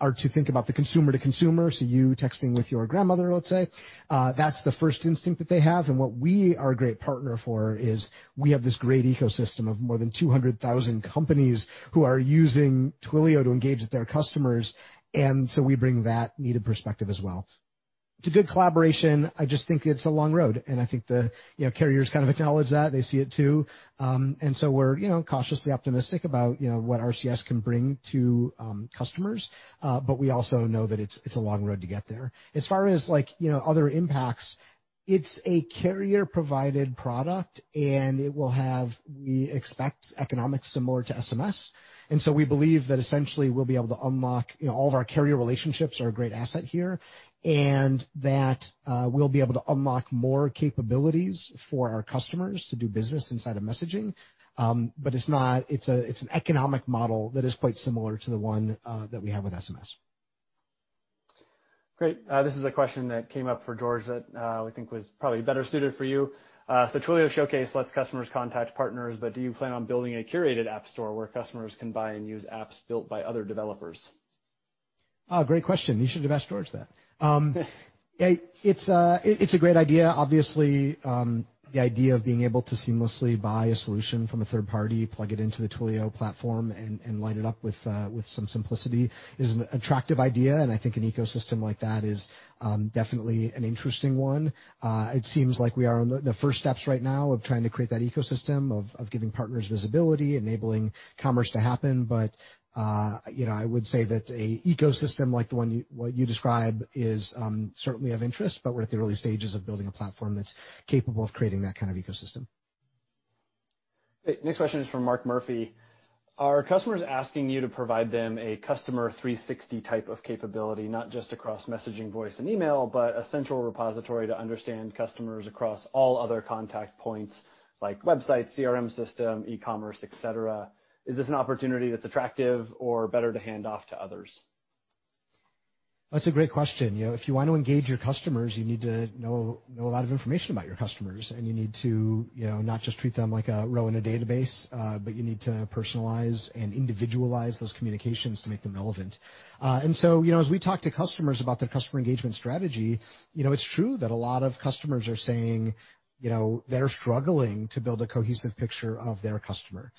are to think about the consumer to consumer, so you texting with your grandmother, let's say. That's the first instinct that they have, and what we are a great partner for is we have this great ecosystem of more than 200,000 companies who are using Twilio to engage with their customers, and so we bring that needed perspective as well. It's a good collaboration. I just think it's a long road, and I think the carriers kind of acknowledge that. They see it too. We're cautiously optimistic about what RCS can bring to customers. We also know that it's a long road to get there. As far as other impacts, it's a carrier-provided product, and it will have, we expect, economics similar to SMS. We believe that essentially we'll be able to unlock all of our carrier relationships are a great asset here, and that we'll be able to unlock more capabilities for our customers to do business inside of messaging. It's an economic model that is quite similar to the one that we have with SMS. Great. This is a question that came up for George that we think was probably better suited for you. Twilio Showcase lets customers contact partners, but do you plan on building a curated app store where customers can buy and use apps built by other developers? Oh, great question. You should have asked George that. It's a great idea. Obviously, the idea of being able to seamlessly buy a solution from a third party, plug it into the Twilio platform, and line it up with some simplicity is an attractive idea, and I think an ecosystem like that is definitely an interesting one. It seems like we are on the first steps right now of trying to create that ecosystem of giving partners visibility, enabling commerce to happen. I would say that an ecosystem like the one you describe is certainly of interest, but we're at the early stages of building a platform that's capable of creating that kind of ecosystem. Great. Next question is from Mark Murphy. Are customers asking you to provide them a customer 360 type of capability, not just across messaging, voice, and email, but a central repository to understand customers across all other contact points like website, CRM system, e-commerce, et cetera? Is this an opportunity that's attractive or better to hand off to others? That's a great question. If you want to engage your customers, you need to know a lot of information about your customers, and you need to not just treat them like a row in a database, but you need to personalize and individualize those communications to make them relevant. As we talk to customers about their customer engagement strategy, it's true that a lot of customers are saying they're struggling to build a cohesive picture of their customer.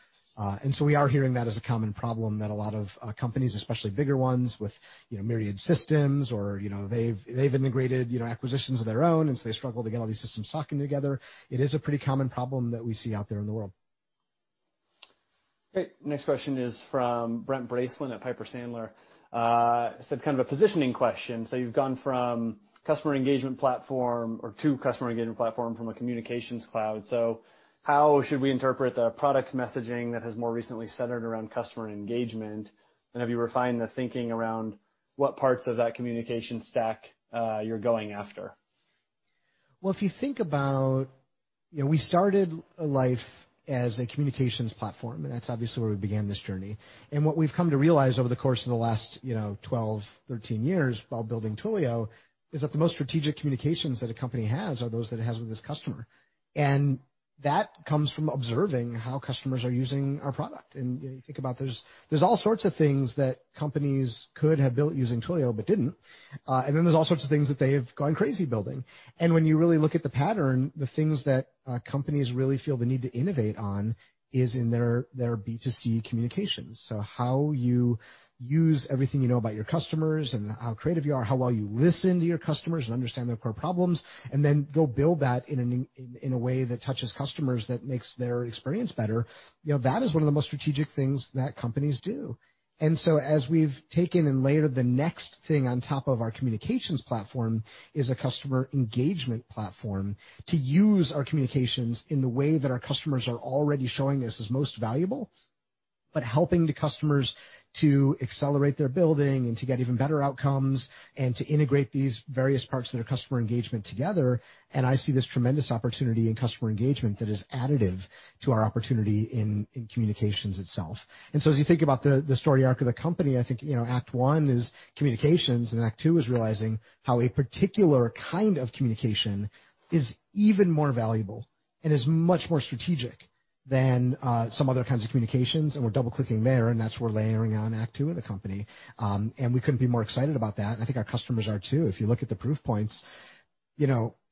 We are hearing that as a common problem that a lot of companies, especially bigger ones with myriad systems or they've integrated acquisitions of their own, they struggle to get all these systems talking together. It is a pretty common problem that we see out there in the world. Great. Next question is from Brent Bracelin at Piper Sandler. It's kind of a positioning question. You've gone to customer engagement platform from a communications cloud. How should we interpret the product messaging that has more recently centered around customer engagement? Have you refined the thinking around what parts of that communication stack you're going after? Well, if you think about, we started life as a communications platform, and that's obviously where we began this journey. What we've come to realize over the course of the last 12, 13 years while building Twilio is that the most strategic communications that a company has are those that it has with its customer. That comes from observing how customers are using our product. You think about there's all sorts of things that companies could have built using Twilio but didn't. There's all sorts of things that they have gone crazy building. When you really look at the pattern, the things that companies really feel the need to innovate on is in their B2C communications. How you use everything you know about your customers and how creative you are, how well you listen to your customers and understand their core problems, and then go build that in a way that touches customers, that makes their experience better. That is one of the most strategic things that companies do. As we've taken and layered the next thing on top of our communications platform is a customer engagement platform to use our communications in the way that our customers are already showing us is most valuable, but helping the customers to accelerate their building and to get even better outcomes and to integrate these various parts of their customer engagement together. I see this tremendous opportunity in customer engagement that is additive to our opportunity in communications itself. As you think about the story arc of the company, I think act one is communications, and act two is realizing how a particular kind of communication is even more valuable and is much more strategic than some other kinds of communications. We're double-clicking there, and that's where layering on act two of the company. We couldn't be more excited about that, and I think our customers are, too. If you look at the proof points,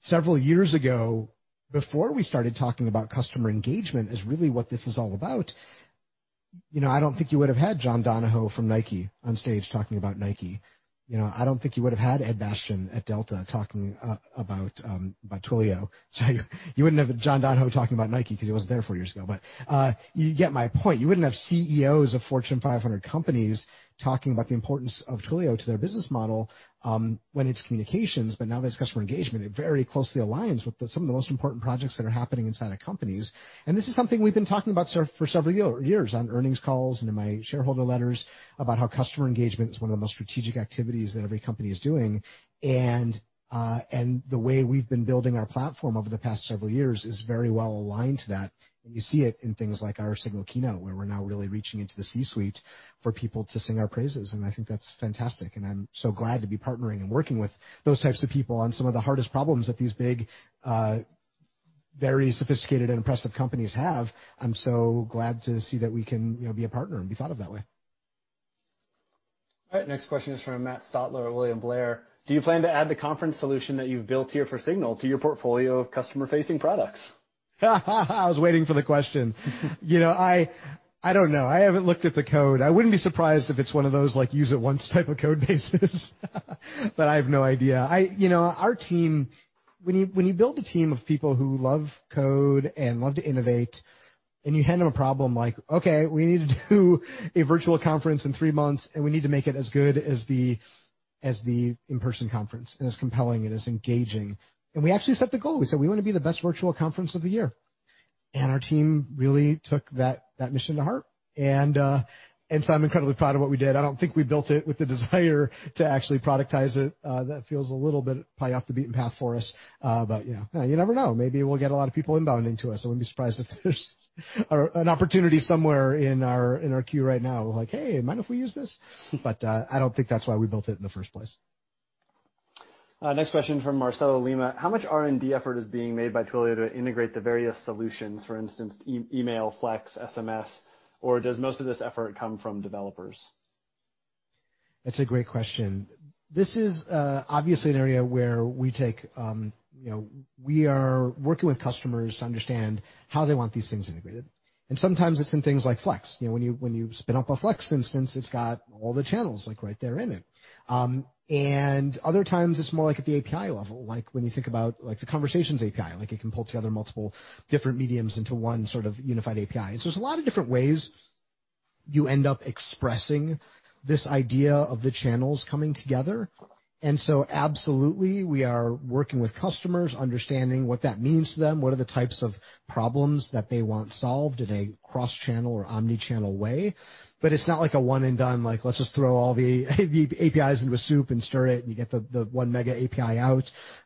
several years ago, before we started talking about customer engagement is really what this is all about. I don't think you would've had John Donahoe from Nike on stage talking about Nike. I don't think you would've had Ed Bastian at Delta talking about Twilio. Sorry. You wouldn't have John Donahoe talking about Nike because he wasn't there four years ago. You get my point. You wouldn't have CEOs of Fortune 500 companies talking about the importance of Twilio to their business model when it's communications, now that it's customer engagement, it very closely aligns with some of the most important projects that are happening inside of companies. This is something we've been talking about for several years on earnings calls and in my shareholder letters about how customer engagement is one of the most strategic activities that every company is doing. The way we've been building our platform over the past several years is very well aligned to that, you see it in things like our SIGNAL keynote, where we're now really reaching into the C-suite for people to sing our praises, I think that's fantastic. I'm so glad to be partnering and working with those types of people on some of the hardest problems that these big, very sophisticated and impressive companies have. I'm so glad to see that we can be a partner and be thought of that way. All right. Next question is from Matt Stotler at William Blair. Do you plan to add the conference solution that you've built here for SIGNAL to your portfolio of customer-facing products? I was waiting for the question. I don't know. I haven't looked at the code. I wouldn't be surprised if it's one of those, use it once type of code bases but I have no idea. Our team, when you build a team of people who love code and love to innovate, and you hand them a problem like, okay, we need to do a virtual conference in three months, and we need to make it as good as the in-person conference and as compelling and as engaging. We actually set the goal. We said, "We want to be the best virtual conference of the year." Our team really took that mission to heart. I'm incredibly proud of what we did. I don't think we built it with the desire to actually productize it. That feels a little bit probably off the beaten path for us. Yeah. You never know. Maybe we'll get a lot of people inbound into us. I wouldn't be surprised if there's an opportunity somewhere in our queue right now, like, "Hey, mind if we use this?" I don't think that's why we built it in the first place. Next question from Marcelo Lima, how much R&D effort is being made by Twilio to integrate the various solutions, for instance, email, Flex, SMS, or does most of this effort come from developers? That's a great question. This is obviously an area where we are working with customers to understand how they want these things integrated. Sometimes it's in things like Flex. When you spin up a Flex instance, it's got all the channels right there in it. Other times it's more like at the API level, like when you think about the Conversations API, like it can pull together multiple different mediums into one sort of unified API. There's a lot of different ways you end up expressing this idea of the channels coming together. Absolutely, we are working with customers understanding what that means to them, what are the types of problems that they want solved in a cross-channel or omnichannel way. It's not like a one and done, like let's just throw all the APIs into a soup and stir it, and you get the one mega API out.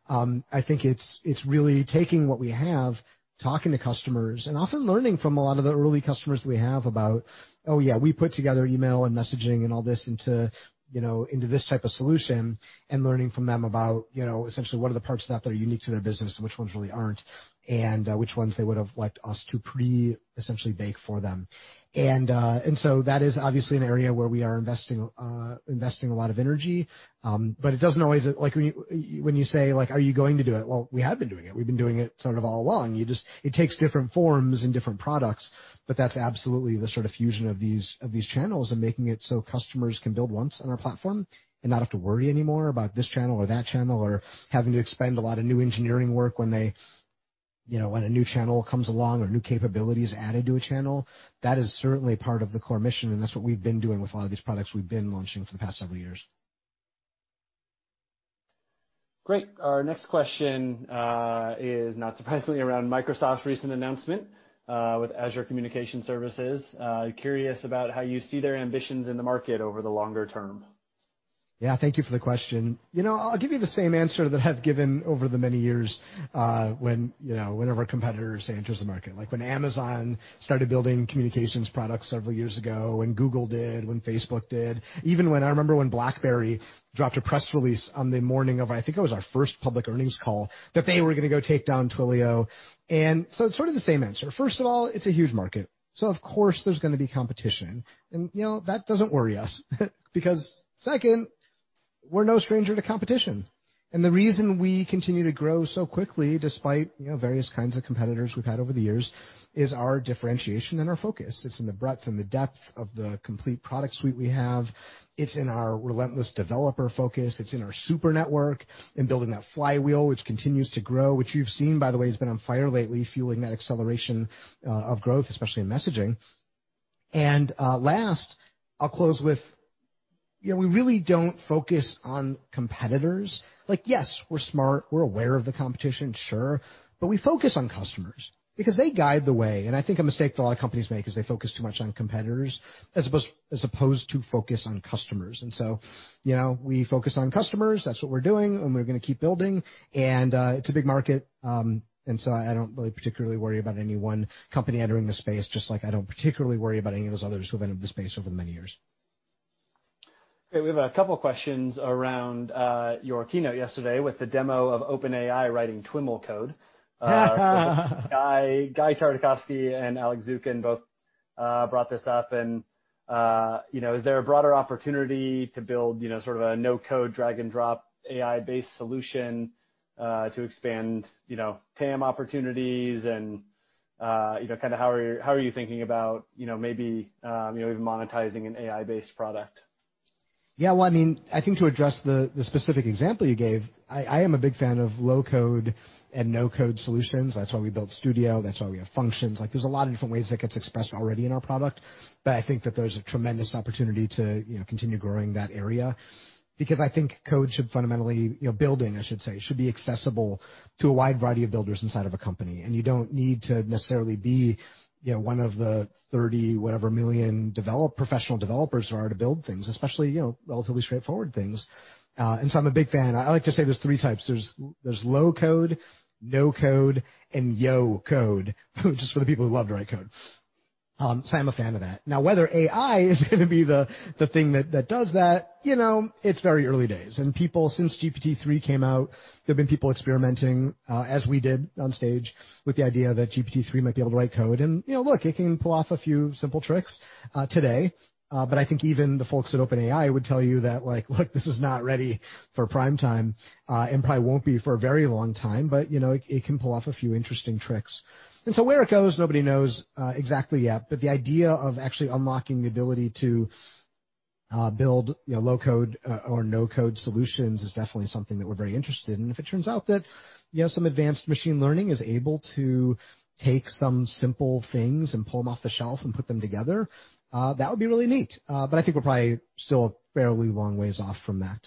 I think it's really taking what we have, talking to customers, and often learning from a lot of the early customers that we have about, oh yeah, we put together email and messaging and all this into this type of solution, and learning from them about, essentially what are the parts that are unique to their business and which ones really aren't, and which ones they would have liked us to pre, essentially bake for them. That is obviously an area where we are investing a lot of energy. When you say, are you going to do it? Well, we have been doing it. We've been doing it sort of all along. It takes different forms and different products, but that's absolutely the sort of fusion of these channels and making it so customers can build once on our platform and not have to worry anymore about this channel or that channel, or having to expend a lot of new engineering work when a new channel comes along or a new capability is added to a channel. That is certainly part of the core mission, and that's what we've been doing with a lot of these products we've been launching for the past several years. Great. Our next question, is not surprisingly, around Microsoft's recent announcement, with Azure Communication Services. Curious about how you see their ambitions in the market over the longer term. Yeah. Thank you for the question. I'll give you the same answer that I've given over the many years, whenever a competitor has enters the market. Like when Amazon started building communications products several years ago, when Google did, when Facebook did, even when I remember when BlackBerry dropped a press release on the morning of, I think it was our first public earnings call, that they were going to go take down Twilio. It's sort of the same answer. First of all, it's a huge market, so of course there's going to be competition. That doesn't worry us because second, we're no stranger to competition. The reason we continue to grow so quickly, despite various kinds of competitors we've had over the years, is our differentiation and our focus. It's in the breadth and the depth of the complete product suite we have. It's in our relentless developer focus. It's in our Super Network and building that flywheel, which continues to grow, which you've seen, by the way, has been on fire lately, fueling that acceleration of growth, especially in messaging. Last, I'll close with, we really don't focus on competitors. Like, yes, we're smart, we're aware of the competition, sure. We focus on customers because they guide the way, and I think a mistake that a lot of companies make is they focus too much on competitors, as opposed to focus on customers. We focus on customers, that's what we're doing, and we're going to keep building. It's a big market, and so I don't really particularly worry about any one company entering the space, just like I don't particularly worry about any of those others who have entered the space over the many years. Okay. We have a couple questions around your keynote yesterday with the demo of OpenAI writing TwiML code. Guy Tartakovsky and Alex Zukin both brought this up. Is there a broader opportunity to build sort of a no-code, drag and drop AI-based solution, to expand TAM opportunities and how are you thinking about maybe even monetizing an AI-based product? Yeah. Well, I think to address the specific example you gave, I am a big fan of low-code and no-code solutions. That's why we built Studio, that's why we have Functions. There's a lot of different ways that gets expressed already in our product. I think that there's a tremendous opportunity to continue growing that area because I think code should fundamentally, building, I should say, should be accessible to a wide variety of builders inside of a company. You don't need to necessarily be one of the whatever 30 million professional developers there are to build things, especially relatively straightforward things. I'm a big fan. I like to say there's three types. There's low-code, no-code, and yo-code, just for the people who love to write code. I am a fan of that. Whether AI is going to be the thing that does that, it's very early days, and people, since GPT-3 came out, there have been people experimenting, as we did on stage, with the idea that GPT-3 might be able to write code. Look, it can pull off a few simple tricks today. I think even the folks at OpenAI would tell you that, look, this is not ready for prime time, and probably won't be for a very long time. It can pull off a few interesting tricks. Where it goes, nobody knows exactly yet, but the idea of actually unlocking the ability to build low-code or no-code solutions is definitely something that we're very interested in. If it turns out that some advanced machine learning is able to take some simple things and pull them off the shelf and put them together, that would be really neat. I think we're probably still a fairly long ways off from that,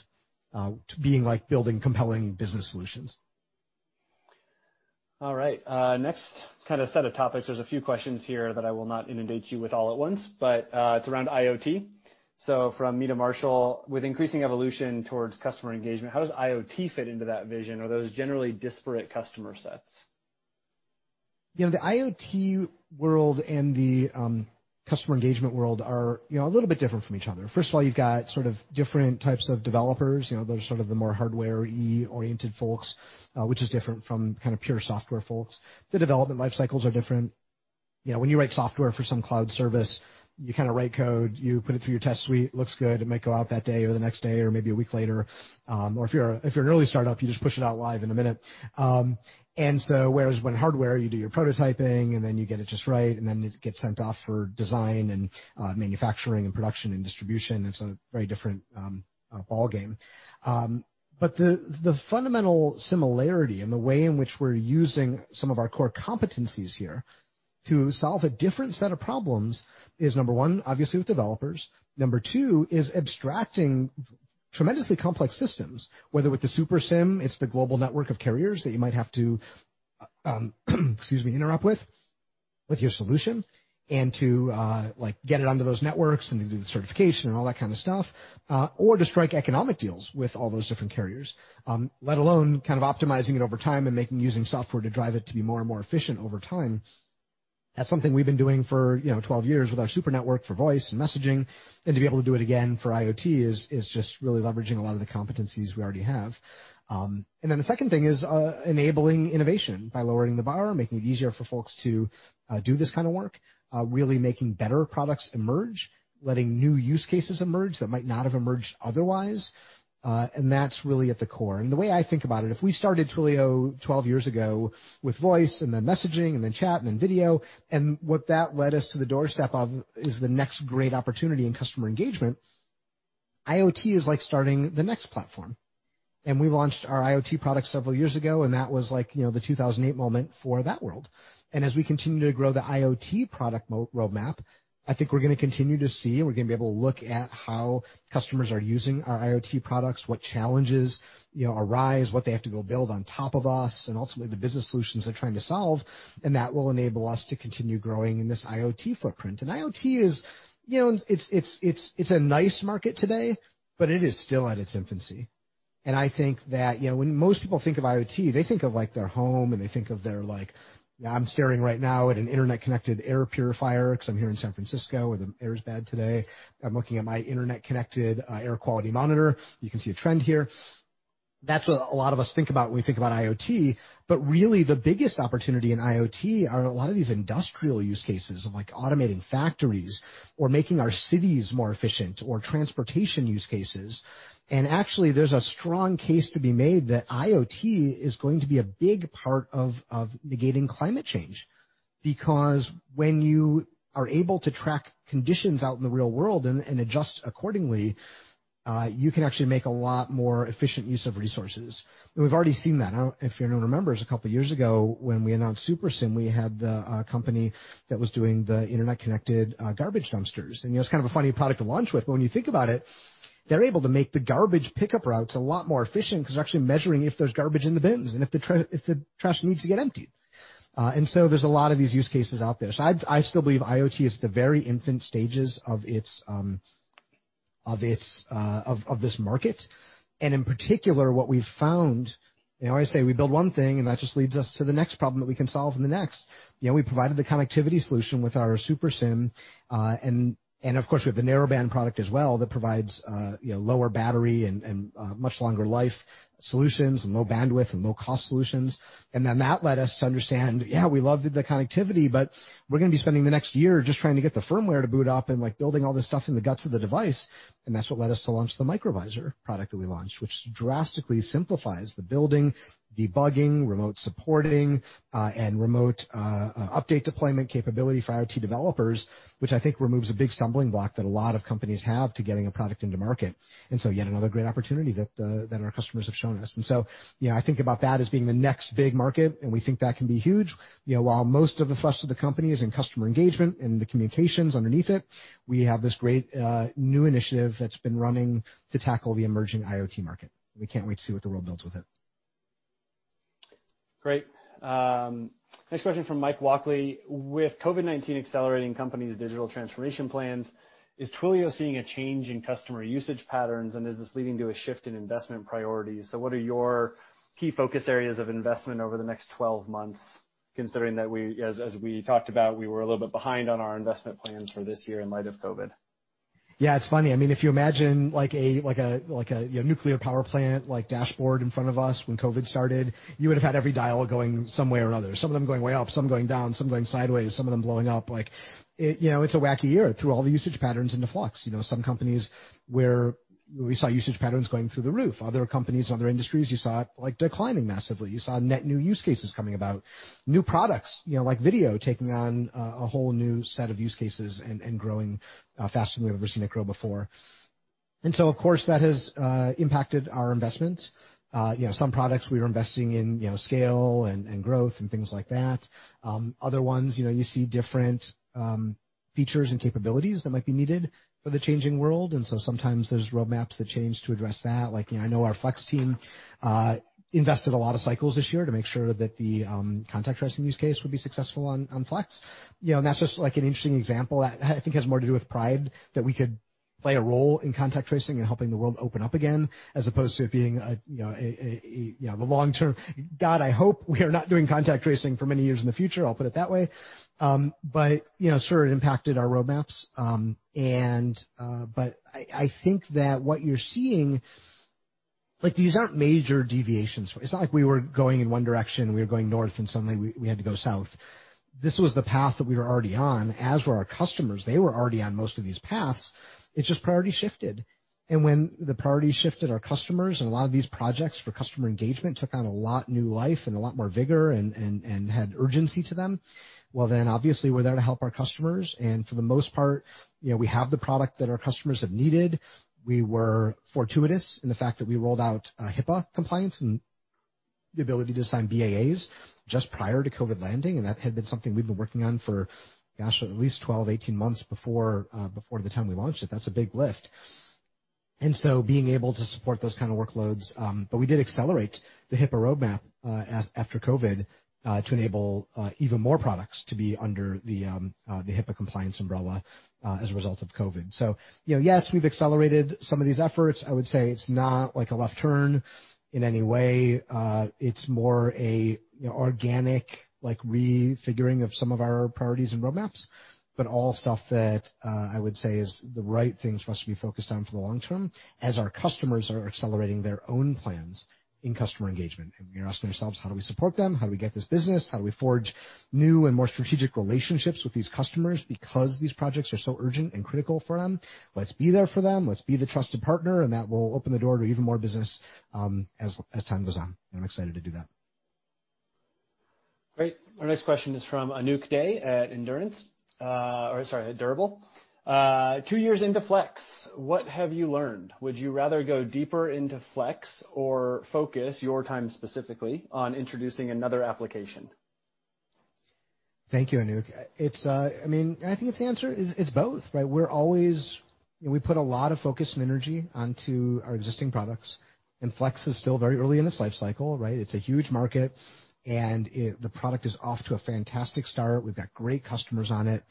to being like building compelling business solutions. All right. Next kind of set of topics. There's a few questions here that I will not inundate you with all at once, but, it's around IoT. From Meta Marshall, with increasing evolution towards customer engagement, how does IoT fit into that vision? Are those generally disparate customer sets? The IoT world and the customer engagement world are a little bit different from each other. First of all, you've got different types of developers. Those are sort of the more hardware-y oriented folks, which is different from kind of pure software folks. The development life cycles are different. When you write software for some cloud service, you write code, you put it through your test suite, looks good, it might go out that day or the next day, or maybe a week later. Or if you're an early startup, you just push it out live in a minute. Whereas when hardware, you do your prototyping, and then you get it just right, and then it gets sent off for design and manufacturing and production and distribution. It's a very different ballgame. The fundamental similarity and the way in which we're using some of our core competencies here to solve a different set of problems is, number one, obviously with developers. Number two is abstracting tremendously complex systems, whether with the Super SIM, it's the global network of carriers that you might have to, excuse me, interrupt with your solution. To get it onto those networks and do the certification and all that kind of stuff, or to strike economic deals with all those different carriers. Let alone kind of optimizing it over time and making, using software to drive it to be more and more efficient over time. That's something we've been doing for 12 years with our Super Network for voice and messaging. To be able to do it again for IoT is just really leveraging a lot of the competencies we already have. The second thing is enabling innovation by lowering the bar, making it easier for folks to do this kind of work, really making better products emerge, letting new use cases emerge that might not have emerged otherwise. That's really at the core. The way I think about it, if we started Twilio 12 years ago with voice and then messaging and then chat and then video, what that led us to the doorstep of is the next great opportunity in customer engagement. IoT is like starting the next platform. We launched our IoT product several years ago, and that was like the 2008 moment for that world. As we continue to grow the IoT product roadmap, I think we're gonna continue to see, and we're gonna be able to look at how customers are using our IoT products, what challenges arise, what they have to go build on top of us, and ultimately the business solutions they're trying to solve, and that will enable us to continue growing in this IoT footprint. IoT is a nice market today, but it is still at its infancy. I think that when most people think of IoT, they think of their home, and they think of their, like, I'm staring right now at an internet-connected air purifier because I'm here in San Francisco where the air is bad today. I'm looking at my internet-connected air quality monitor. You can see a trend here. That's what a lot of us think about when we think about IoT. Really the biggest opportunity in IoT are a lot of these industrial use cases of automating factories or making our cities more efficient or transportation use cases. Actually, there's a strong case to be made that IoT is going to be a big part of negating climate change, because when you are able to track conditions out in the real world and adjust accordingly, you can actually make a lot more efficient use of resources. We've already seen that. If anyone remembers, a couple of years ago when we announced Super SIM, we had the company that was doing the internet-connected garbage dumpsters, and it was kind of a funny product to launch with. When you think about it, they're able to make the garbage pickup routes a lot more efficient because they're actually measuring if there's garbage in the bins and if the trash needs to get emptied. There's a lot of these use cases out there. I still believe IoT is at the very infant stages of this market. In particular, what we've found, I always say we build one thing, and that just leads us to the next problem that we can solve and the next. We provided the connectivity solution with our Super SIM, and of course, we have the Narrowband product as well, that provides lower battery and much longer life solutions and low bandwidth and low-cost solutions. That led us to understand, yeah, we loved the connectivity, but we're gonna be spending the next year just trying to get the firmware to boot up and building all this stuff in the guts of the device, and that's what led us to launch the Microvisor product that we launched, which drastically simplifies the building, debugging, remote supporting, and remote update deployment capability for IoT developers, which I think removes a big stumbling block that a lot of companies have to getting a product into market. Yet another great opportunity that our customers have shown us. I think about that as being the next big market. We think that can be huge. While most of the thrust of the company is in customer engagement and the communications underneath it, we have this great new initiative that's been running to tackle the emerging IoT market. We can't wait to see what the world builds with it. Great. Next question from Mike Walkley. With COVID-19 accelerating companies' digital transformation plans, is Twilio seeing a change in customer usage patterns, and is this leading to a shift in investment priorities? What are your key focus areas of investment over the next 12 months, considering that as we talked about, we were a little bit behind on our investment plans for this year in light of COVID? It's funny. If you imagine a nuclear power plant dashboard in front of us when COVID started, you would have had every dial going some way or other. Some of them going way up, some going down, some going sideways, some of them blowing up. It's a wacky year. It threw all the usage patterns into flux. Some companies where we saw usage patterns going through the roof. Other companies, other industries, you saw it declining massively. You saw net new use cases coming about. New products, like video, taking on a whole new set of use cases and growing faster than we've ever seen it grow before. Of course, that has impacted our investments. Some products we were investing in scale and growth and things like that. Other ones, you see different features and capabilities that might be needed for the changing world, sometimes there's roadmaps that change to address that. I know our Flex team invested a lot of cycles this year to make sure that the contact tracing use case would be successful on Flex. That's just an interesting example that I think has more to do with pride that we could play a role in contact tracing and helping the world open up again, as opposed to it being the long-term. God, I hope we are not doing contact tracing for many years in the future, I'll put it that way. Sure, it impacted our roadmaps. I think that what you're seeing, these aren't major deviations. It's not like we were going in one direction, we were going north and suddenly we had to go south. This was the path that we were already on, as were our customers. They were already on most of these paths. It's just priority shifted. When the priority shifted, our customers and a lot new life and a lot more vigor and had urgency to them. Obviously, we're there to help our customers, and for the most part, we have the product that our customers have needed. We were fortuitous in the fact that we rolled out HIPAA compliance and the ability to sign BAAs just prior to COVID landing, and that had been something we'd been working on for, gosh, at least 12, 18 months before the time we launched it. That's a big lift. Being able to support those kind of workloads. We did accelerate the HIPAA roadmap after COVID to enable even more products to be under the HIPAA compliance umbrella as a result of COVID. Yes, we've accelerated some of these efforts. I would say it's not like a left turn in any way. It's more a organic refiguring of some of our priorities and roadmaps, but all stuff that I would say is the right things for us to be focused on for the long term, as our customers are accelerating their own plans in customer engagement. We are asking ourselves, how do we support them? How do we get this business? How do we forge new and more strategic relationships with these customers because these projects are so urgent and critical for them? Let's be there for them, let's be the trusted partner, and that will open the door to even more business as time goes on. I'm excited to do that. Great. Our next question is from Anouk Dey at Endurance, or sorry, at Durable. Two years into Flex, what have you learned? Would you rather go deeper into Flex or focus your time specifically on introducing another application? Thank you, Anouk. I think the answer is it's both, right? We put a lot of focus and energy onto our existing products, and Flex is still very early in its life cycle, right? It's a huge market, and the product is off to a fantastic start. We've got great customers on it.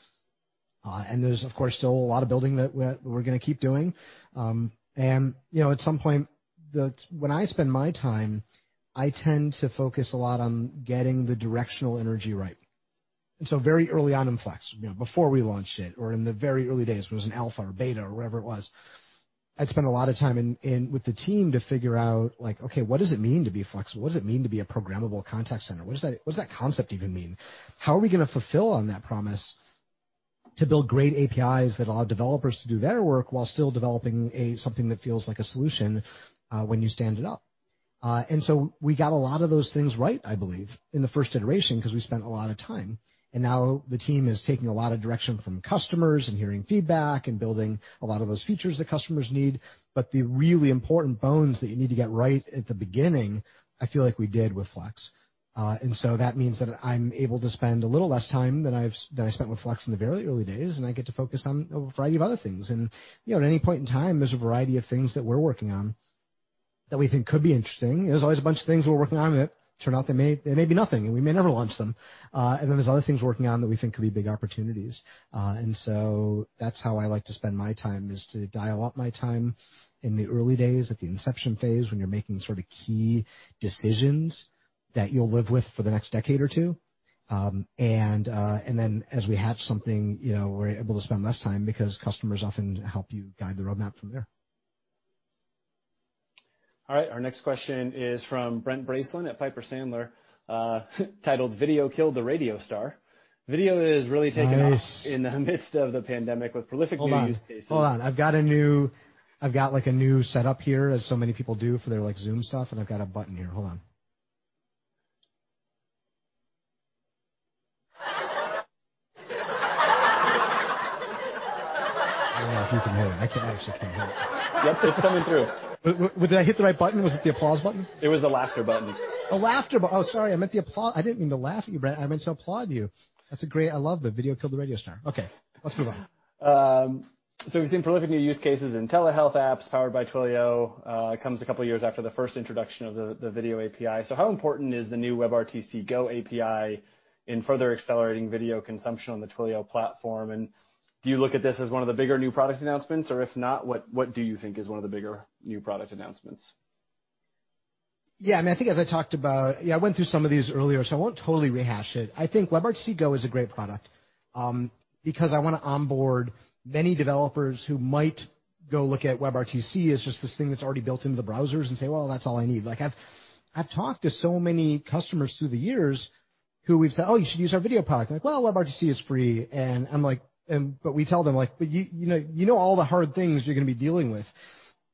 There's, of course, still a lot of building that we're going to keep doing. At some point, when I spend my time, I tend to focus a lot on getting the directional energy right. Very early on in Flex, before we launched it or in the very early days, when it was in alpha or beta or whatever it was, I'd spent a lot of time with the team to figure out, okay, what does it mean to be Flex? What does it mean to be a programmable contact center? What does that concept even mean? How are we going to fulfill on that promise to build great APIs that allow developers to do their work while still developing something that feels like a solution when you stand it up? We got a lot of those things right, I believe, in the first iteration because we spent a lot of time, and now the team is taking a lot of direction from customers and hearing feedback and building a lot of those features that customers need. The really important bones that you need to get right at the beginning, I feel like we did with Flex. That means that I'm able to spend a little less time than I spent with Flex in the very early days, and I get to focus on a variety of other things. at any point in time, there's a variety of things that we're working on that we think could be interesting. There's always a bunch of things we're working on that turn out they may be nothing, and we may never launch them. there's other things we're working on that we think could be big opportunities. that's how I like to spend my time, is to dial up my time in the early days, at the inception phase, when you're making sort of key decisions that you'll live with for the next decade or two. as we have something, we're able to spend less time because customers often help you guide the roadmap from there. All right. Our next question is from Brent Bracelin at Piper Sandler, titled Video Killed the Radio Star. Video has really taken off in the midst of the pandemic with prolific new use cases. Hold on. I've got a new setup here, as so many people do for their Zoom stuff, and I've got a button here. Hold on. I don't know if you can hear it. I can actually hear it. Yep, it's coming through. Did I hit the right button? Was it the applause button? It was the laughter button. The laughter button. Oh, sorry, I meant the applause. I didn't mean to laugh at you, Brent. I meant to applaud you. That's great. I love the Video Killed the Radio Star. Okay, let's move on. We've seen prolific new use cases in telehealth apps powered by Twilio. It comes a couple of years after the first introduction of the Video API. How important is the new WebRTC Go API in further accelerating video consumption on the Twilio platform, and do you look at this as one of the bigger new product announcements? If not, what do you think is one of the bigger new product announcements? Yeah. I think as I talked about, I went through some of these earlier, so I won't totally rehash it. I think WebRTC Go is a great product, because I want to onboard many developers who might go look at WebRTC as just this thing that's already built into the browsers and say, "Well, that's all I need." I've talked to so many customers through the years who we've said, "Oh, you should use our video product." They're like, "Well, WebRTC is free." We tell them, "But you know all the hard things you're going to be dealing with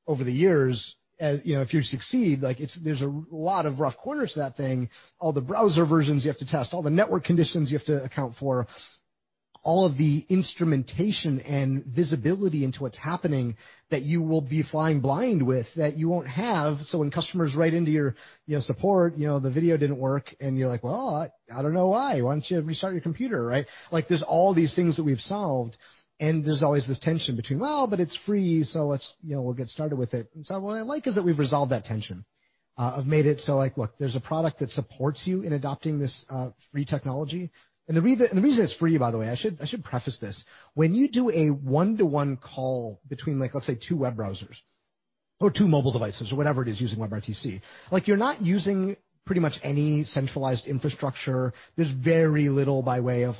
over the years if you succeed. There's a lot of rough corners to that thing. All the browser versions you have to test, all the network conditions you have to account for, all of the instrumentation and visibility into what's happening that you will be flying blind with that you won't have." when customers write into your support, "The video didn't work," and you're like, "Well, I don't know why. Why don't you restart your computer," right? There's all these things that we've solved, and there's always this tension between, "Well, but it's free, so we'll get started with it." what I like is that we've resolved that tension I've made it so like, look, there's a product that supports you in adopting this free technology. the reason it's free, by the way, I should preface this. When you do a one-to-one call between, let's say, two web browsers or two mobile devices or whatever it is, using WebRTC, you're not using pretty much any centralized infrastructure. There's very little by way of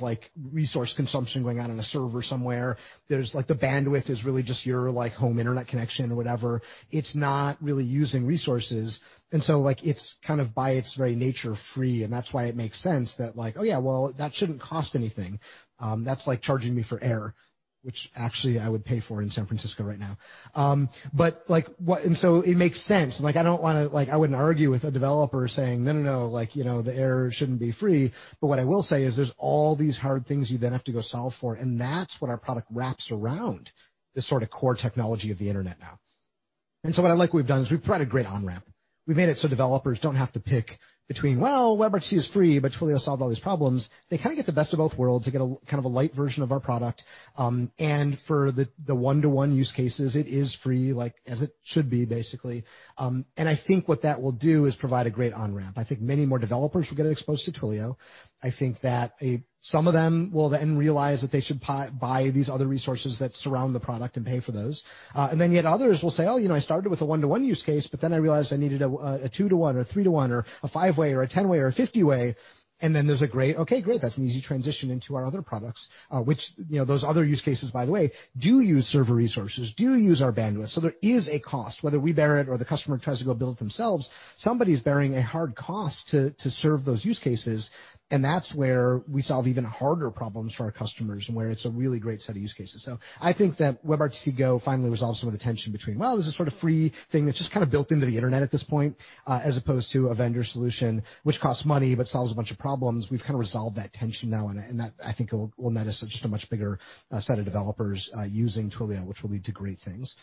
resource consumption going on in a server somewhere. The bandwidth is really just your home internet connection or whatever. It's not really using resources. It's kind of by its very nature, free, and that's why it makes sense that, oh yeah, well, that shouldn't cost anything. That's like charging me for air, which actually I would pay for in San Francisco right now. It makes sense. I wouldn't argue with a developer saying, "No, no, the air shouldn't be free." What I will say is there's all these hard things you then have to go solve for, and that's what our product wraps around this sort of core technology of the internet now. What I like we've done is we've provided a great on-ramp. We've made it so developers don't have to pick between, well, WebRTC is free, but Twilio solved all these problems. They kind of get the best of both worlds. They get kind of a light version of our product. For the one-to-one use cases, it is free, as it should be, basically. I think what that will do is provide a great on-ramp. I think many more developers will get exposed to Twilio. I think that some of them will then realize that they should buy these other resources that surround the product and pay for those. Yet others will say, "Oh, I started with a one-to-one use case, but then I realized I needed a two-to-one or three-to-one, or a five-way or a 10-way or a 50-way." There's a great, "Okay, great," that's an easy transition into our other products. Which, those other use cases, by the way, do use server resources, do use our bandwidth. There is a cost, whether we bear it or the customer tries to go build it themselves, somebody's bearing a hard cost to serve those use cases, and that's where we solve even harder problems for our customers and where it's a really great set of use cases. I think that WebRTC Go finally resolves some of the tension between, well, this is sort of free thing that's just kind of built into the internet at this point, as opposed to a vendor solution, which costs money but solves a bunch of problems. We've kind of resolved that tension now, and that, I think, will net us just a much bigger set of developers using Twilio, which will lead to great things.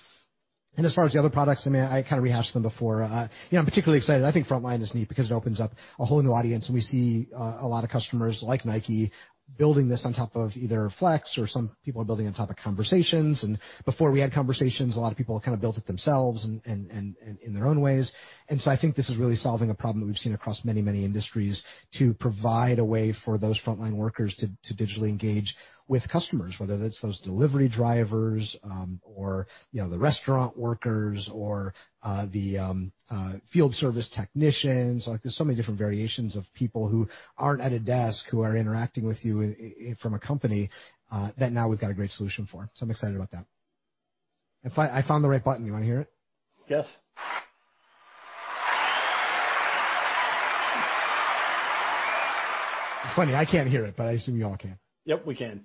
As far as the other products, I kind of rehashed them before. I'm particularly excited. I think Frontline is neat because it opens up a whole new audience, and we see a lot of customers like Nike building this on top of either Flex or some people are building on top of Conversations. Before we had Conversations, a lot of people kind of built it themselves in their own ways. I think this is really solving a problem that we've seen across many, many industries to provide a way for those frontline workers to digitally engage with customers, whether that's those delivery drivers, or the restaurant workers, or the field service technicians. There's so many different variations of people who aren't at a desk, who are interacting with you from a company, that now we've got a great solution for. I'm excited about that. I found the right button. You want to hear it? Yes. It's funny, I can't hear it, but I assume you all can. Yep, we can.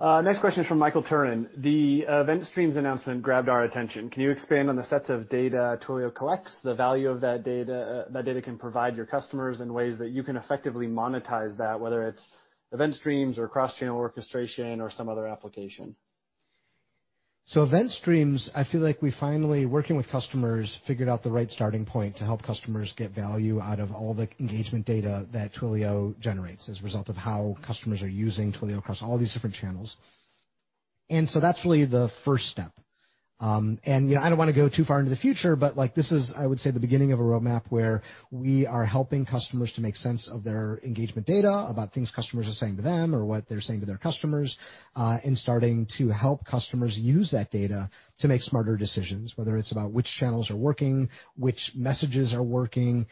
Next question is from Michael Turrin. "The Event Streams announcement grabbed our attention. Can you expand on the sets of data Twilio collects, the value of that data can provide your customers, and ways that you can effectively monetize that, whether it's Event Streams or cross-channel orchestration or some other application? Event Streams, I feel like we finally, working with customers, figured out the right starting point to help customers get value out of all the engagement data that Twilio generates as a result of how customers are using Twilio across all these different channels. that's really the first step. I don't want to go too far into the future, but this is, I would say, the beginning of a roadmap where we are helping customers to make sense of their engagement data, about things customers are saying to them or what they're saying to their customers, and starting to help customers use that data to make smarter decisions, whether it's about which channels are working, which messages are working,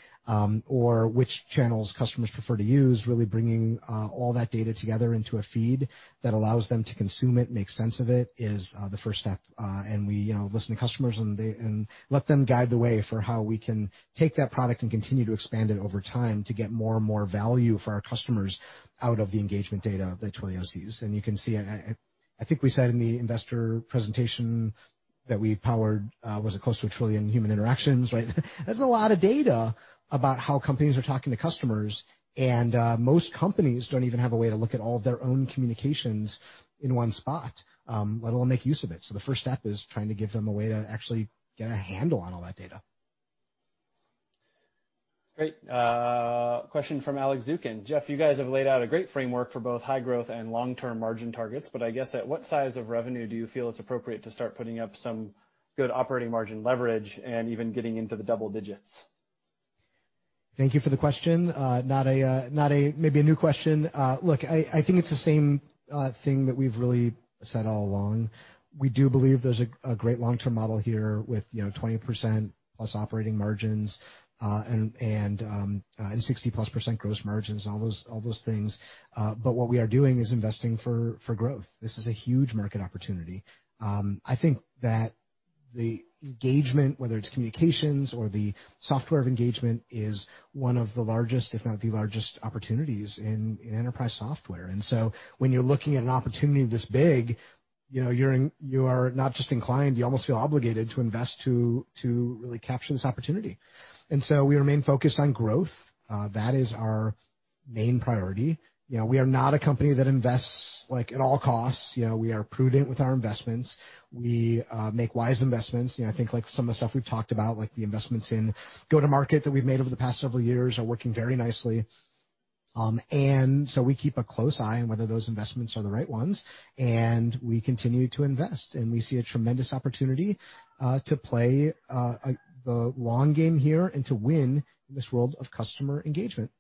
or which channels customers prefer to use. Really bringing all that data together into a feed that allows them to consume it, make sense of it, is the first step. We listen to customers and let them guide the way for how we can take that product and continue to expand it over time to get more and more value for our customers out of the engagement data that Twilio sees. You can see, I think we said in the investor presentation that we powered, was it close to a trillion human interactions, right? That's a lot of data about how companies are talking to customers, and most companies don't even have a way to look at all their own communications in one spot, let alone make use of it. The first step is trying to give them a way to actually get a handle on all that data. Great. Question from Alex Zukin. "Jeff, you guys have laid out a great framework for both high growth and long-term margin targets, but I guess at what size of revenue do you feel it's appropriate to start putting up some good operating margin leverage and even getting into the double digits? Thank you for the question. Not maybe a new question. Look, I think it's the same thing that we've really said all along. We do believe there's a great long-term model here with 20%+ operating margins and 60%+ gross margins, all those things. what we are doing is investing for growth. This is a huge market opportunity. I think that the engagement, whether it's communications or the software of engagement, is one of the largest, if not the largest, opportunities in enterprise software. when you're looking at an opportunity this big, you are not just inclined, you almost feel obligated to invest to really capture this opportunity. we remain focused on growth. That is our main priority. We are not a company that invests at all costs. We are prudent with our investments. We make wise investments. I think some of the stuff we've talked about, like the investments in go-to-market that we've made over the past several years are working very nicely. We keep a close eye on whether those investments are the right ones, and we continue to invest. We see a tremendous opportunity to play the long game here and to win in this world of customer engagement.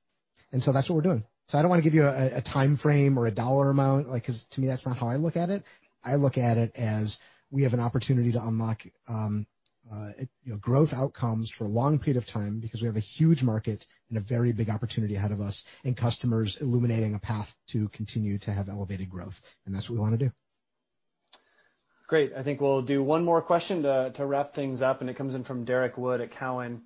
That's what we're doing. I don't want to give you a time frame or a dollar amount, because to me, that's not how I look at it. I look at it as we have an opportunity to unlock growth outcomes for a long period of time because we have a huge market and a very big opportunity ahead of us, and customers illuminating a path to continue to have elevated growth. That's what we want to do. Great. I think we'll do one more question to wrap things up, and it comes in from Derrick Wood at Cowen.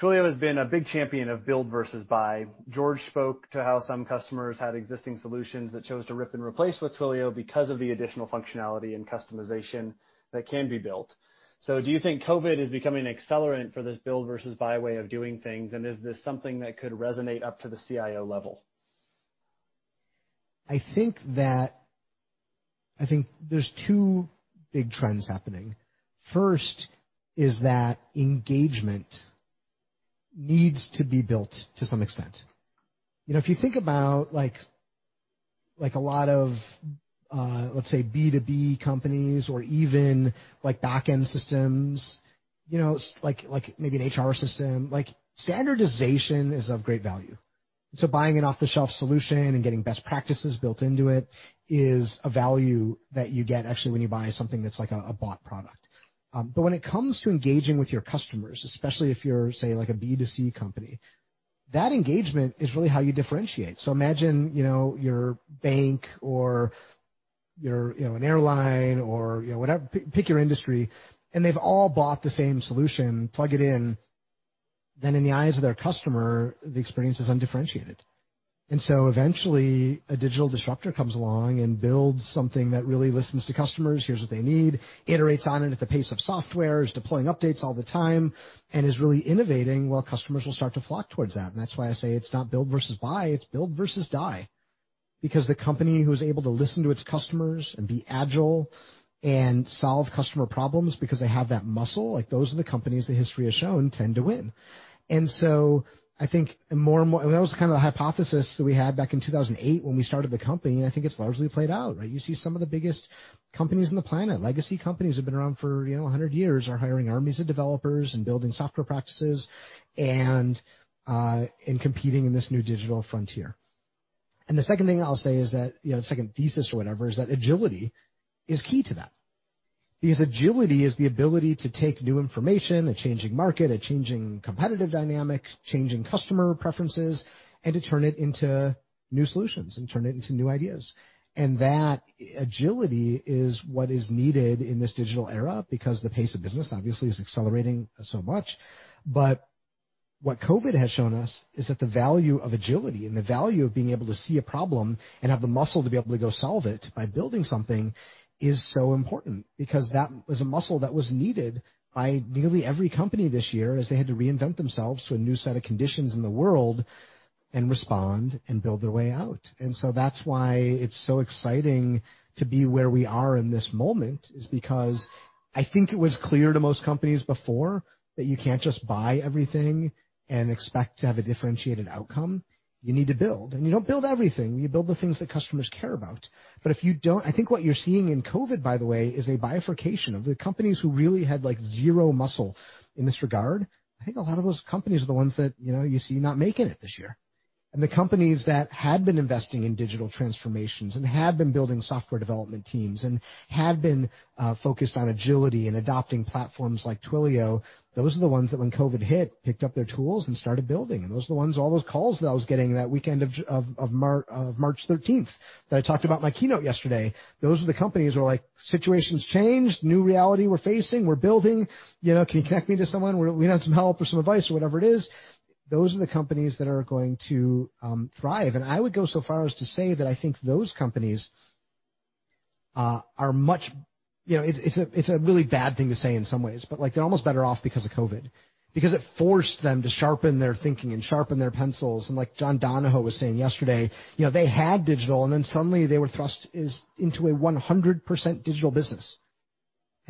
Twilio has been a big champion of build versus buy. George spoke to how some customers had existing solutions that chose to rip and replace with Twilio because of the additional functionality and customization that can be built. Do you think COVID is becoming an accelerant for this build versus buy way of doing things? Is this something that could resonate up to the CIO level? I think there's two big trends happening. First is that engagement needs to be built to some extent. If you think about a lot of, let's say, B2B companies or even backend systems, like maybe an HR system, standardization is of great value. buying an off-the-shelf solution and getting best practices built into it is a value that you get actually when you buy something that's a bought product. when it comes to engaging with your customers, especially if you're, say, a B2C company, that engagement is really how you differentiate. imagine your bank or an airline or whatever, pick your industry, and they've all bought the same solution, plug it in. In the eyes of their customer, the experience is undifferentiated. Eventually, a digital disruptor comes along and builds something that really listens to customers, here's what they need, iterates on it at the pace of software, is deploying updates all the time, and is really innovating while customers will start to flock towards that. That's why I say it's not build versus buy, it's build versus die. Because the company who's able to listen to its customers and be agile and solve customer problems because they have that muscle, those are the companies that history has shown tend to win. That was kind of the hypothesis that we had back in 2008 when we started the company, and I think it's largely played out, right? You see some of the biggest companies on the planet, legacy companies that have been around for 100 years, are hiring armies of developers and building software practices and competing in this new digital frontier. The second thing I'll say is that, the second thesis or whatever, is that agility is key to that. Because agility is the ability to take new information, a changing market, a changing competitive dynamic, changing customer preferences, and to turn it into new solutions and turn it into new ideas. That agility is what is needed in this digital era because the pace of business obviously is accelerating so much. What COVID has shown us is that the value of agility and the value of being able to see a problem and have the muscle to be able to go solve it by building something is so important, because that was a muscle that was needed by nearly every company this year as they had to reinvent themselves to a new set of conditions in the world and respond and build their way out. That's why it's so exciting to be where we are in this moment, is because I think it was clear to most companies before that you can't just buy everything and expect to have a differentiated outcome. You need to build. You don't build everything. You build the things that customers care about. I think what you're seeing in COVID, by the way, is a bifurcation of the companies who really had zero muscle in this regard. I think a lot of those companies are the ones that you see not making it this year. The companies that had been investing in digital transformations and had been building software development teams and had been focused on agility and adopting platforms like Twilio, those are the ones that when COVID hit, picked up their tools and started building. Those are the ones, all those calls that I was getting that weekend of March 13th, that I talked about in my keynote yesterday. Those are the companies who were like, "Situations changed, new reality we're facing, we're building. Can you connect me to someone? We had some help or some advice," or whatever it is. Those are the companies that are going to thrive. I would go so far as to say that I think those companies are It's a really bad thing to say in some ways, but they're almost better off because of COVID, because it forced them to sharpen their thinking and sharpen their pencils. Like John Donahoe was saying yesterday, they had digital, and then suddenly they were thrust into a 100% digital business.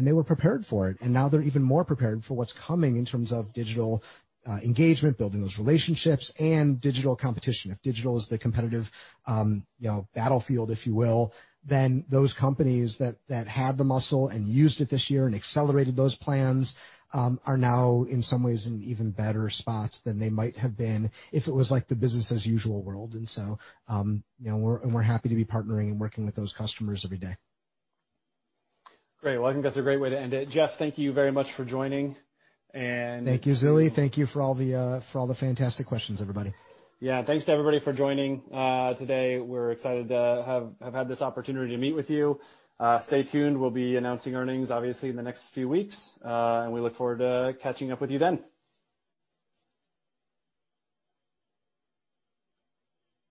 They were prepared for it, and now they're even more prepared for what's coming in terms of digital engagement, building those relationships, and digital competition. If digital is the competitive battlefield, if you will, then those companies that had the muscle and used it this year and accelerated those plans are now, in some ways, in even better spots than they might have been if it was like the business as usual world. We're happy to be partnering and working with those customers every day. Great. Well, I think that's a great way to end it. Jeff, thank you very much for joining. Thank you, Zilli. Thank you for all the fantastic questions, everybody. Yeah. Thanks to everybody for joining today. We're excited to have had this opportunity to meet with you. Stay tuned. We'll be announcing earnings, obviously, in the next few weeks. We look forward to catching up with you then.